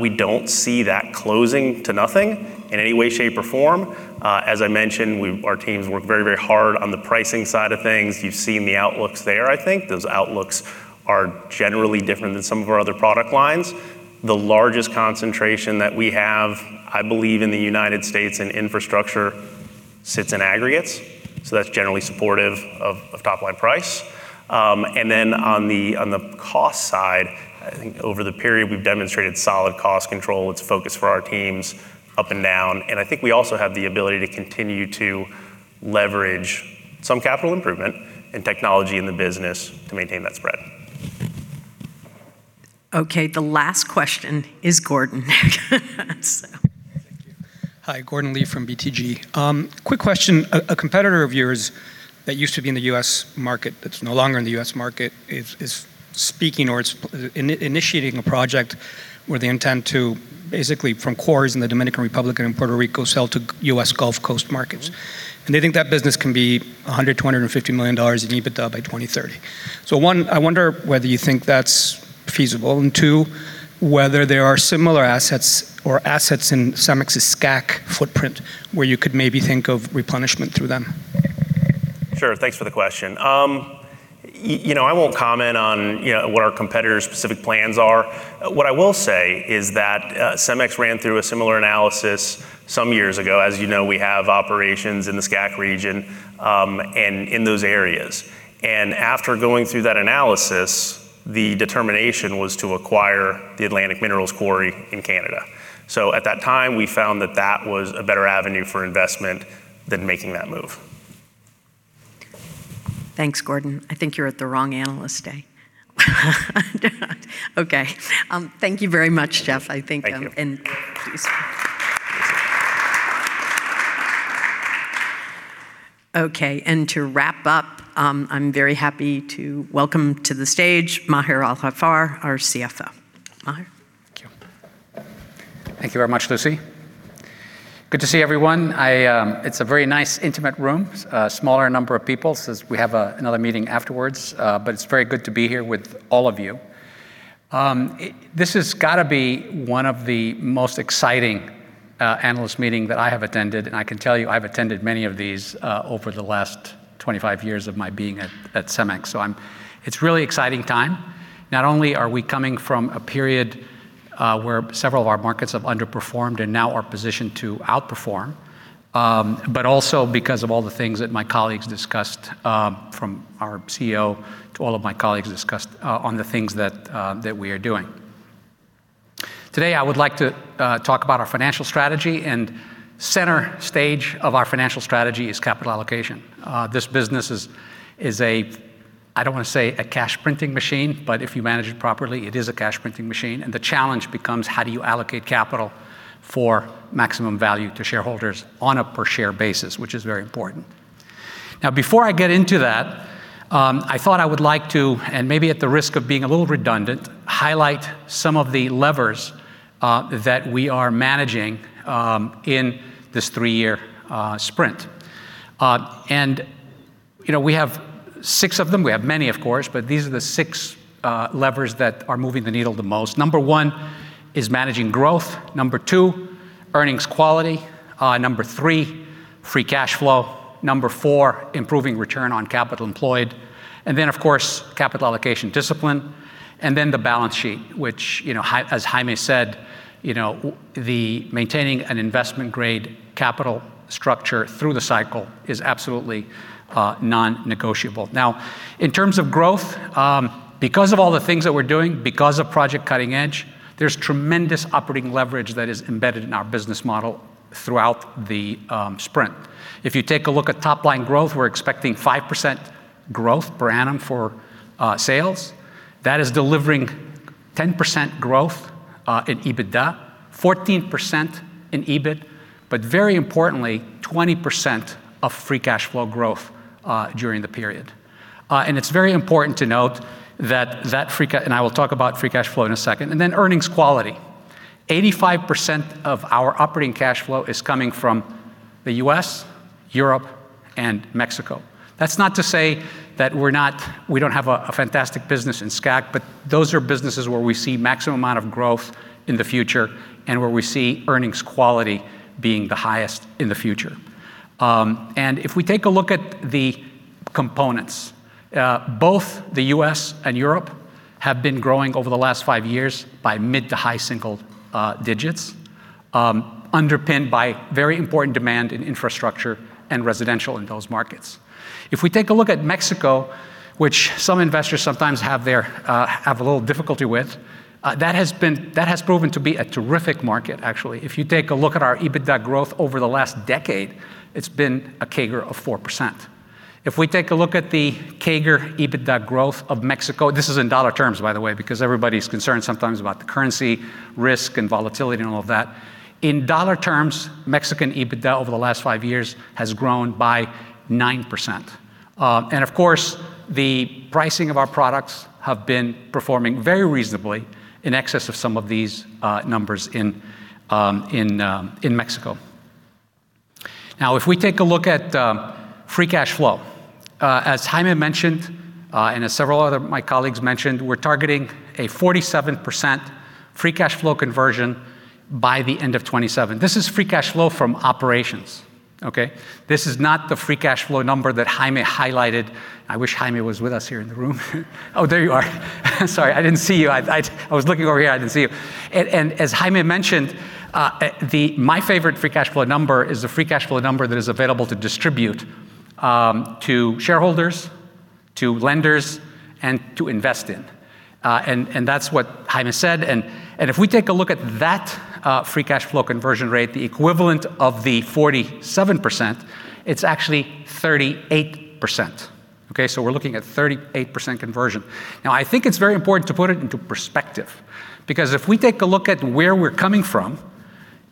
We don't see that closing to nothing in any way, shape, or form. As I mentioned, our teams work very, very hard on the pricing side of things. You've seen the outlooks there, I think. Those outlooks are generally different than some of our other product lines. The largest concentration that we have, I believe, in the United States in infrastructure sits in aggregates, so that's generally supportive of top-line price. On the cost side, I think over the period, we've demonstrated solid cost control. It's a focus for our teams up and down, and I think we also have the ability to continue to leverage some capital improvement and technology in the business to maintain that spread. Okay, the last question is Gordon. Thank you. Hi, Gordon Lee from BTG. quick question. A competitor of yours that used to be in the U.S. market, that's no longer in the U.S. market, is speaking or is initiating a project where they intend to basically, from quarries in the Dominican Republic and Puerto Rico, sell to U.S. Gulf Coast markets. They think that business can be $100 million-$250 million in EBITDA by 2030. One, I wonder whether you think that's feasible, and two, whether there are similar assets or assets in CEMEX's SCAC footprint where you could maybe think of replenishment through them? Sure. Thanks for the question. you know, I won't comment on, you know, what our competitors' specific plans are. What I will say is that, CEMEX ran through a similar analysis some years ago. As you know, we have operations in the SCAC region, and in those areas. After going through that analysis, the determination was to acquire the Atlantic Minerals Quarry in Canada. At that time, we found that that was a better avenue for investment than making that move. Thanks, Gordon. I think you're at the wrong analyst day. Okay. Thank you very much, Jeff. I think. Thank you. Please. Okay, and to wrap up, I'm very happy to welcome to the stage, Maher Al-Haffar, our CFO. Maher? Thank you. Thank you very much, Lucy. Good to see everyone. I, it's a very nice, intimate room, smaller number of people since we have another meeting afterwards, but it's very good to be here with all of you. This has got to be one of the most exciting analyst meeting that I have attended, and I can tell you, I've attended many of these over the last 25 years of my being at CEMEX, so. It's a really exciting time. Not only are we coming from a period, where several of our markets have underperformed and now are positioned to outperform, but also because of all the things that my colleagues discussed, from our CEO to all of my colleagues discussed, on the things that we are doing. Today, I would like to talk about our financial strategy. Center stage of our financial strategy is capital allocation. This business is a, I don't want to say a cash printing machine, but if you manage it properly, it is a cash printing machine. The challenge becomes: how do you allocate capital for maximum value to shareholders on a per-share basis? Which is very important. Before I get into that, I thought I would like to, and maybe at the risk of being a little redundant, highlight some of the levers that we are managing in this three-year sprint. You know, we have six of them. We have many, of course, but these are the six levers that are moving the needle the most. Number one is managing growth. Number two, earnings quality. Number three, free cash flow. Number four, improving return on capital employed. Of course, capital allocation discipline. The balance sheet, which, you know, as Jaime said, you know, the maintaining an investment-grade capital structure through the cycle is absolutely non-negotiable. In terms of growth, because of all the things that we're doing, because of Project Cutting Edge, there's tremendous operating leverage that is embedded in our business model throughout the sprint. If you take a look at top-line growth, we're expecting 5% growth per annum for sales. That is delivering 10% growth in EBITDA, 14% in EBIT, but very importantly, 20% of free cash flow growth during the period. It's very important to note that free cash flow, and I will talk about free cash flow in a second, and then earnings quality. 85% of our operating cash flow is coming from the U.S., Europe, and Mexico. That's not to say that we don't have a fantastic business in SCAC, but those are businesses where we see maximum amount of growth in the future and where we see earnings quality being the highest in the future. If we take a look at the components, both the U.S. and Europe have been growing over the last five years by mid to high single digits, underpinned by very important demand in infrastructure and residential in those markets. We take a look at Mexico, which some investors sometimes have their have a little difficulty with, that has proven to be a terrific market, actually. You take a look at our EBITDA growth over the last decade, it's been a CAGR of 4%. We take a look at the CAGR EBITDA growth of Mexico, this is in U.S. dollar terms, by the way, because everybody's concerned sometimes about the currency risk and volatility and all of that. In US dollar terms, Mexican EBITDA over the last five years has grown by 9%. Of course, the pricing of our products have been performing very reasonably in excess of some of these numbers in Mexico. Now, if we take a look at free cash flow, as Jaime mentioned, and as several other my colleagues mentioned, we're targeting a 47% free cash flow conversion by the end of 2027. This is free cash flow from operations, okay? This is not the free cash flow number that Jaime highlighted. I wish Jaime was with us here in the room. Oh, there you are. Sorry, I didn't see you. I was looking over here, I didn't see you. As Jaime mentioned, My favorite free cash flow number is the free cash flow number that is available to distribute to shareholders, to lenders, and to invest in. That's what Jaime said. If we take a look at that free cash flow conversion rate, the equivalent of the 47%, it's actually 38%, okay? We're looking at 38% conversion. I think it's very important to put it into perspective, because if we take a look at where we're coming from,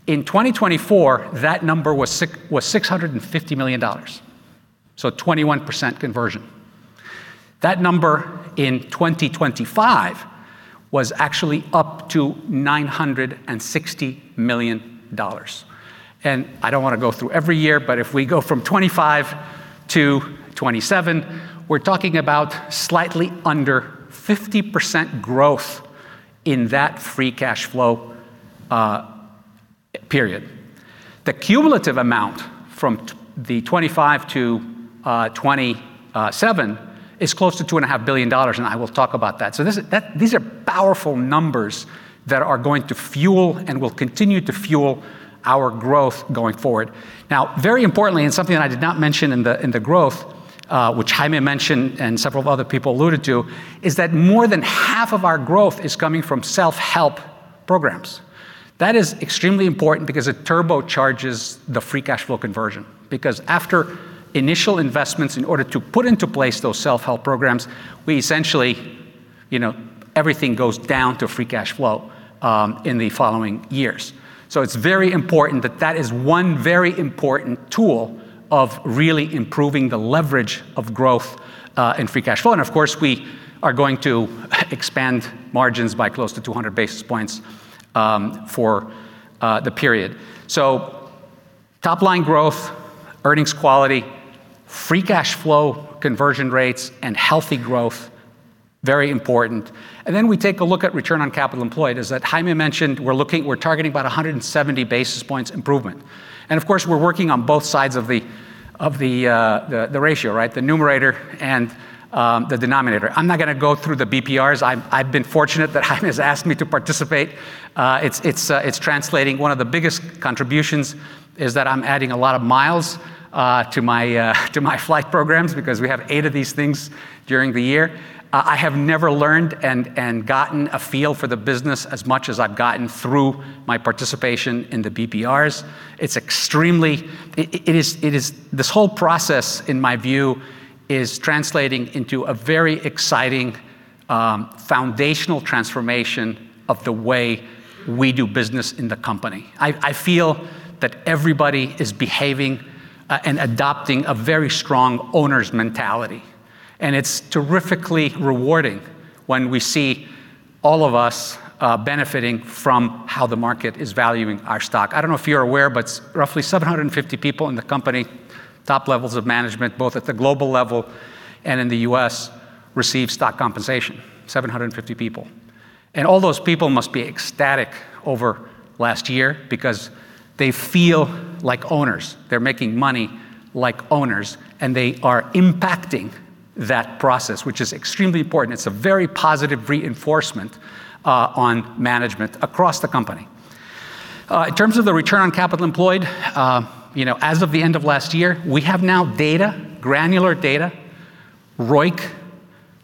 in 2024, that number was $650 million, so a 21% conversion. That number in 2025 was actually up to $960 million. I don't wanna go through every year, but if we go from 2025 to 2027, we're talking about slightly under 50% growth in that free cash flow period. The cumulative amount from the 2025 to 2027 is close to$2.5 billion, and I will talk about that. This is, these are powerful numbers that are going to fuel and will continue to fuel our growth going forward. Very importantly, and something I did not mention in the, in the growth, which Jaime mentioned and several of other people alluded to, is that more than half of our growth is coming from self-help programs. That is extremely important because it turbocharges the free cash flow conversion, because after initial investments, in order to put into place those self-help programs, we essentially, you know, everything goes down to free cash flow, in the following years. It's very important that that is one very important tool of really improving the leverage of growth, in free cash flow. Of course, we are going to expand margins by close to 200 basis points for the period. Top line growth, earnings quality, free cash flow, conversion rates, and healthy growth, very important. Then we take a look at return on capital employed, as Jaime mentioned, we're targeting about 170 basis points improvement. Of course, we're working on both sides of the ratio, right? The numerator and the denominator. I'm not gonna go through the BPRs. I've been fortunate that Jaime has asked me to participate. It's translating. One of the biggest contributions is that I'm adding a lot of miles to my flight programs because we have eight of these things during the year. I have never learned and gotten a feel for the business as much as I've gotten through my participation in the BPRs. This whole process, in my view, is translating into a very exciting foundational transformation of the way we do business in the company. I feel that everybody is behaving and adopting a very strong owner's mentality, and it's terrifically rewarding when we see all of us benefiting from how the market is valuing our stock. I don't know if you're aware, but roughly 750 people in the company, top levels of management, both at the global level and in the U.S., receive stock compensation, 750 people. All those people must be ecstatic over last year because they feel like owners. They're making money like owners, and they are impacting that process, which is extremely important. It's a very positive reinforcement on management across the company. In terms of the return on capital employed, you know, as of the end of last year, we have now data, granular data, ROIC,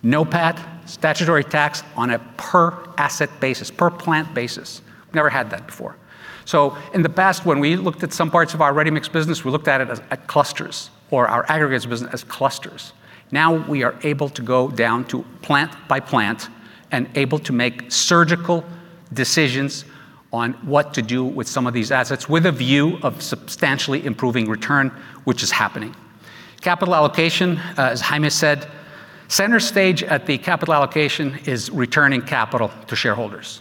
NOPAT, statutory tax on a per asset basis, per plant basis. We've never had that before. In the past, when we looked at some parts of our ready-mix business, we looked at it as at clusters or our aggregates business as clusters. Now, we are able to go down to plant by plant and able to make surgical decisions on what to do with some of these assets, with a view of substantially improving return, which is happening. Capital allocation, as Jaime said, center stage at the capital allocation is returning capital to shareholders.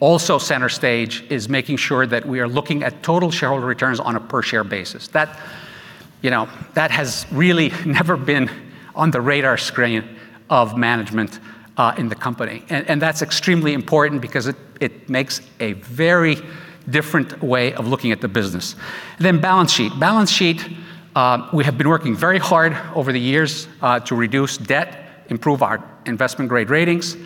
Also center stage is making sure that we are looking at total shareholder returns on a per share basis. You know, that has really never been on the radar screen of management in the company. And that's extremely important because it makes a very different way of looking at the business. Balance sheet. Balance sheet, we have been working very hard over the years to reduce debt, improve our investment-grade ratings.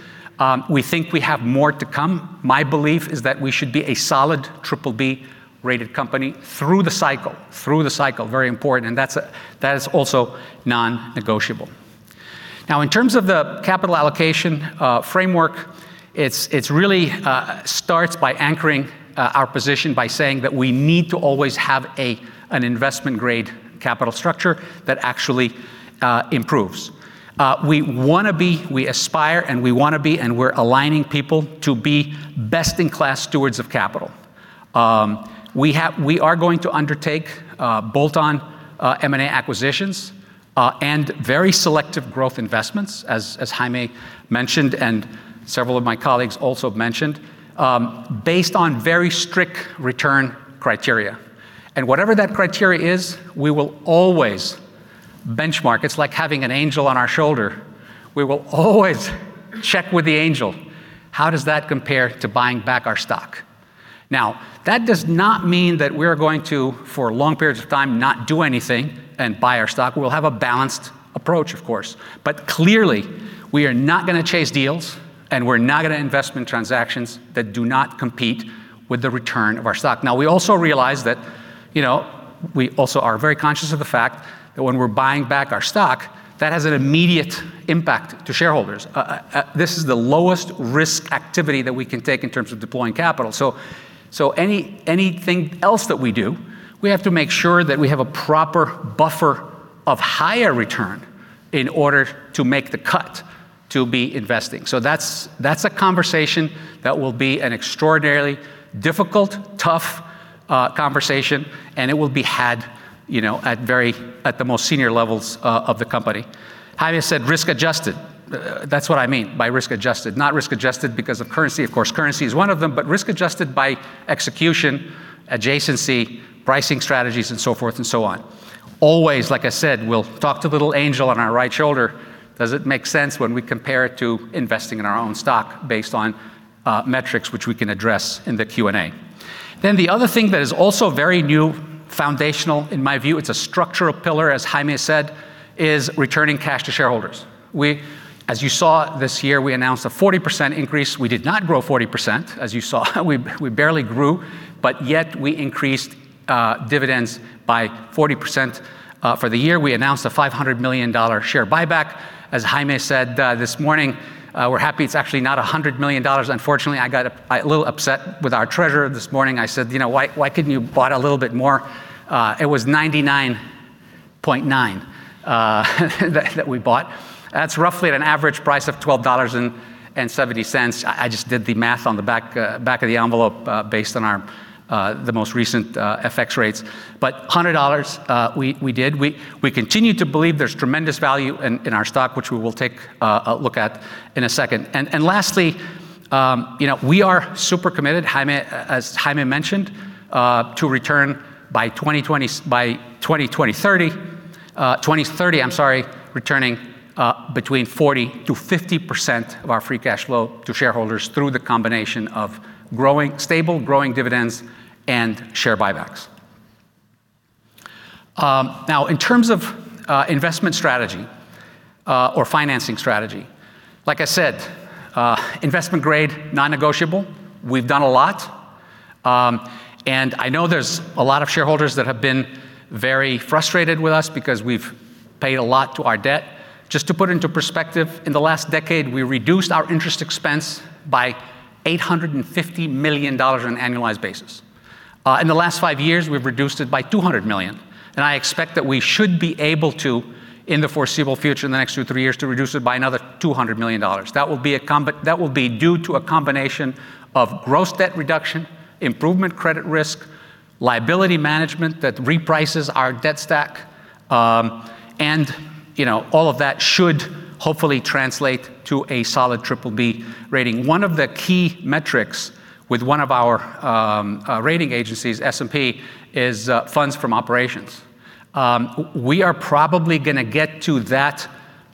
We think we have more to come. My belief is that we should be a solid triple B-rated company through the cycle, very important, and that is also non-negotiable. In terms of the capital allocation framework, it's really starts by anchoring our position by saying that we need to always have an investment-grade capital structure that actually improves. We wanna be, we aspire, and we wanna be, and we're aligning people to be best-in-class stewards of capital. We are going to undertake bolt-on M&A acquisitions and very selective growth investments, as Jaime mentioned, and several of my colleagues also mentioned, based on very strict return criteria. Whatever that criteria is, we will always benchmark. It's like having an angel on our shoulder. We will always check with the angel, "How does that compare to buying back our stock?" That does not mean that we're going to, for long periods of time, not do anything and buy our stock. We'll have a balanced approach, of course, but clearly, we are not gonna chase deals, and we're not gonna invest in transactions that do not compete with the return of our stock. We also realize that, you know, we also are very conscious of the fact that when we're buying back our stock, that has an immediate impact to shareholders. This is the lowest risk activity that we can take in terms of deploying capital. Anything else that we do, we have to make sure that we have a proper buffer of higher return in order to make the cut to be investing. That's, that's a conversation that will be an extraordinarily difficult, tough conversation, and it will be had, you know, at the most senior levels of the company. Jaime said risk-adjusted. That's what I mean by risk-adjusted. Not risk-adjusted because of currency, of course, currency is one of them, but risk-adjusted by execution, adjacency, pricing strategies, and so forth and so on. Always, like I said, we'll talk to the little angel on our right shoulder, "Does it make sense when we compare it to investing in our own stock based on metrics which we can address in the Q&A?" The other thing that is also very new, foundational, in my view, it's a structural pillar, as Jaime said, is returning cash to shareholders. As you saw this year, we announced a 40% increase. We did not grow 40%, as you saw. We barely grew, but yet we increased dividends by 40%. For the year, we announced a $500 million share buyback. As Jaime said this morning, we're happy it's actually not $100 million. Unfortunately, I got a little upset with our treasurer this morning. I said, "Why couldn't you bought a little bit more?" It was 99.9 that we bought. That's roughly at an average price of $12.70. I just did the math on the back of the envelope, based on our the most recent FX rates. $100 we did. We continue to believe there's tremendous value in our stock, which we will take a look at in a second. Lastly, we are super committed, Jaime, as Jaime mentioned, to return by 2030, I'm sorry, returning between 40%-50% of our free cash flow to shareholders through the combination of stable, growing dividends and share buybacks. Now, in terms of investment strategy, or financing strategy, like I said, investment grade, non-negotiable. We've done a lot, and I know there's a lot of shareholders that have been very frustrated with us because we've paid a lot to our debt. Just to put into perspective, in the last decade, we reduced our interest expense by $850 million on an annualized basis. In the last five years, we've reduced it by $200 million, and I expect that we should be able to, in the foreseeable future, in the next two, three years, to reduce it by another $200 million. That will be due to a combination of gross debt reduction, improvement credit risk, liability management that reprices our debt stack, you know, all of that should hopefully translate to a solid BBB rating. One of the key metrics with one of our rating agencies, S&P, is funds from operations. We are probably going to get to that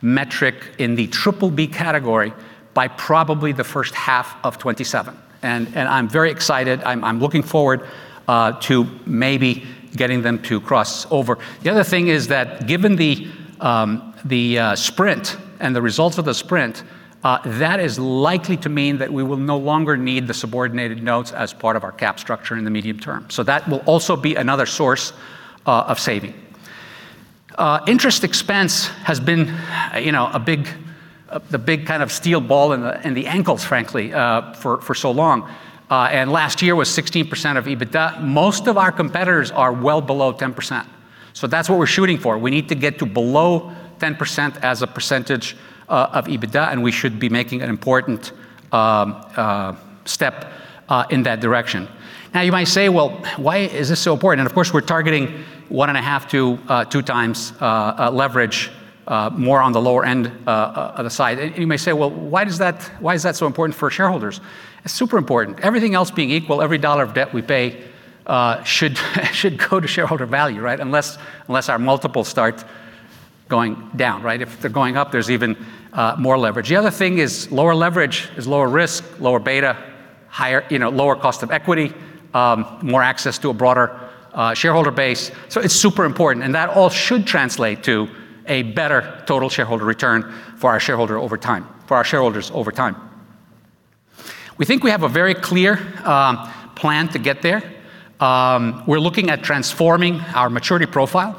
metric in the BBB category by probably the first half of 2027. I'm very excited. I'm looking forward to maybe getting them to cross over. The other thing is that given the sprint and the results of the sprint, that is likely to mean that we will no longer need the subordinated notes as part of our cap structure in the medium term. That will also be another source of saving. Interest expense has been, you know, a big, the big kind of steel ball in the ankles, frankly, for so long. Last year was 16% of EBITDA. Most of our competitors are well below 10%, so that's what we're shooting for. We need to get to below 10% as a percentage of EBITDA, we should be making an important step in that direction. You might say, "Well, why is this so important?" Of course, we're targeting 1.5x to 2x leverage, more on the lower end of the side. You may say, "Well, why is that so important for shareholders?" It's super important. Everything else being equal, every $1 of debt we pay should go to shareholder value, right? Unless our multiples start going down, right? If they're going up, there's even more leverage. The other thing is lower leverage is lower risk, lower beta, you know, lower cost of equity, more access to a broader shareholder base. It's super important, and that all should translate to a better total shareholder return for our shareholder over time for our shareholders over time. We think we have a very clear plan to get there. We're looking at transforming our maturity profile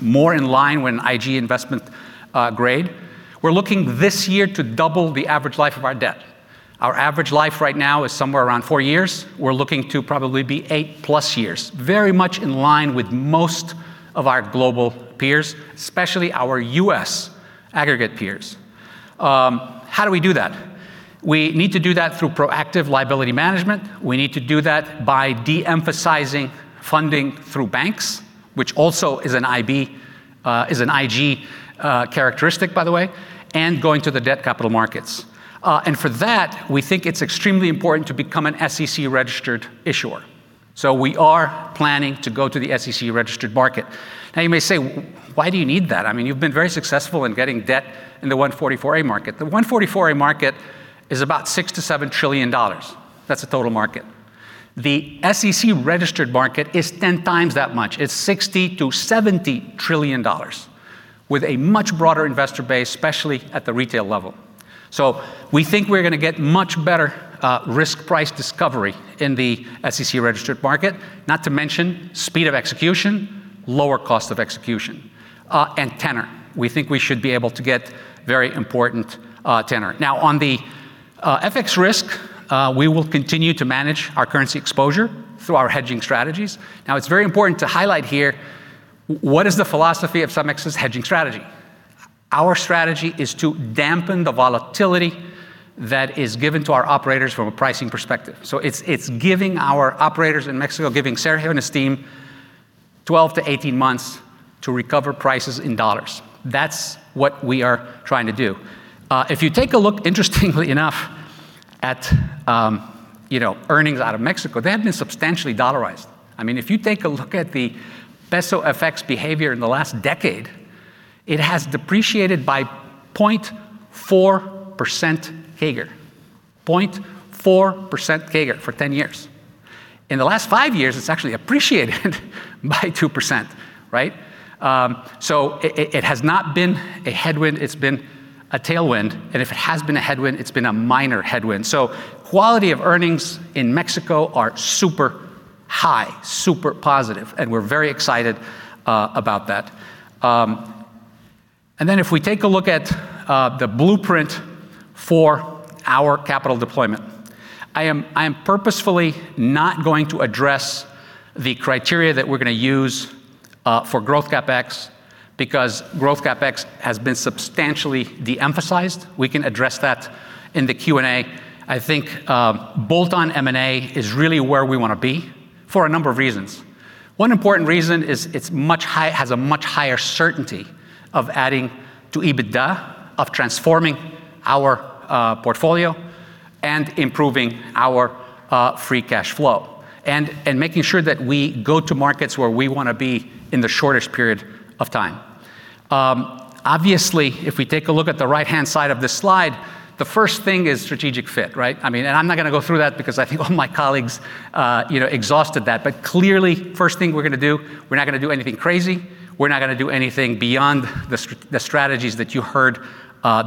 more in line with an IG investment grade. We're looking this year to double the average life of our debt. Our average life right now is somewhere around four years. We're looking to probably be eight-plus years, very much in line with most of our global peers, especially our U.S. aggregate peers. How do we do that? We need to do that through proactive liability management. We need to do that by de-emphasizing funding through banks, which also is an IG characteristic, by the way, and going to the debt capital markets. For that, we think it's extremely important to become an SEC-registered issuer. We are planning to go to the SEC-registered market. Now, you may say, "Why do you need that? I mean, you've been very successful in getting debt in the 144A market." The 144A market is about $6 trillion-$7 trillion. That's the total market. The SEC-registered market is 10x that much. It's $60 trillion-$70 trillion, with a much broader investor base, especially at the retail level. We think we're going to get much better risk price discovery in the SEC-registered market, not to mention speed of execution, lower cost of execution, and tenor. We think we should be able to get very important tenor. On the FX risk, we will continue to manage our currency exposure through our hedging strategies. It's very important to highlight here, what is the philosophy of CEMEX's hedging strategy? Our strategy is to dampen the volatility that is given to our operators from a pricing perspective. It's giving our operators in Mexico, giving Sergio and his team 12–18 months to recover prices in dollars. That's what we are trying to do. If you take a look, interestingly enough, at, you know, earnings out of Mexico, they have been substantially dollarized. I mean, if you take a look at the peso FX behavior in the last decade, it has depreciated by 0.4% CAGR, 0.4% CAGR for 10 years. In the last five years, it's actually appreciated by 2%, right? It has not been a headwind, it's been a tailwind, and if it has been a headwind, it's been a minor headwind. Quality of earnings in Mexico are super high, super positive, and we're very excited about that. If we take a look at the blueprint for our capital deployment, I am purposefully not going to address the criteria that we're going to use for growth CapEx, because growth CapEx has been substantially de-emphasized. We can address that in the Q&A. I think bolt-on M&A is really where we want to be for a number of reasons. One important reason is it has a much higher certainty of adding to EBITDA, of transforming our portfolio, and improving our free cash flow, and making sure that we go to markets where we want to be in the shortest period of time. Obviously, if we take a look at the right-hand side of this slide, the first thing is strategic fit, right? I mean, I'm not going to go through that because I think all my colleagues, you know, exhausted that. Clearly, first thing we're going to do, we're not going to do anything crazy. We're not going to do anything beyond the strategies that you heard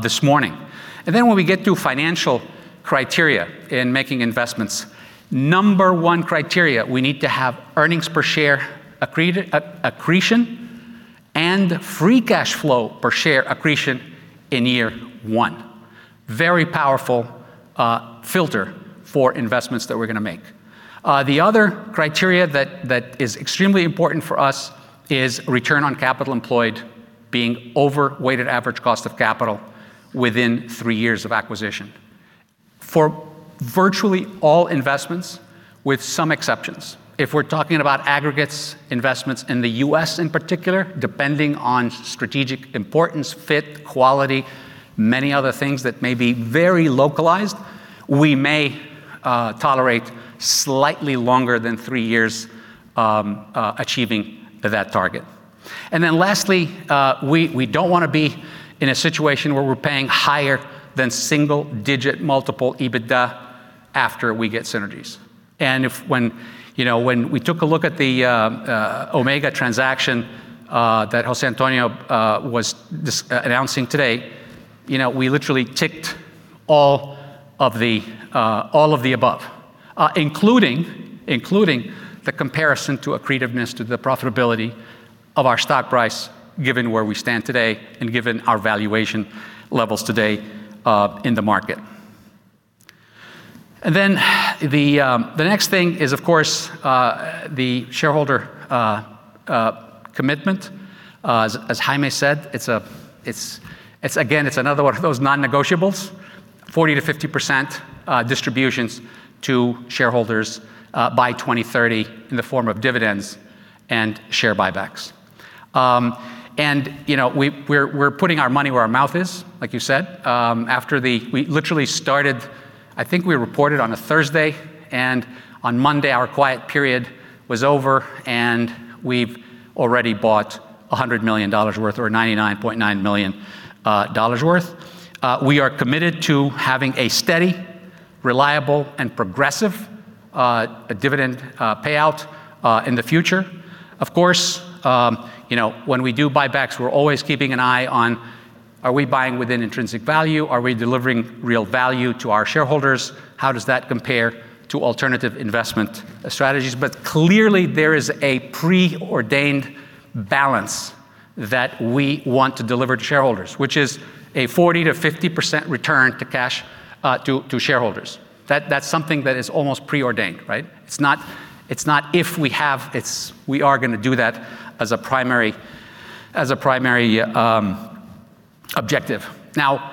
this morning. When we get to financial criteria in making investments, number one criteria, we need to have earnings per share accretion and free cash flow per share accretion in year one. Very powerful filter for investments that we're going to make. The other criteria that is extremely important for us is return on capital employed being over weighted average cost of capital within three years of acquisition. For virtually all investments, with some exceptions, if we're talking about aggregates, investments in the U.S. in particular, depending on strategic importance, fit, quality, many other things that may be very localized, we may tolerate slightly longer than three years achieving that target. Lastly, we don't want to be in a situation where we're paying higher than single-digit multiple EBITDA after we get synergies. If when, you know, when we took a look at the Omega transaction that José Antonio was announcing today, you know, we literally ticked all of the above, including the comparison to accretiveness, to the profitability of our stock price, given where we stand today and given our valuation levels today in the market. The next thing is, of course, the shareholder commitment. As Jaime Muguiro said, it's again, it's another one of those non-negotiables. 40%-50% distributions to shareholders by 2030 in the form of dividends and share buybacks. You know, we're putting our money where our mouth is, like you said. We literally started, I think we reported on a Thursday, and on Monday, our quiet period was over, and we've already bought $100 million worth or $99.9 million worth. We are committed to having a steady, reliable, and progressive dividend payout in the future. Of course, you know, when we do buybacks, we're always keeping an eye on, are we buying within intrinsic value? Are we delivering real value to our shareholders? How does that compare to alternative investment strategies? Clearly, there is a preordained balance that we want to deliver to shareholders, which is a 40%-50% return to cash, to shareholders. That's something that is almost preordained, right? It's not if we have, it's we are going to do that as a primary objective. Now,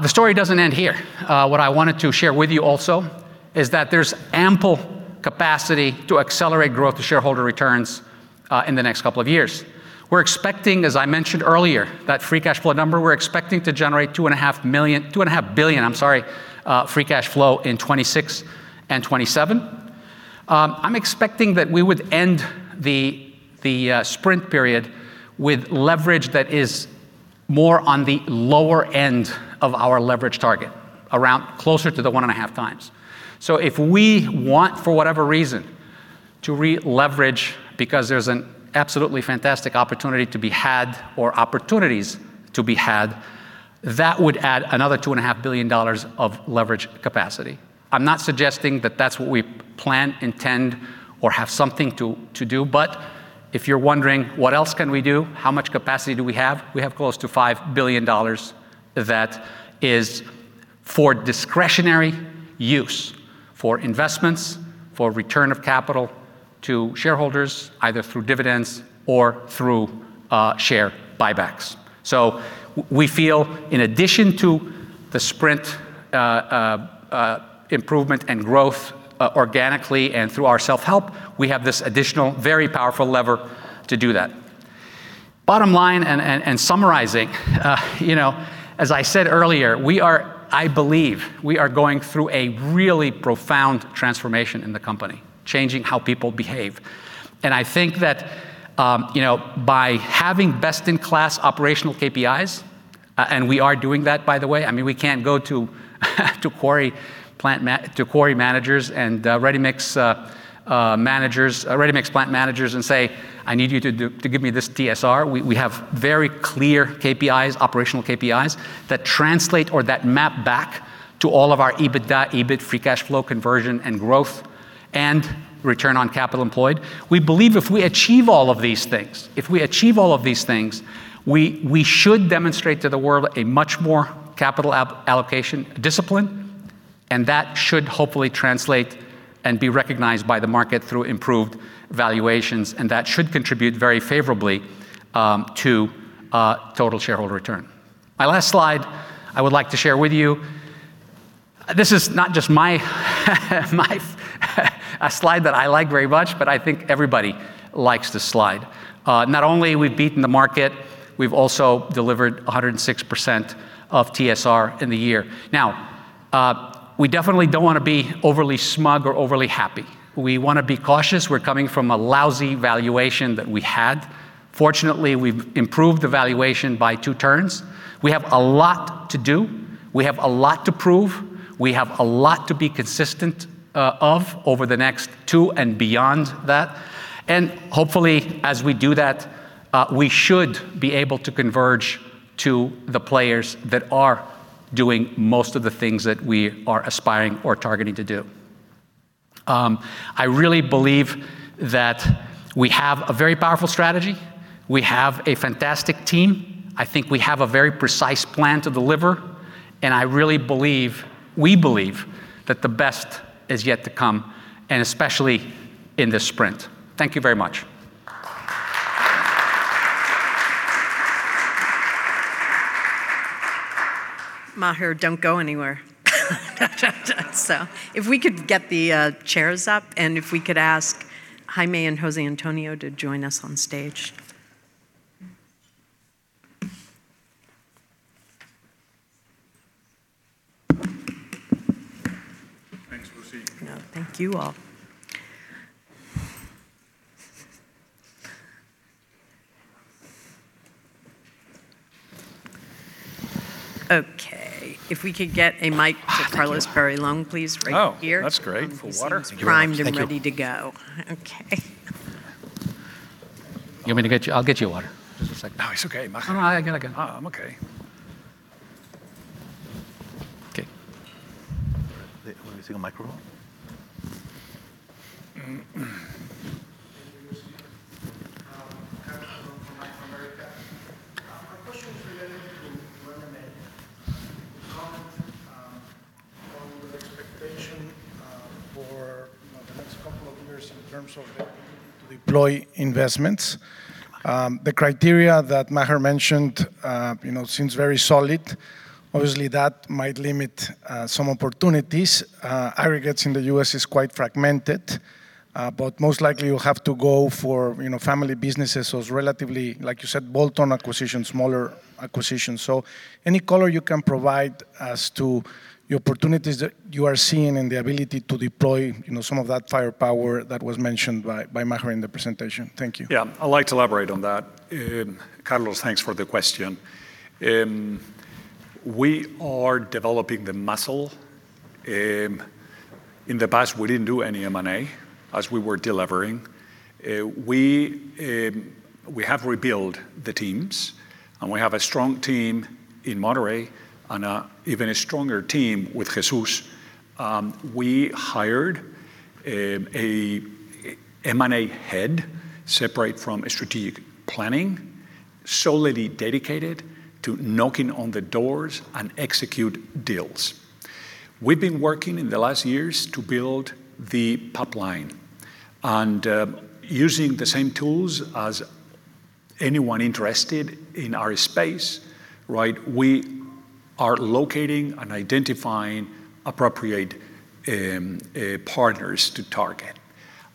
the story doesn't end here. What I wanted to share with you also is that there's ample capacity to accelerate growth to shareholder returns in the next couple of years. We're expecting, as I mentioned earlier, that free cash flow number, we're expecting to generate $2.5 billion, I'm sorry, free cash flow in 2026 and 2027. I'm expecting that we would end the sprint period with leverage that is more on the lower end of our leverage target, around closer to the 1.5x. If we want, for whatever reason, to re-leverage because there's an absolutely fantastic opportunity to be had or opportunities to be had, that would add another $2.5 billion of leverage capacity. I'm not suggesting that that's what we plan, intend, or have something to do. If you're wondering, what else can we do? How much capacity do we have? We have close to $5 billion that is for discretionary use, for investments, for return of capital to shareholders, either through dividends or through share buybacks. We feel in addition to the sprint improvement and growth organically and through our self-help, we have this additional, very powerful lever to do that. Bottom line and summarizing, you know, as I said earlier, I believe we are going through a really profound transformation in the company, changing how people behave. I think that, you know, by having best-in-class operational KPIs, and we are doing that, by the way. I mean, we can't go to quarry managers and ready-mix plant managers and say, "I need you to give me this TSR." We have very clear KPIs, operational KPIs, that translate or that map back to all of our EBITDA, EBIT, free cash flow conversion and growth, and return on capital employed. We believe if we achieve all of these things, we should demonstrate to the world a much more capital allocation discipline, and that should hopefully translate and be recognized by the market through improved valuations, and that should contribute very favorably to total shareholder return. My last slide I would like to share with you. This is not just my a slide that I like very much, but I think everybody likes this slide. Not only we've beaten the market, we've also delivered 106% of TSR in the year. We definitely don't want to be overly smug or overly happy. We want to be cautious. We're coming from a lousy valuation that we had. Fortunately, we've improved the valuation by two turns. We have a lot to do. We have a lot to prove. We have a lot to be consistent of over the next two and beyond that. Hopefully, as we do that, we should be able to converge to the players that are doing most of the things that we are aspiring or targeting to do. I really believe that we have a very powerful strategy. We have a fantastic team. I think we have a very precise plan to deliver, and I really believe, we believe, that the best is yet to come, and especially in this sprint. Thank you very much. Maher, don't go anywhere. If we could get the chairs up, and if we could ask Jaime and Jose Antonio to join us on stage. Thanks, Lucy. No, thank you all. Okay, if we could get a mic to Carlos. Oh, thank you. Peyrelongue, please, right here. Oh, that's great. Full water. He seems. Thank you. Ready to go. Okay. You want me to get you water. Just a second. No, it's okay, Maher. No, I got it again. I'm okay. Okay. Let me see a microphone. Thank you, Lucy. Carlos from Bank of America. My question is related to M&A. Comment on the expectation for, you know, the next couple of years in terms of the deploy investments. The criteria that Maher mentioned, you know, seems very solid. Obviously, that might limit some opportunities. Aggregates in the U.S. is quite fragmented, but most likely you have to go for, you know, family businesses, so it's relatively, like you said, bolt-on acquisitions, smaller acquisitions. Any color you can provide as to the opportunities that you are seeing and the ability to deploy, you know, some of that firepower that was mentioned by Maher in the presentation. Thank you. Yeah, I'd like to elaborate on that. Carlos, thanks for the question. We are developing the muscle. In the past, we didn't do any M&A as we were delivering. We have rebuilt the teams, and we have a strong team in Monterrey and even a stronger team with Jesus. We hired a M&A head, separate from strategic planning, solely dedicated to knocking on the doors and execute deals. We've been working in the last years to build the pipeline and using the same tools as anyone interested in our space, right? We are locating and identifying appropriate partners to target.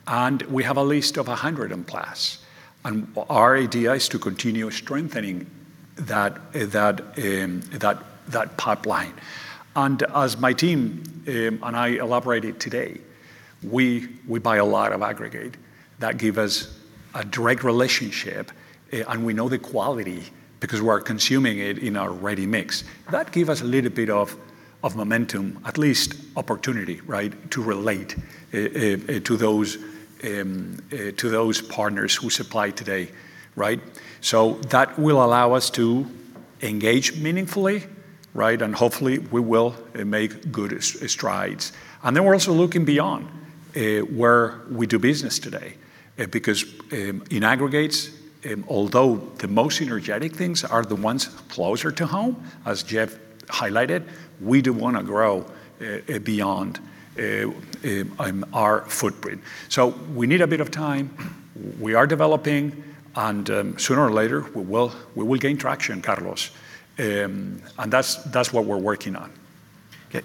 And we have a list of 100 and plus, and our idea is to continue strengthening that pipeline. As my team and I elaborated today, we buy a lot of aggregate. That give us a direct relationship, and we know the quality because we are consuming it in our ready mix. That give us a little bit of momentum, at least opportunity, right? To relate to those partners who supply today, right? That will allow us to engage meaningfully, right? Hopefully, we will make good strides. We're also looking beyond where we do business today. Because in aggregates, although the most energetic things are the ones closer to home, as Jeff highlighted, we do wanna grow beyond our footprint. We need a bit of time. We are developing, and sooner or later, we will gain traction, Carlos. That's what we're working on.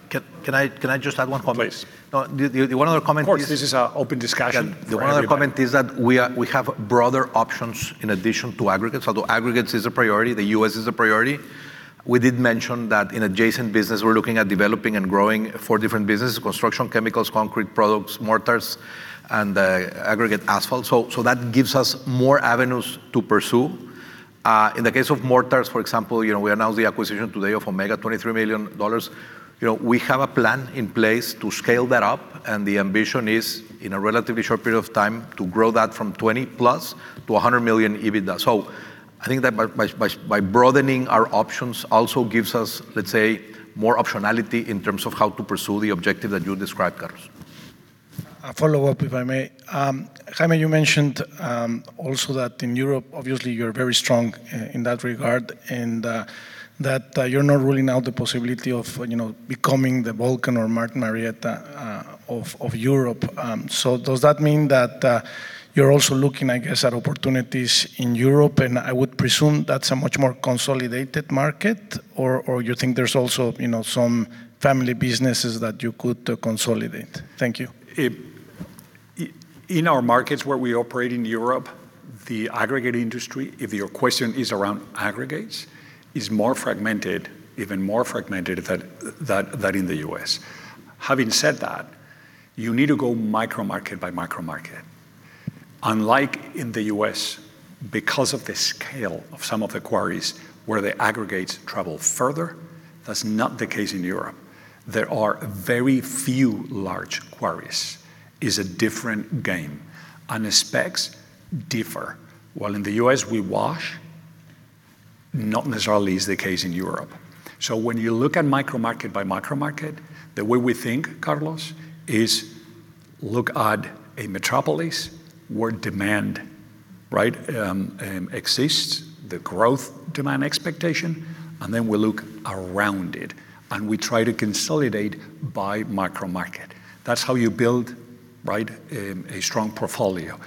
Can I just add one comment? Please. The, one other comment- Of course, this is a open discussion. The one other comment is that we have broader options in addition to aggregates. Although Aggregates is a priority, the U.S. is a priority, we did mention that in adjacent business, we're looking at developing and growing four different businesses: construction chemicals, concrete products, mortars, and aggregate asphalt. That gives us more avenues to pursue. In the case of mortars, for example, you know, we announced the acquisition today of Omega, $23 million. You know, we have a plan in place to scale that up, and the ambition is, in a relatively short period of time, to grow that from $20 million+ to $100 million EBITDA. I think that by broadening our options also gives us, let's say, more optionality in terms of how to pursue the objective that you described, Carlos. A follow-up, if I may. Jaime, you mentioned, also that in Europe, obviously you're very strong in that regard, and that you're not ruling out the possibility of, you know, becoming the Vulcan or Martin Marietta, of Europe. Does that mean that you're also looking, I guess, at opportunities in Europe? I would presume that's a much more consolidated market, or you think there's also, you know, some family businesses that you could consolidate? Thank you. In our markets where we operate in Europe, the aggregate industry, if your question is around aggregates, is more fragmented, even more fragmented than in the U.S. You need to go micro market by micro market. Unlike in the U.S., because of the scale of some of the quarries where the aggregates travel further, that's not the case in Europe. There are very few large quarries. Is a different game, and the specs differ. While in the U.S., we wash, not necessarily is the case in Europe. When you look at micro market by micro market, the way we think, Carlos, is look at a metropolis where demand, right, exists, the growth demand expectation, and then we look around it, and we try to consolidate by micro market. That's how you build, right, a strong portfolio.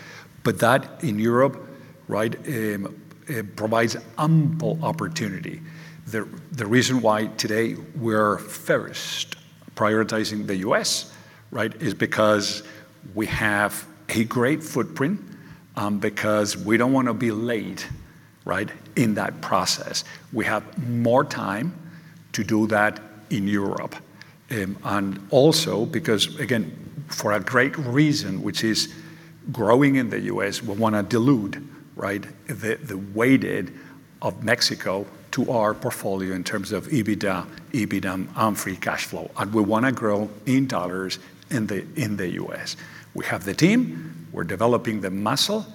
That, in Europe, right, it provides ample opportunity. The reason why today we're prioritizing the U.S., right? Is because we have a great footprint, because we don't want to be late, right, in that process. We have more time to do that in Europe. Also because, again, for a great reason, which is growing in the U.S., we want to dilute, right, the weighted of Mexico to our portfolio in terms of EBITDA, free cash flow. We want to grow in dollars in the U.S. We have the team. We're developing the muscle.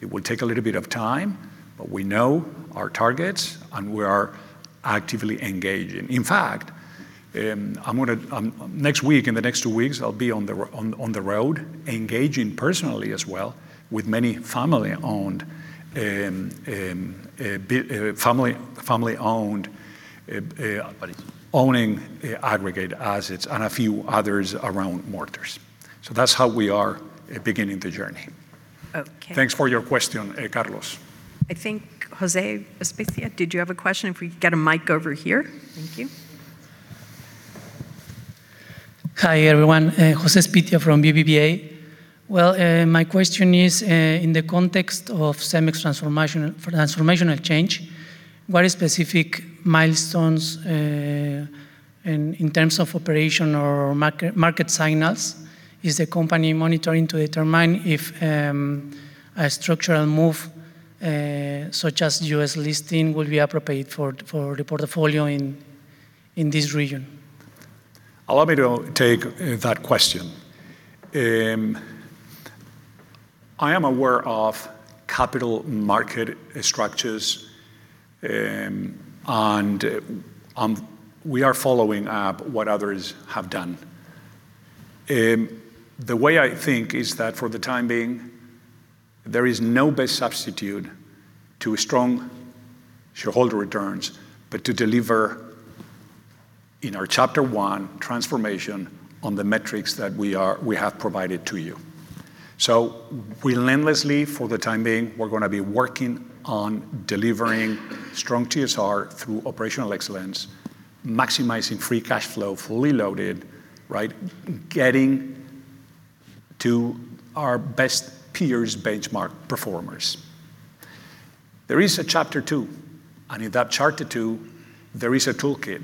It will take a little bit of time, but we know our targets, and we are actively engaging. In fact, I'm going to next week, in the next two weeks, I'll be on the road, engaging personally as well with many family-owned owning aggregate assets and a few others around mortars. That's how we are beginning the journey. Okay. Thanks for your question, Carlos. I think José Espitia, did you have a question? We could get a mic over here. Thank you. Hi, everyone, José Espitia from BBVA. My question is, in the context of CEMEX transformational change, what are specific milestones, in terms of operation or market signals, is the company monitoring to determine if a structural move, such as U.S. listing, will be appropriate for the portfolio in this region? Allow me to take that question. I am aware of capital market structures, and we are following up what others have done. The way I think is that for the time being, there is no best substitute to strong shareholder returns, but to deliver in our Chapter 1 transformation on the metrics that we have provided to you. We relentlessly, for the time being, we're going to be working on delivering strong TSR through operational excellence, maximizing free cash flow, fully loaded, right? Getting to our best peers, benchmark performers. There is a Chapter 2. In that Chapter 2, there is a toolkit.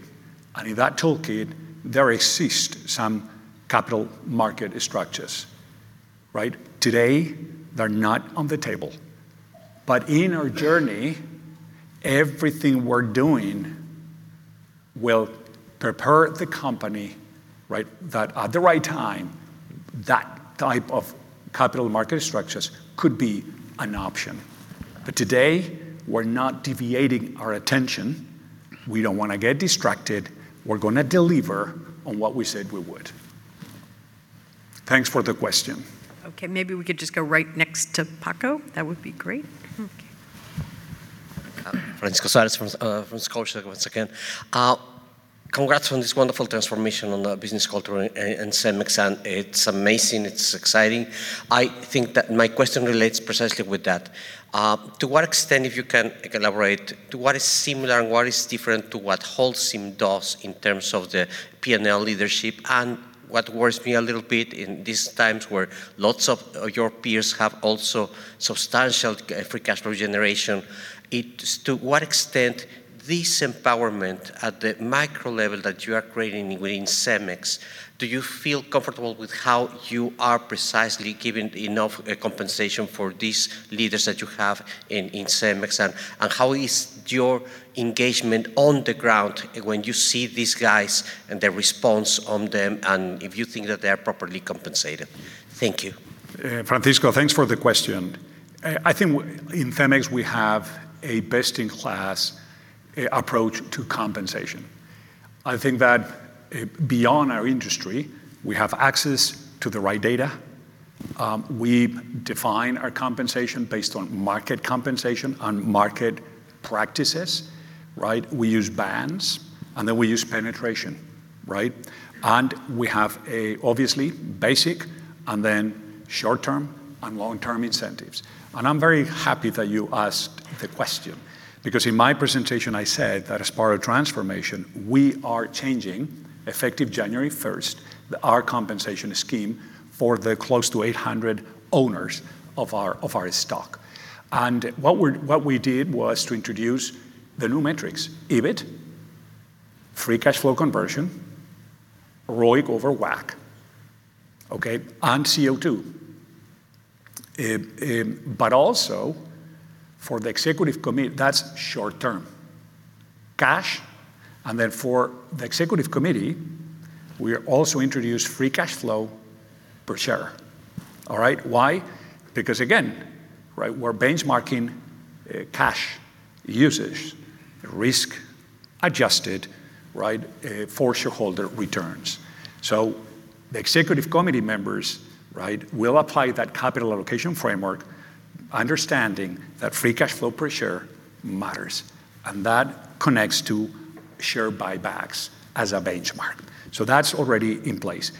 In that toolkit, there exist some capital market structures, right? Today, they're not on the table, but in our journey, everything we're doing will prepare the company, right, that at the right time, that type of capital market structures could be an option. Today, we're not deviating our attention. We don't want to get distracted. We're going to deliver on what we said we would. Thanks for the question. Okay, maybe we could just go right next to Paco. That would be great. Okay. Francisco Suarez from Scotiabank once again. Congrats on this wonderful transformation on the business culture in Cemex. It's amazing, it's exciting. I think that my question relates precisely with that. To what extent, if you can elaborate, to what is similar and what is different to what Holcim does in terms of the P&L leadership? What worries me a little bit in these times, where lots of your peers have also substantial free cash flow generation. To what extent this empowerment at the micro level that you are creating within CEMEX, do you feel comfortable with how you are precisely giving enough compensation for these leaders that you have in CEMEX? How is your engagement on the ground when you see these guys and the response on them, and if you think that they are properly compensated? Thank you. Francisco, thanks for the question. I think in CEMEX, we have a best-in-class, approach to compensation. I think that, beyond our industry, we have access to the right data. We define our compensation based on market compensation and market practices, right? We use bands, and then we use penetration, right? We have a obviously basic and then short-term and long-term incentives. I'm very happy that you asked the question, because in my presentation, I said that as part of transformation, we are changing, effective January 1st, our compensation scheme for the close to 800 owners of our stock. What we did was to introduce the new metrics: EBIT, free cash flow conversion, ROIC over WACC, okay, and CO2. Also for the executive commit- That's short term. Cash, and then for the Executive Committee, we also introduced free cash flow per share. All right. Why? Because again, right, we're benchmarking cash usage, risk-adjusted, right, for shareholder returns. The Executive Committee members, right, will apply that capital allocation framework, understanding that free cash flow per share matters, and that connects to share buybacks as a benchmark. That's already in place.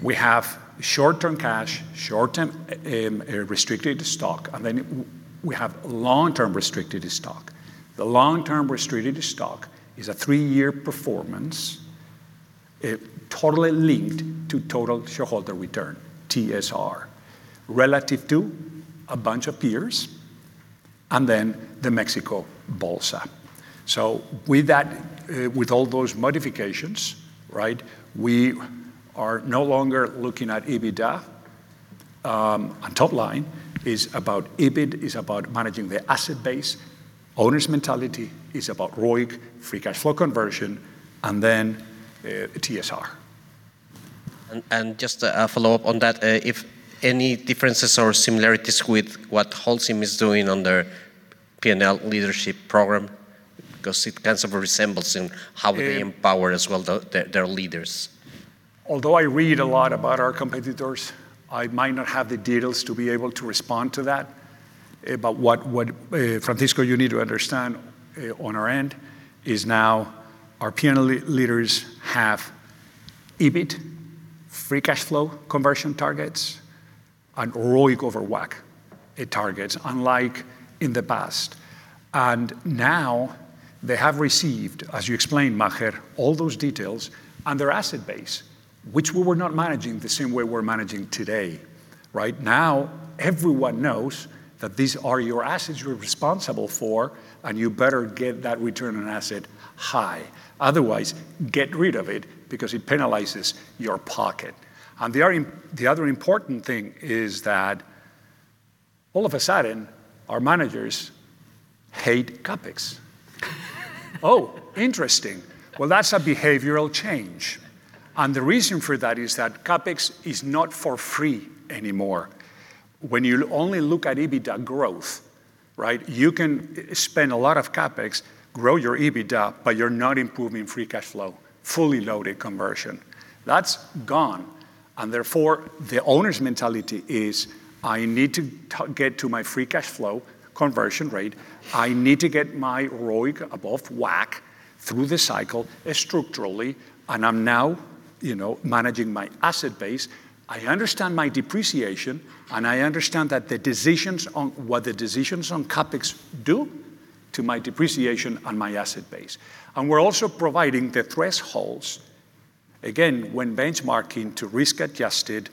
We have short-term cash, short-term restricted stock, and then we have long-term restricted stock. The long-term restricted stock is a three-year performance, totally linked to total shareholder return, TSR, relative to a bunch of peers, and then the Mexico Bolsa. With that, with all those modifications, right, we are no longer looking at EBITDA. Top line is about EBIT, is about managing the asset base. Owners' mentality is about ROIC, free cash flow conversion, and then TSR. Just a follow-up on that, if any differences or similarities with what Holcim is doing on their P&L leadership program? Because it kind of resembles in how they empower as well their leaders. Although I read a lot about our competitors, I might not have the details to be able to respond to that. What, what, Francisco, you need to understand on our end is now our P&L leaders have EBIT, free cash flow conversion targets, and ROIC over WACC targets, unlike in the past. Now, they have received, as you explained, Maher, all those details on their asset base, which we were not managing the same way we’re managing today. Right now, everyone knows that these are your assets you’re responsible for, and you better get that return on asset high. Otherwise, get rid of it because it penalizes your pocket. The other important thing is that all of a sudden, our managers hate CapEx. Oh, interesting! Well, that’s a behavioral change. The reason for that is that CapEx is not for free anymore. When you only look at EBITDA growth, right, you can spend a lot of CapEx, grow your EBITDA, but you're not improving free cash flow, fully loaded conversion. That's gone, and therefore, the owner's mentality is, "I need to get to my free cash flow conversion rate. I need to get my ROIC above WACC through the cycle structurally, and I'm now, you know, managing my asset base. I understand my depreciation, and I understand that what the decisions on CapEx do to my depreciation and my asset base." We're also providing the thresholds, again, when benchmarking to risk-adjusted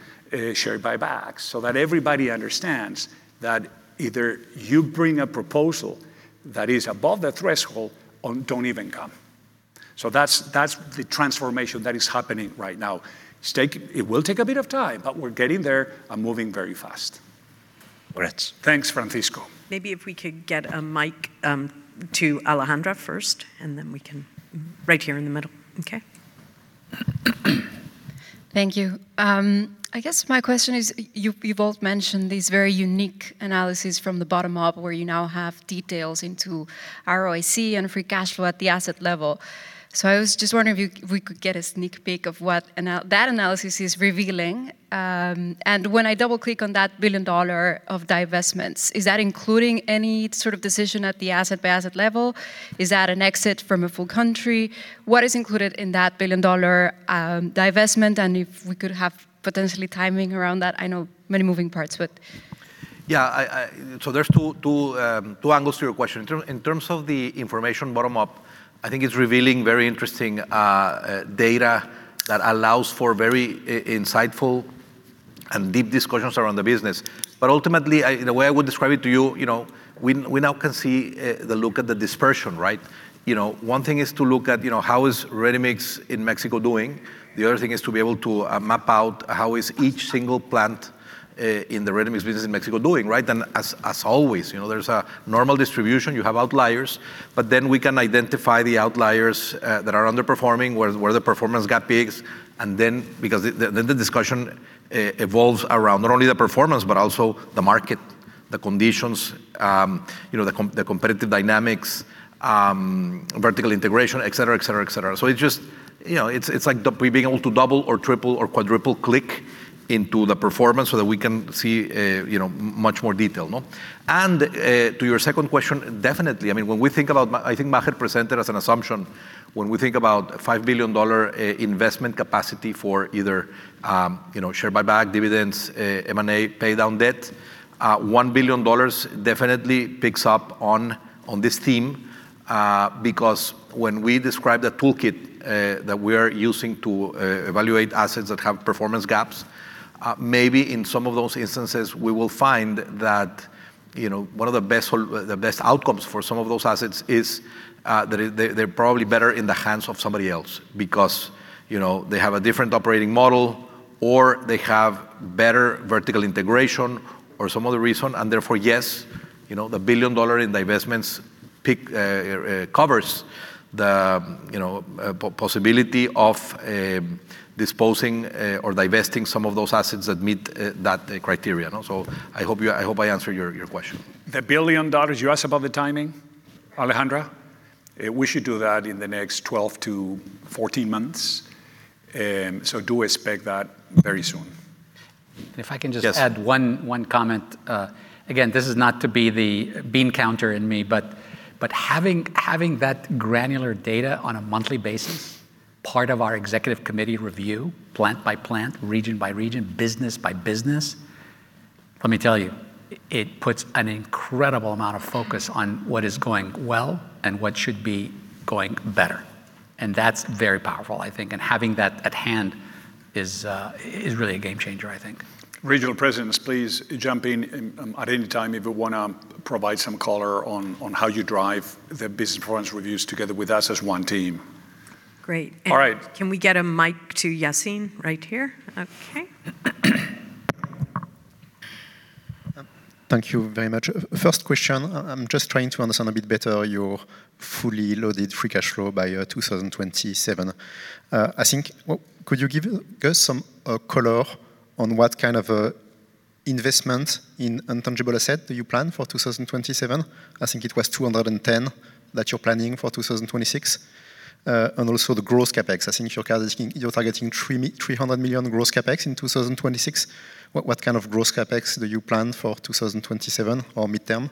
share buybacks, so that everybody understands that either you bring a proposal that is above the threshold or don't even come. That's, that's the transformation that is happening right now. It will take a bit of time, but we're getting there and moving very fast. Great. Thanks, Francisco. Maybe if we could get a mic to Alejandra first, and then we can. Right here in the middle. Okay. Thank you. I guess my question is, you both mentioned this very unique analysis from the bottom up, where you now have details into ROIC and free cash flow at the asset level. I was just wondering if we could get a sneak peek of what that analysis is revealing. When I double-click on that $1 billion of divestments, is that including any sort of decision at the asset-by-asset level? Is that an exit from a full country? What is included in that $1 billion divestment? If we could have potentially timing around that. I know many moving parts, but. Yeah, I, there's two angles to your question. In terms of the information bottom up, I think it's revealing very interesting data that allows for very insightful and deep discussions around the business. Ultimately, I, the way I would describe it to you know, we now can see the look at the dispersion, right? You know, one thing is to look at, you know, how is Ready-Mix in Mexico doing? The other thing is to be able to map out how is each single plant in the Ready-Mix business in Mexico doing, right? As always, you know, there's a normal distribution. You have outliers, we can identify the outliers that are underperforming, where the performance gap is. Because the then the discussion evolves around not only the performance, but also the market, the conditions, you know, the competitive dynamics, vertical integration, et cetera, et cetera, et cetera. It's just, you know, it's like we being able to double or triple or quadruple-click into the performance so that we can see, you know, much more detail, no? To your second question, definitely. I mean, when we think about I think Maher presented as an assumption, when we think about $5 billion investment capacity for either, you know, share buyback, dividends, M&A, pay down debt, $1 billion definitely picks up on this theme. Because when we describe the toolkit that we are using to evaluate assets that have performance gaps, maybe in some of those instances, we will find that, you know, one of the best outcomes for some of those assets is that they're probably better in the hands of somebody else. They have a different operating model, or they have better vertical integration or some other reason, yes, you know, the $1 billion in divestments pick covers the possibility of disposing or divesting some of those assets that meet that criteria, no? I hope I answered your question. The $1 billion, you asked about the timing, Alejandra? We should do that in the next 12–14 months, so do expect that very soon. If I can just add. Yes. One comment. Again, this is not to be the bean counter in me, but having that granular data on a monthly basis, part of our Executive Committee review, plant by plant, region by region, business by business, let me tell you, it puts an incredible amount of focus on what is going well and what should be going better. That's very powerful, I think, and having that at hand is really a game changer, I think. Regional presidents, please jump in at any time if you wanna provide some color on how you drive the business performance reviews together with us as one team. Great. All right. Can we get a mic to Yassine right here? Okay. Thank you very much. First question, I'm just trying to understand a bit better your fully loaded free cash flow by 2027. I think, well, could you give us some color on what kind of investment in intangible asset do you plan for 2027? I think it was $210 that you're planning for 2026. Also the gross CapEx. I think you're targeting $300 million gross CapEx in 2026. What kind of gross CapEx do you plan for 2027 or midterm?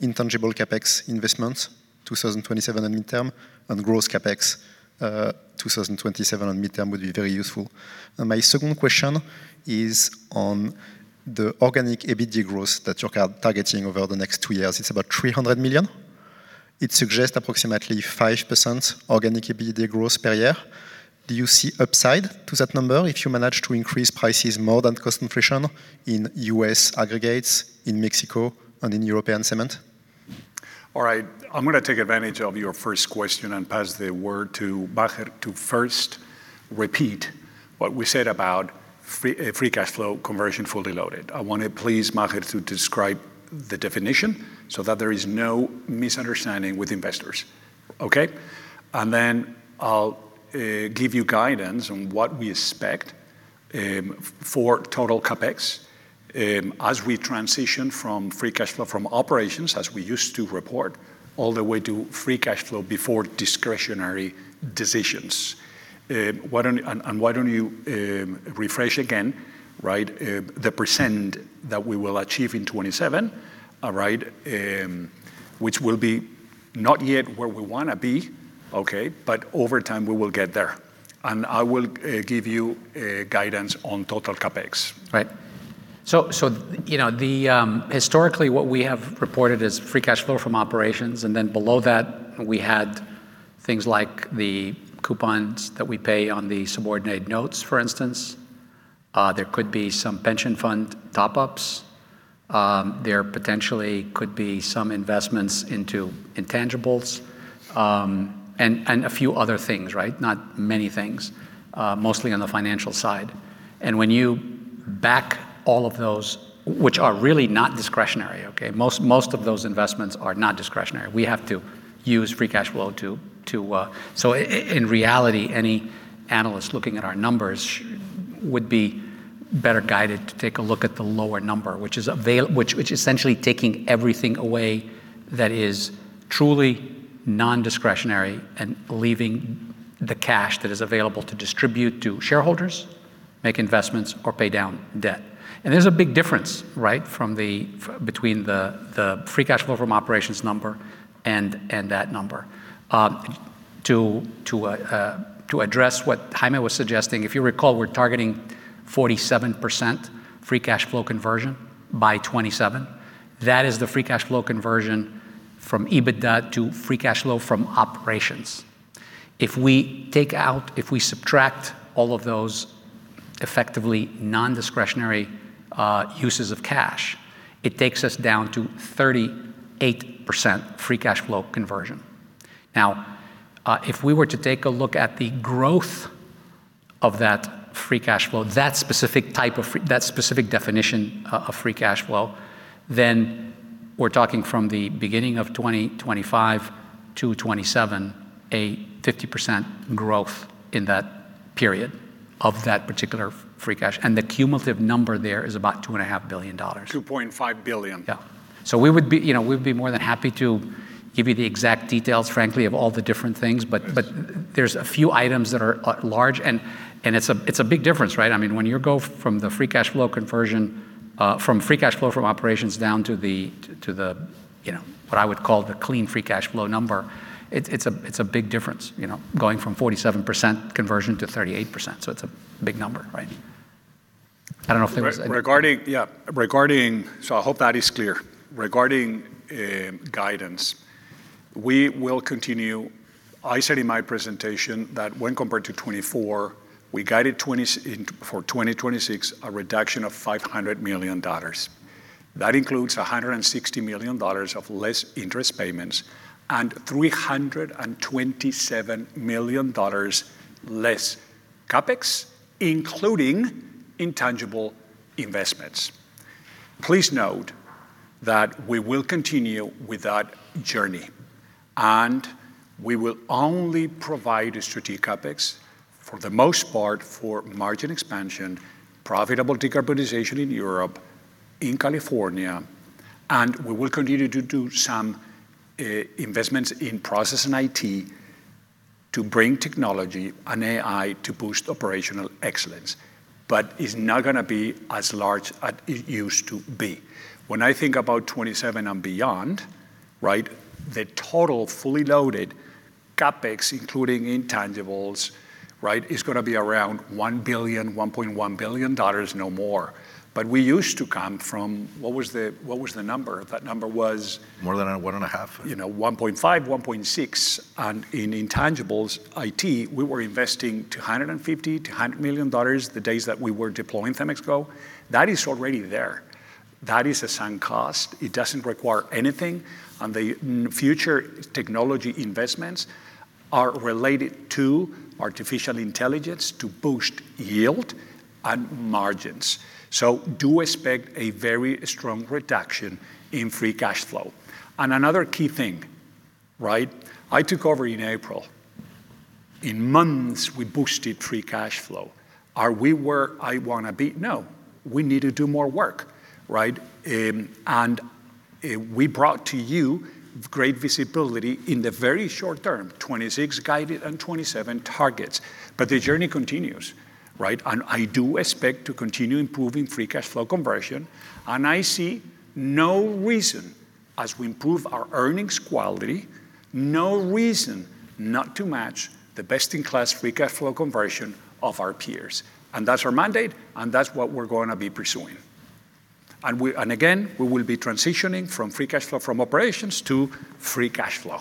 Intangible CapEx investment, 2027 and midterm, and gross CapEx, 2027 and midterm would be very useful. My second question is on the organic EBT growth that you're currently targeting over the next two years. It's about $300 million. It suggests approximately 5% organic EBT growth per year. Do you see upside to that number if you manage to increase prices more than cost inflation in U.S. Aggregates, in Mexico, and in European cement? All right, I'm going to take advantage of your first question and pass the word to Maher to first repeat what we said about free cash flow conversion, fully loaded. I want to please Maher to describe the definition so that there is no misunderstanding with investors. Okay? Then I'll give you guidance on what we expect for total CapEx as we transition from free cash flow from operations, as we used to report, all the way to free cash flow before discretionary decisions. Why don't you refresh again, right, the percent that we will achieve in 2027, right, which will be not yet where we wanna be, okay, but over time, we will get there. I will give you guidance on total CapEx. Right. you know, the historically, what we have reported is free cash flow from operations, and then below that, we had things like the coupons that we pay on the subordinate notes, for instance. There could be some pension fund top-ups. There potentially could be some investments into intangibles, and a few other things, right? Not many things, mostly on the financial side. When you back all of those, which are really not discretionary, okay? Most of those investments are not discretionary. We have to use free cash flow to... In reality, any analyst looking at our numbers would be better guided to take a look at the lower number, which is which essentially taking everything away that is truly non-discretionary and leaving the cash that is available to distribute to shareholders, make investments, or pay down debt. There's a big difference, right, from the, between the free cash flow from operations number and that number. To address what Jaime was suggesting, if you recall, we're targeting 47% free cash flow conversion by 2027. That is the free cash flow conversion from EBITDA to free cash flow from operations. If we take out, if we subtract all of those effectively non-discretionary uses of cash, it takes us down to 38% free cash flow conversion. If we were to take a look at the growth of that free cash flow, that specific definition of free cash flow, then we're talking from the beginning of 2025 to 2027, a 50% growth in that period of that particular free cash, and the cumulative number there is about two and a half billion dollars. $2.5 billion. Yeah. We would be, you know, we'd be more than happy to give you the exact details, frankly, of all the different things, but. Yes There's a few items that are large and it's a big difference, right? I mean, when you go from the free cash flow conversion, from free cash flow from operations down to the, you know, what I would call the clean free cash flow number, it's a big difference, you know, going from 47% conversion to 38%. It's a big number, right? I don't know if there was anything- Regarding... I hope that is clear. Regarding guidance, we will continue. I said in my presentation that when compared to 2024, we guided in, for 2026, a reduction of $500 million. That includes $160 million of less interest payments and $327 million less CapEx, including intangible investments. Please note that we will continue with that journey, we will only provide a strategic CapEx, for the most part, for margin expansion, profitable decarbonization in Europe, in California, and we will continue to do some investments in process and to bring technology and AI to boost operational excellence, it's not gonna be as large as it used to be. When I think about 2027 and beyond, right? The total fully loaded CapEx, including intangibles, right, is going to be around $1 billion, $1.1 billion, no more. What was the number? More than a one and a half. You know, 1.5, 1.6. In intangibles, IT, we were investing $250 million, $200 million the days that we were deploying CEMEX Go. That is already there. That is a sunk cost. It doesn't require anything. The future technology investments are related to artificial intelligence to boost yield and margins. Do expect a very strong reduction in free cash flow. Another key thing, right? I took over in April. In months, we boosted free cash flow. Are we where I wanna be? No. We need to do more work, right? We brought to you great visibility in the very short term, 2026 guided and 2027 targets. The journey continues, right? I do expect to continue improving free cash flow conversion, and I see no reason, as we improve our earnings quality, no reason not to match the best-in-class free cash flow conversion of our peers. That's our mandate, and that's what we're going to be pursuing. Again, we will be transitioning from free cash flow from operations to free cash flow.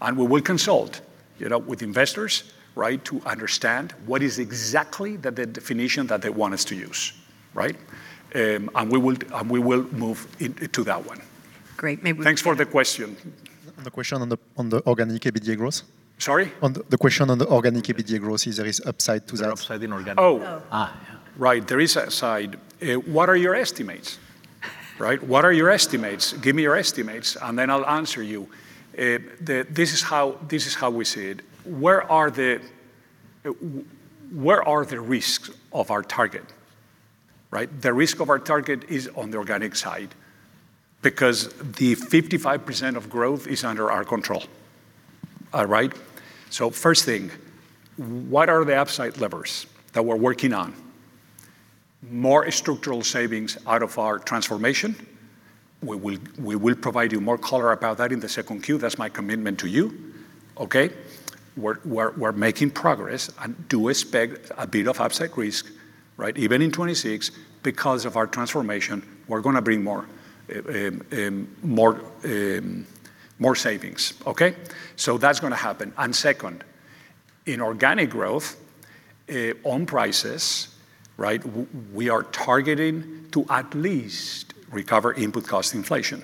We will consult, you know, with investors, right, to understand what is exactly the definition that they want us to use, right? We will move to that one. Great. Thanks for the question. On the question on the organic EBITDA growth? Sorry? On the question on the organic EBITDA growth, is there upside to that? There upside in organic. Oh! Oh. Ah. Right, there is upside. What are your estimates, right? What are your estimates? Give me your estimates, and then I'll answer you. This is how we see it. Where are the risks of our target, right? The risk of our target is on the organic side because the 55% of growth is under our control. Right? First thing, what are the upside levers that we're working on? More structural savings out of our transformation. We will provide you more color about that in the 2Q. That's my commitment to you, okay? We're making progress, and do expect a bit of upside risk, right? Even in 2026, because of our transformation, we're gonna bring more savings, okay? That's gonna happen. Second, in organic growth, on prices, right, we are targeting to at least recover input cost inflation.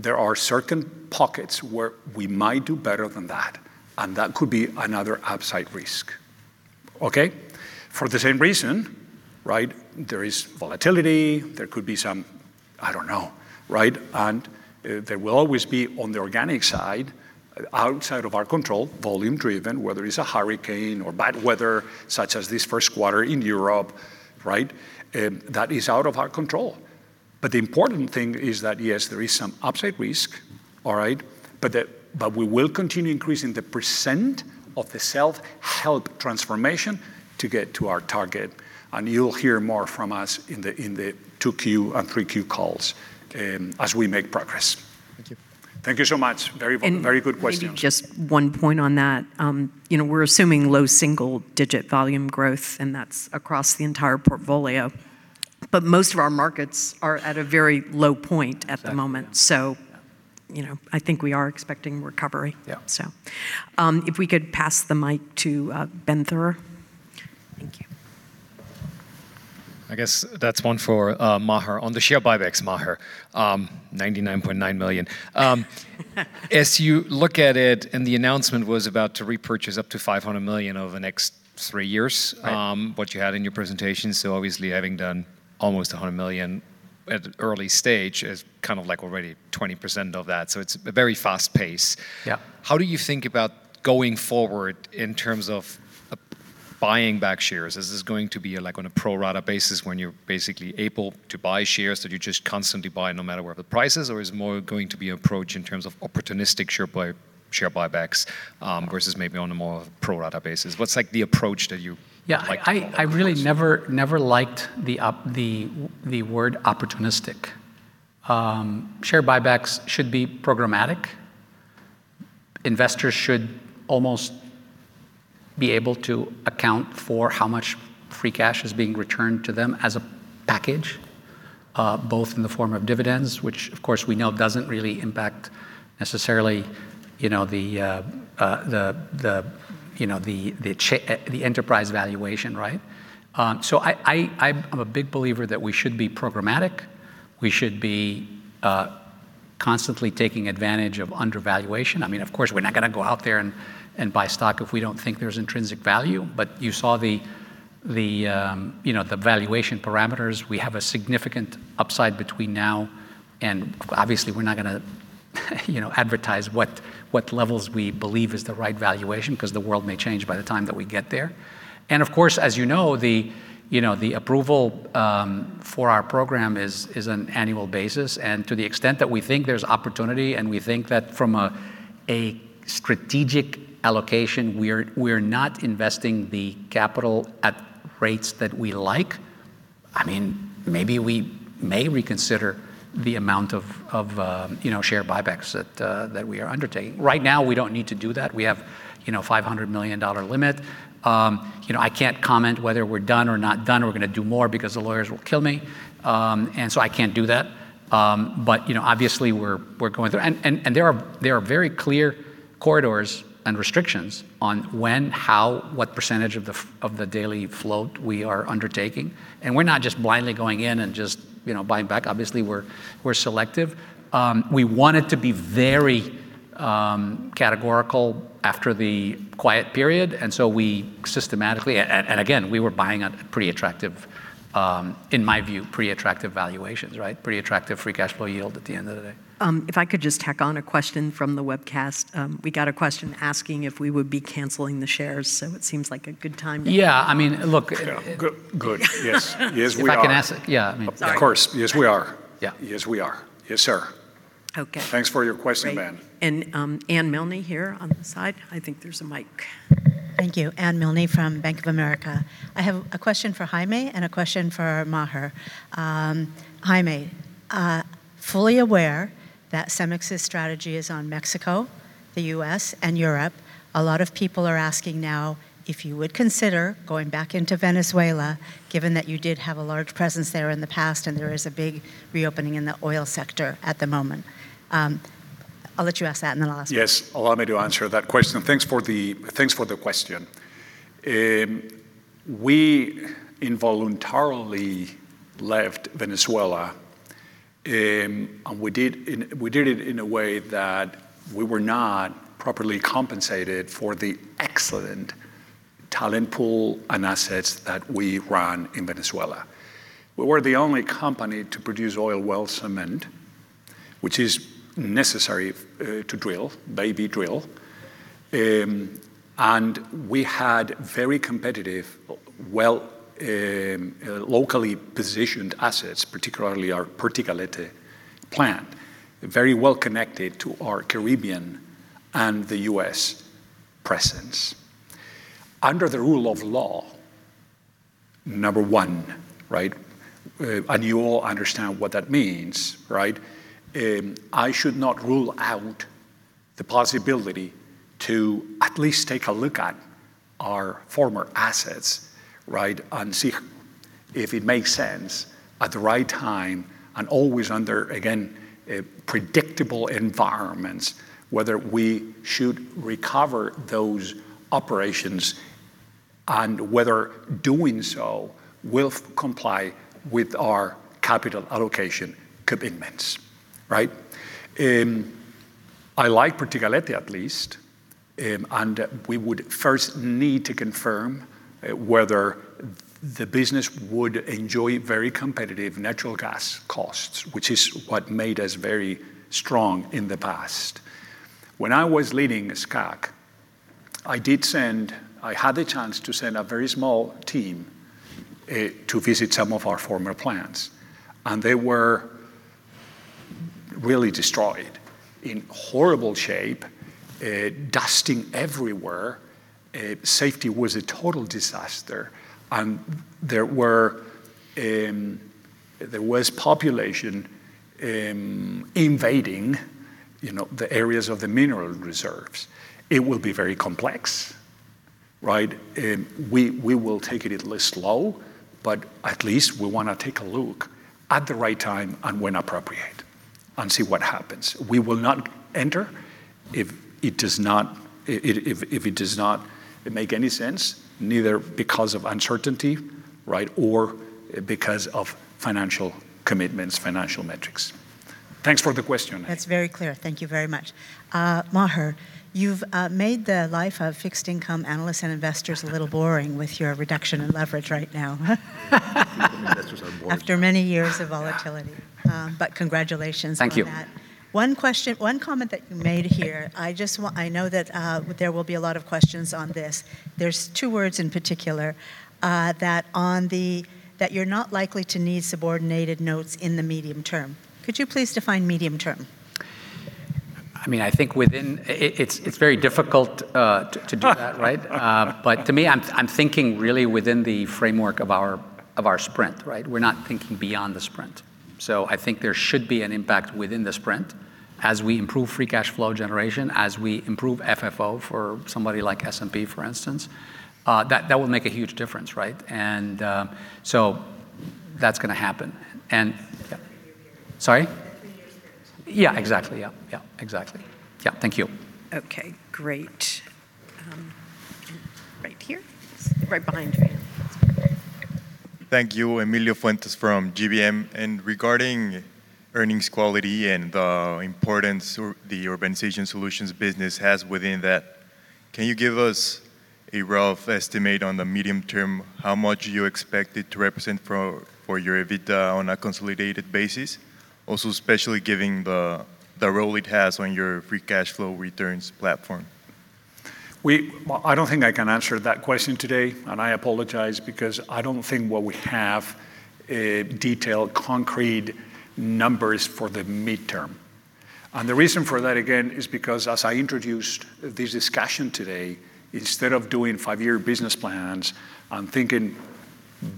There are certain pockets where we might do better than that, and that could be another upside risk, okay? For the same reason, right, there is volatility, there could be some. I don't know, right? There will always be, on the organic side, outside of our control, volume-driven, whether it's a hurricane or bad weather, such as this first quarter in Europe, right? That is out of our control. The important thing is that, yes, there is some upside risk, all right? We will continue increasing the % of the self-help transformation to get to our target, and you'll hear more from us in the, in the 2Q and 3Q calls, as we make progress. Thank you. Thank you so much. Very important, very good question. Maybe just one point on that. You know, we're assuming low single-digit volume growth, and that's across the entire portfolio. Most of our markets are at a very low point at the moment. Exactly, yeah. You know, I think we are expecting recovery. Yeah. If we could pass the mic to, Ben Theurer. Thank you. I guess that's one for Maher. On the share buybacks, Maher, $99.9 million. As you look at it, the announcement was about to repurchase up to $500 million over the next three years. Right What you had in your presentation, so obviously, having done almost $100 million at an early stage is kind of like already 20% of that, so it's a very fast pace. Yeah. How do you think about going forward in terms of buying back shares? Is this going to be, like, on a pro rata basis, when you're basically able to buy shares, that you just constantly buy, no matter where the price is, or is it more going to be approach in terms of opportunistic share buybacks, versus maybe on a more pro rata basis? What's, like, the approach that you like to call it? I really never liked the word opportunistic. Share buybacks should be programmatic. Investors should almost be able to account for how much free cash is being returned to them as a package, both in the form of dividends, which of course we know doesn't really impact necessarily, you know, the enterprise valuation, right? I'm a big believer that we should be programmatic. We should be constantly taking advantage of undervaluation. I mean, of course, we're not gonna go out there and buy stock if we don't think there's intrinsic value. You saw the, you know, the valuation parameters. We have a significant upside between now... Obviously, we're not gonna, you know, advertise what levels we believe is the right valuation, 'cause the world may change by the time that we get there. Of course, as you know, the, you know, the approval for our program is an annual basis, and to the extent that we think there's opportunity, and we think that from a strategic allocation, we're not investing the capital at rates that we like. I mean, maybe we may reconsider the amount of, you know, share buybacks that we are undertaking. Right now, we don't need to do that. We have, you know, $500 million limit. You know, I can't comment whether we're done or not done, or we're gonna do more because the lawyers will kill me. So I can't do that. You know, obviously, we're going through. There are very clear corridors and restrictions on when, how, what percentage of the daily float we are undertaking. We're not just blindly going in and just, you know, buying back. Obviously, we're selective. We wanted to be very categorical after the quiet period. So we systematically. Again, we were buying at pretty attractive, in my view, pretty attractive valuations, right? Pretty attractive free cash flow yield at the end of the day. If I could just tack on a question from the webcast. We got a question asking if we would be canceling the shares, so it seems like a good time. Yeah. I mean. Yeah. Good, good. Yes. Yes, we are. If I can ask it. Yeah, I mean. Of course. Yes, we are. Yeah. Yes, we are. Yes, sir. Okay. Thanks for your question, Ben. Anne Milne here on the side. I think there's a mic. Thank you. Anne Milne from Bank of America. I have a question for Jaime and a question for Maher. Jaime, fully aware that Cemex's strategy is on Mexico, the U.S., and Europe, a lot of people are asking now if you would consider going back into Venezuela, given that you did have a large presence there in the past, and there is a big reopening in the oil sector at the moment. I'll let you ask that, and then the last- Yes, allow me to answer that question. Thanks for the question. We involuntarily left Venezuela, and we did it in a way that we were not properly compensated for the excellent talent pool and assets that we ran in Venezuela. We were the only company to produce oil well cement, which is necessary to drill, baby drill. We had very competitive, well, locally positioned assets, particularly our Pertigalete plant, very well connected to our Caribbean and the U.S. presence. Under the rule of law, number one, right, you all understand what that means, right? I should not rule out the possibility to at least take a look at our former assets, right? See if it makes sense at the right time and always under, again, a predictable environment, whether we should recover those operations and whether doing so will comply with our capital allocation commitments, right? I like Pertigalete, at least, and we would first need to confirm whether the business would enjoy very competitive natural gas costs, which is what made us very strong in the past. When I was leading SCAC, I had the chance to send a very small team to visit some of our former plants, and they were really destroyed, in horrible shape, dusting everywhere. Safety was a total disaster, and there was population invading, you know, the areas of the mineral reserves. It will be very complex, right? We will take it at least slow, but at least we wanna take a look at the right time and when appropriate and see what happens. We will not enter if it does not make any sense, neither because of uncertainty, right? Or because of financial commitments, financial metrics. Thanks for the question. That's very clear. Thank you very much. Maher, you've made the life of fixed income analysts and investors a little boring with your reduction in leverage right now. Investors are boring. After many years of volatility. Yeah. Congratulations on that. Thank you. One comment that you made here, I know that there will be a lot of questions on this. There's two words in particular that you're not likely to need subordinated notes in the medium term. Could you please define medium term? I mean, I think within it's very difficult to do that, right? But to me, I'm thinking really within the framework of our sprint, right? We're not thinking beyond the sprint. I think there should be an impact within the sprint as we improve free cash flow generation, as we improve FFO for somebody like S&P, for instance. That will make a huge difference, right? That's gonna happen. Yeah. Three years period. Sorry? A three-year period. Yeah, exactly. Yeah. Yeah, exactly. Yeah. Thank you. Okay, great. Right here. Right behind you. Thank you. Emilio Fuentes from GBM. Regarding earnings quality and the importance or the Urban Solutions business has within that, can you give us a rough estimate on the medium term, how much you expect it to represent for your EBITDA on a consolidated basis? Also, especially giving the role it has on your free cash flow returns platform. We, well, I don't think I can answer that question today, and I apologize, because I don't think what we have detailed, concrete numbers for the midterm. The reason for that, again, is because as I introduced this discussion today, instead of doing five-year business plans and thinking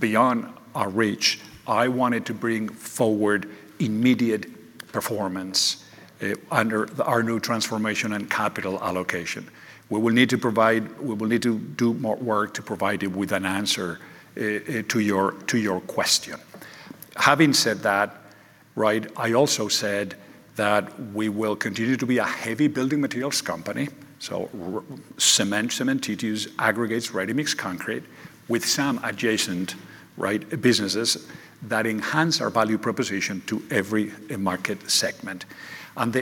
beyond our reach, I wanted to bring forward immediate performance under our new transformation and capital allocation. We will need to do more work to provide you with an answer to your question. Having said that, right, I also said that we will continue to be a heavy building materials company, so cement, cementitious, aggregates, ready-mix concrete, with some adjacent, right, businesses that enhance our value proposition to every market segment.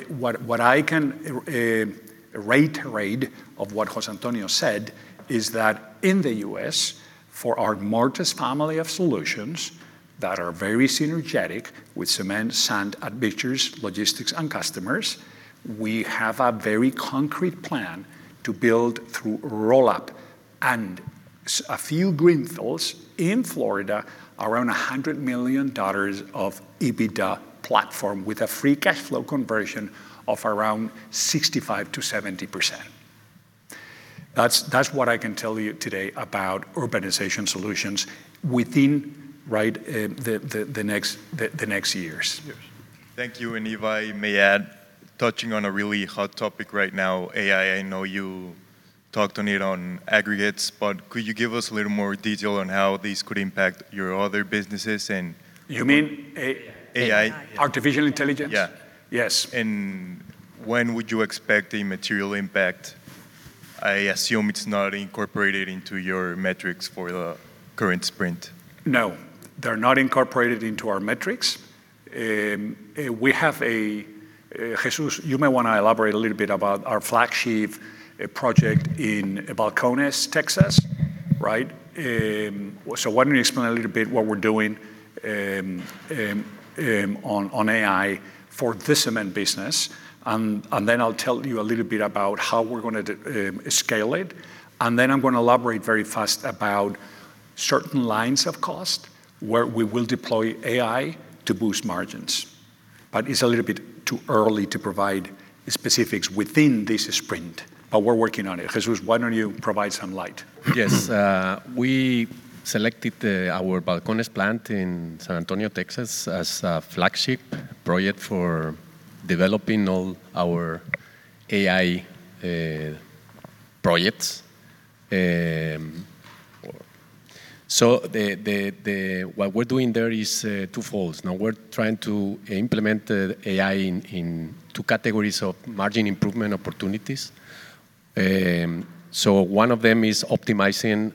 What I can reiterate of what José Antonio said is that in the U.S., for our Martis family of solutions that are very synergetic with cement, sand, aggregates, logistics, and customers, we have a very concrete plan to build through roll-up. A few greenfields in Florida, around $100 million of EBITDA platform, with a free cash flow conversion of around 65%-70%. That's what I can tell you today about urbanization solutions within the next years. Yes. Thank you. If I may add, touching on a really hot topic right now, AI, I know you talked on it on aggregates, but could you give us a little more detail on how this could impact your other businesses? You mean A.I.? AI. Artificial intelligence? Yeah. Yes. When would you expect a material impact? I assume it's not incorporated into your metrics for the current sprint. They're not incorporated into our metrics. We have a, Jesus, you may want to elaborate a little bit about our flagship project in Balcones, Texas, right? Why don't you explain a little bit what we're doing on AI for the cement business, and then I'll tell you a little bit about how we're going to scale it, and then I'm going to elaborate very fast about certain lines of cost, where we will deploy AI to boost margins. It's a little bit too early to provide specifics within this sprint, but we're working on it. Jesus, why don't you provide some light? Yes. We selected our Balcones plant in San Antonio, Texas, as a flagship project for developing all our AI projects. What we're doing there is twofold. Now, we're trying to implement the AI in two categories of margin improvement opportunities. One of them is optimizing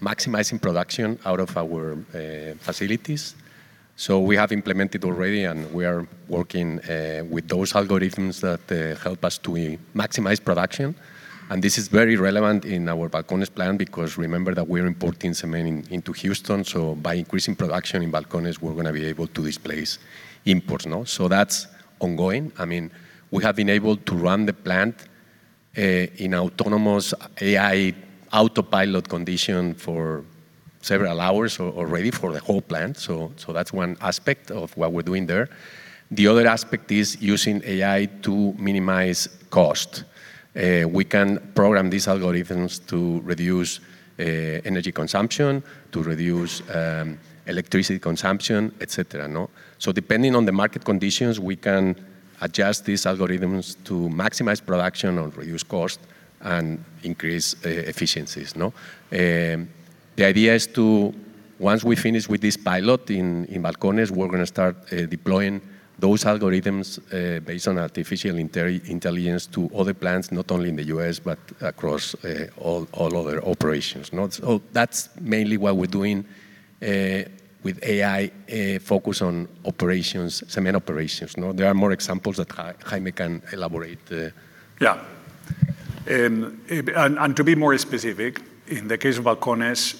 maximizing production out of our facilities. We have implemented already, and we are working with those algorithms that help us to maximize production. This is very relevant in our Balcones plant because remember that we're importing cement into Houston, so by increasing production in Balcones, we're going to be able to displace imports now. That's ongoing. I mean, we have been able to run the plant in autonomous AI autopilot condition for several hours already for the whole plant. That's one aspect of what we're doing there. The other aspect is using AI to minimize cost. We can program these algorithms to reduce energy consumption, to reduce electricity consumption, et cetera, no? Depending on the market conditions, we can adjust these algorithms to maximize production or reduce cost and increase efficiencies, no? The idea is to, once we finish with this pilot in Balcones, we're going to start deploying those algorithms based on artificial intelligence, to other plants, not only in the U.S., but across all other operations, no? That's mainly what we're doing with AI, focus on operations, cement operations, no? There are more examples that Jaime can elaborate. To be more specific, in the case of Balcones,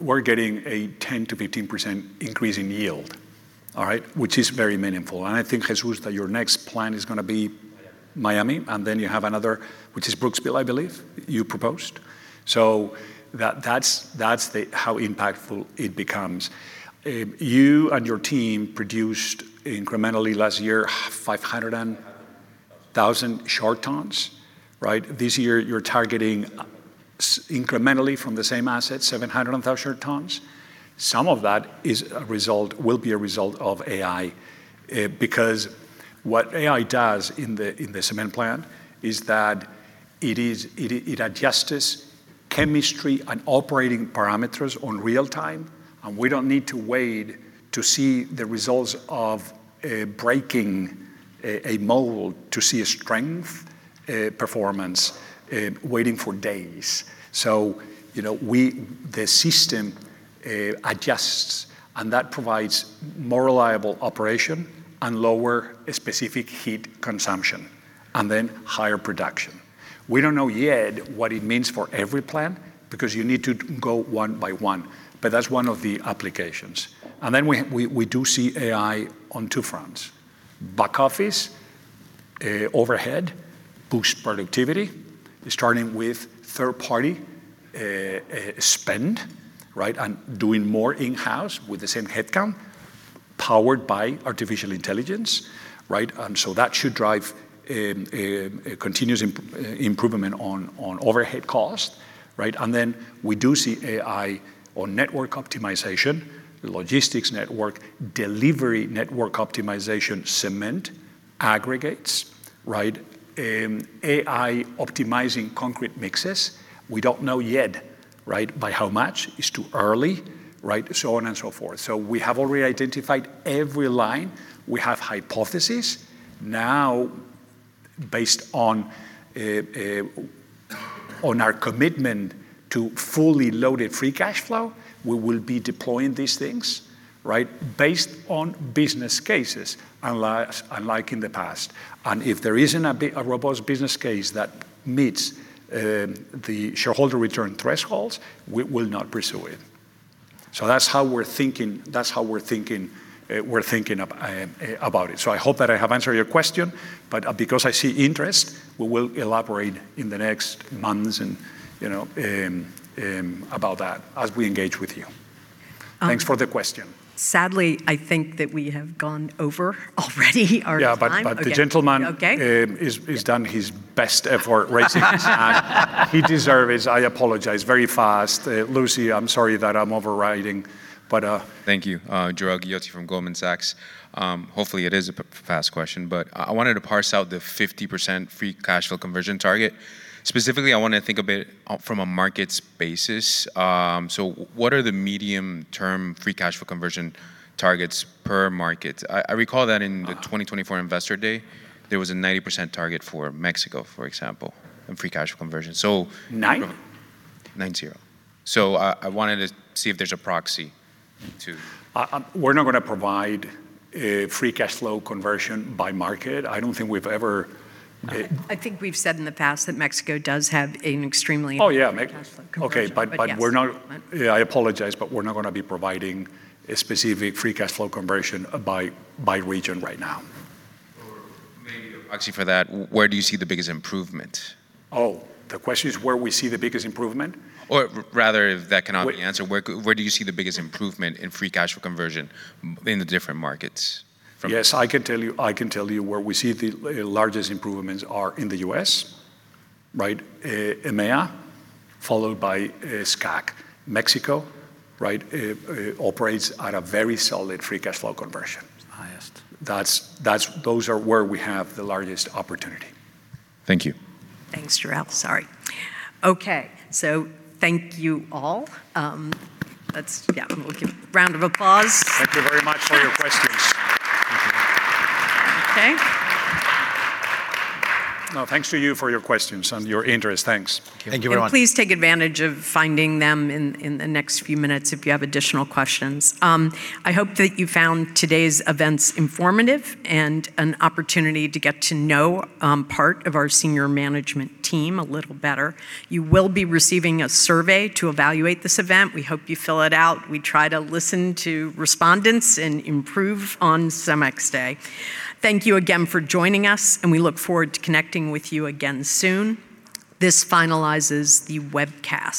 we're getting a 10%-15% increase in yield, all right? Which is very meaningful. I think, Jesus, that your next plan is going to be Miami, you have another, which is Brooksville, I believe, you proposed. That's the, how impactful it becomes. You and your team produced incrementally last year, 500,000 short tons, right? This year, you're targeting, incrementally from the same asset, 700,000 short tons. Some of that is a result, will be a result of AI, because what AI does in the, in the cement plant is that it adjusts chemistry and operating parameters on real time, and we don't need to wait to see the results of, breaking a mold to see a strength, performance, waiting for days. You know, we, the system, adjusts, and that provides more reliable operation and lower specific heat consumption, and then higher production. We don't know yet what it means for every plant, because you need to go one by one, but that's one of the applications. Then we do see AI on two fronts.... Back office, overhead, boost productivity, starting with third-party spend, right. Doing more in-house with the same headcount, powered by artificial intelligence, right. That should drive a continuous improvement on overhead cost, right. Then we do see AI on network optimization, logistics network, delivery network optimization, cement, aggregates, right. AI optimizing concrete mixes. We don't know yet, right, by how much. It's too early, right. On and so forth. We have already identified every line. We have hypotheses. Based on our commitment to fully loaded free cash flow, we will be deploying these things, right. Based on business cases, unlike in the past. If there isn't a robust business case that meets the shareholder return thresholds, we will not pursue it. That's how we're thinking, we're thinking about it. I hope that I have answered your question, but because I see interest, we will elaborate in the next months and, you know, about that as we engage with you. Um- Thanks for the question. Sadly, I think that we have gone over already our time. Yeah, but. Okay he's done his best effort raising his hand. He deserves it. I apologize. Very fast. Lucy, I'm sorry that I'm overriding, but. Thank you. Jorel Guilloty from Goldman Sachs. Hopefully, it is a fast question, but I wanted to parse out the 50% free cash flow conversion target. Specifically, I want to think from a markets basis. What are the medium-term free cash flow conversion targets per market? I recall that in the 2024 Investor Day, there was a 90% target for Mexico, for example, in free cash flow conversion. Nine? 90. I wanted to see if there's a proxy to. We're not gonna provide free cash flow conversion by market. I don't think we've ever. I think we've said in the past that Mexico does have a high cash flow conversion. Okay. Yes. We're not. Yeah, I apologize, but we're not gonna be providing a specific free cash flow conversion by region right now. Maybe a proxy for that, where do you see the biggest improvement? Oh, the question is where we see the biggest improvement? Rather, if that cannot be answered, where do you see the biggest improvement in free cash flow conversion in the different markets? Yes, I can tell you where we see the largest improvements are in the U.S., right, EMEA, followed by SCAC. Mexico, right, operates at a very solid free cash flow conversion. Highest. Those are where we have the largest opportunity. Thank you. Thanks, Gerald. Sorry. Okay, thank you all. Yeah, we'll give a round of applause. Thank you very much for your questions. Okay. No, thanks to you for your questions and your interest. Thanks. Thank you, everyone. Please take advantage of finding them in the next few minutes if you have additional questions. I hope that you found today's events informative and an opportunity to get to know part of our senior management team a little better. You will be receiving a survey to evaluate this event. We hope you fill it out. We try to listen to respondents and improve on CEMEX Day. Thank you again for joining us, and we look forward to connecting with you again soon. This finalizes the webcast.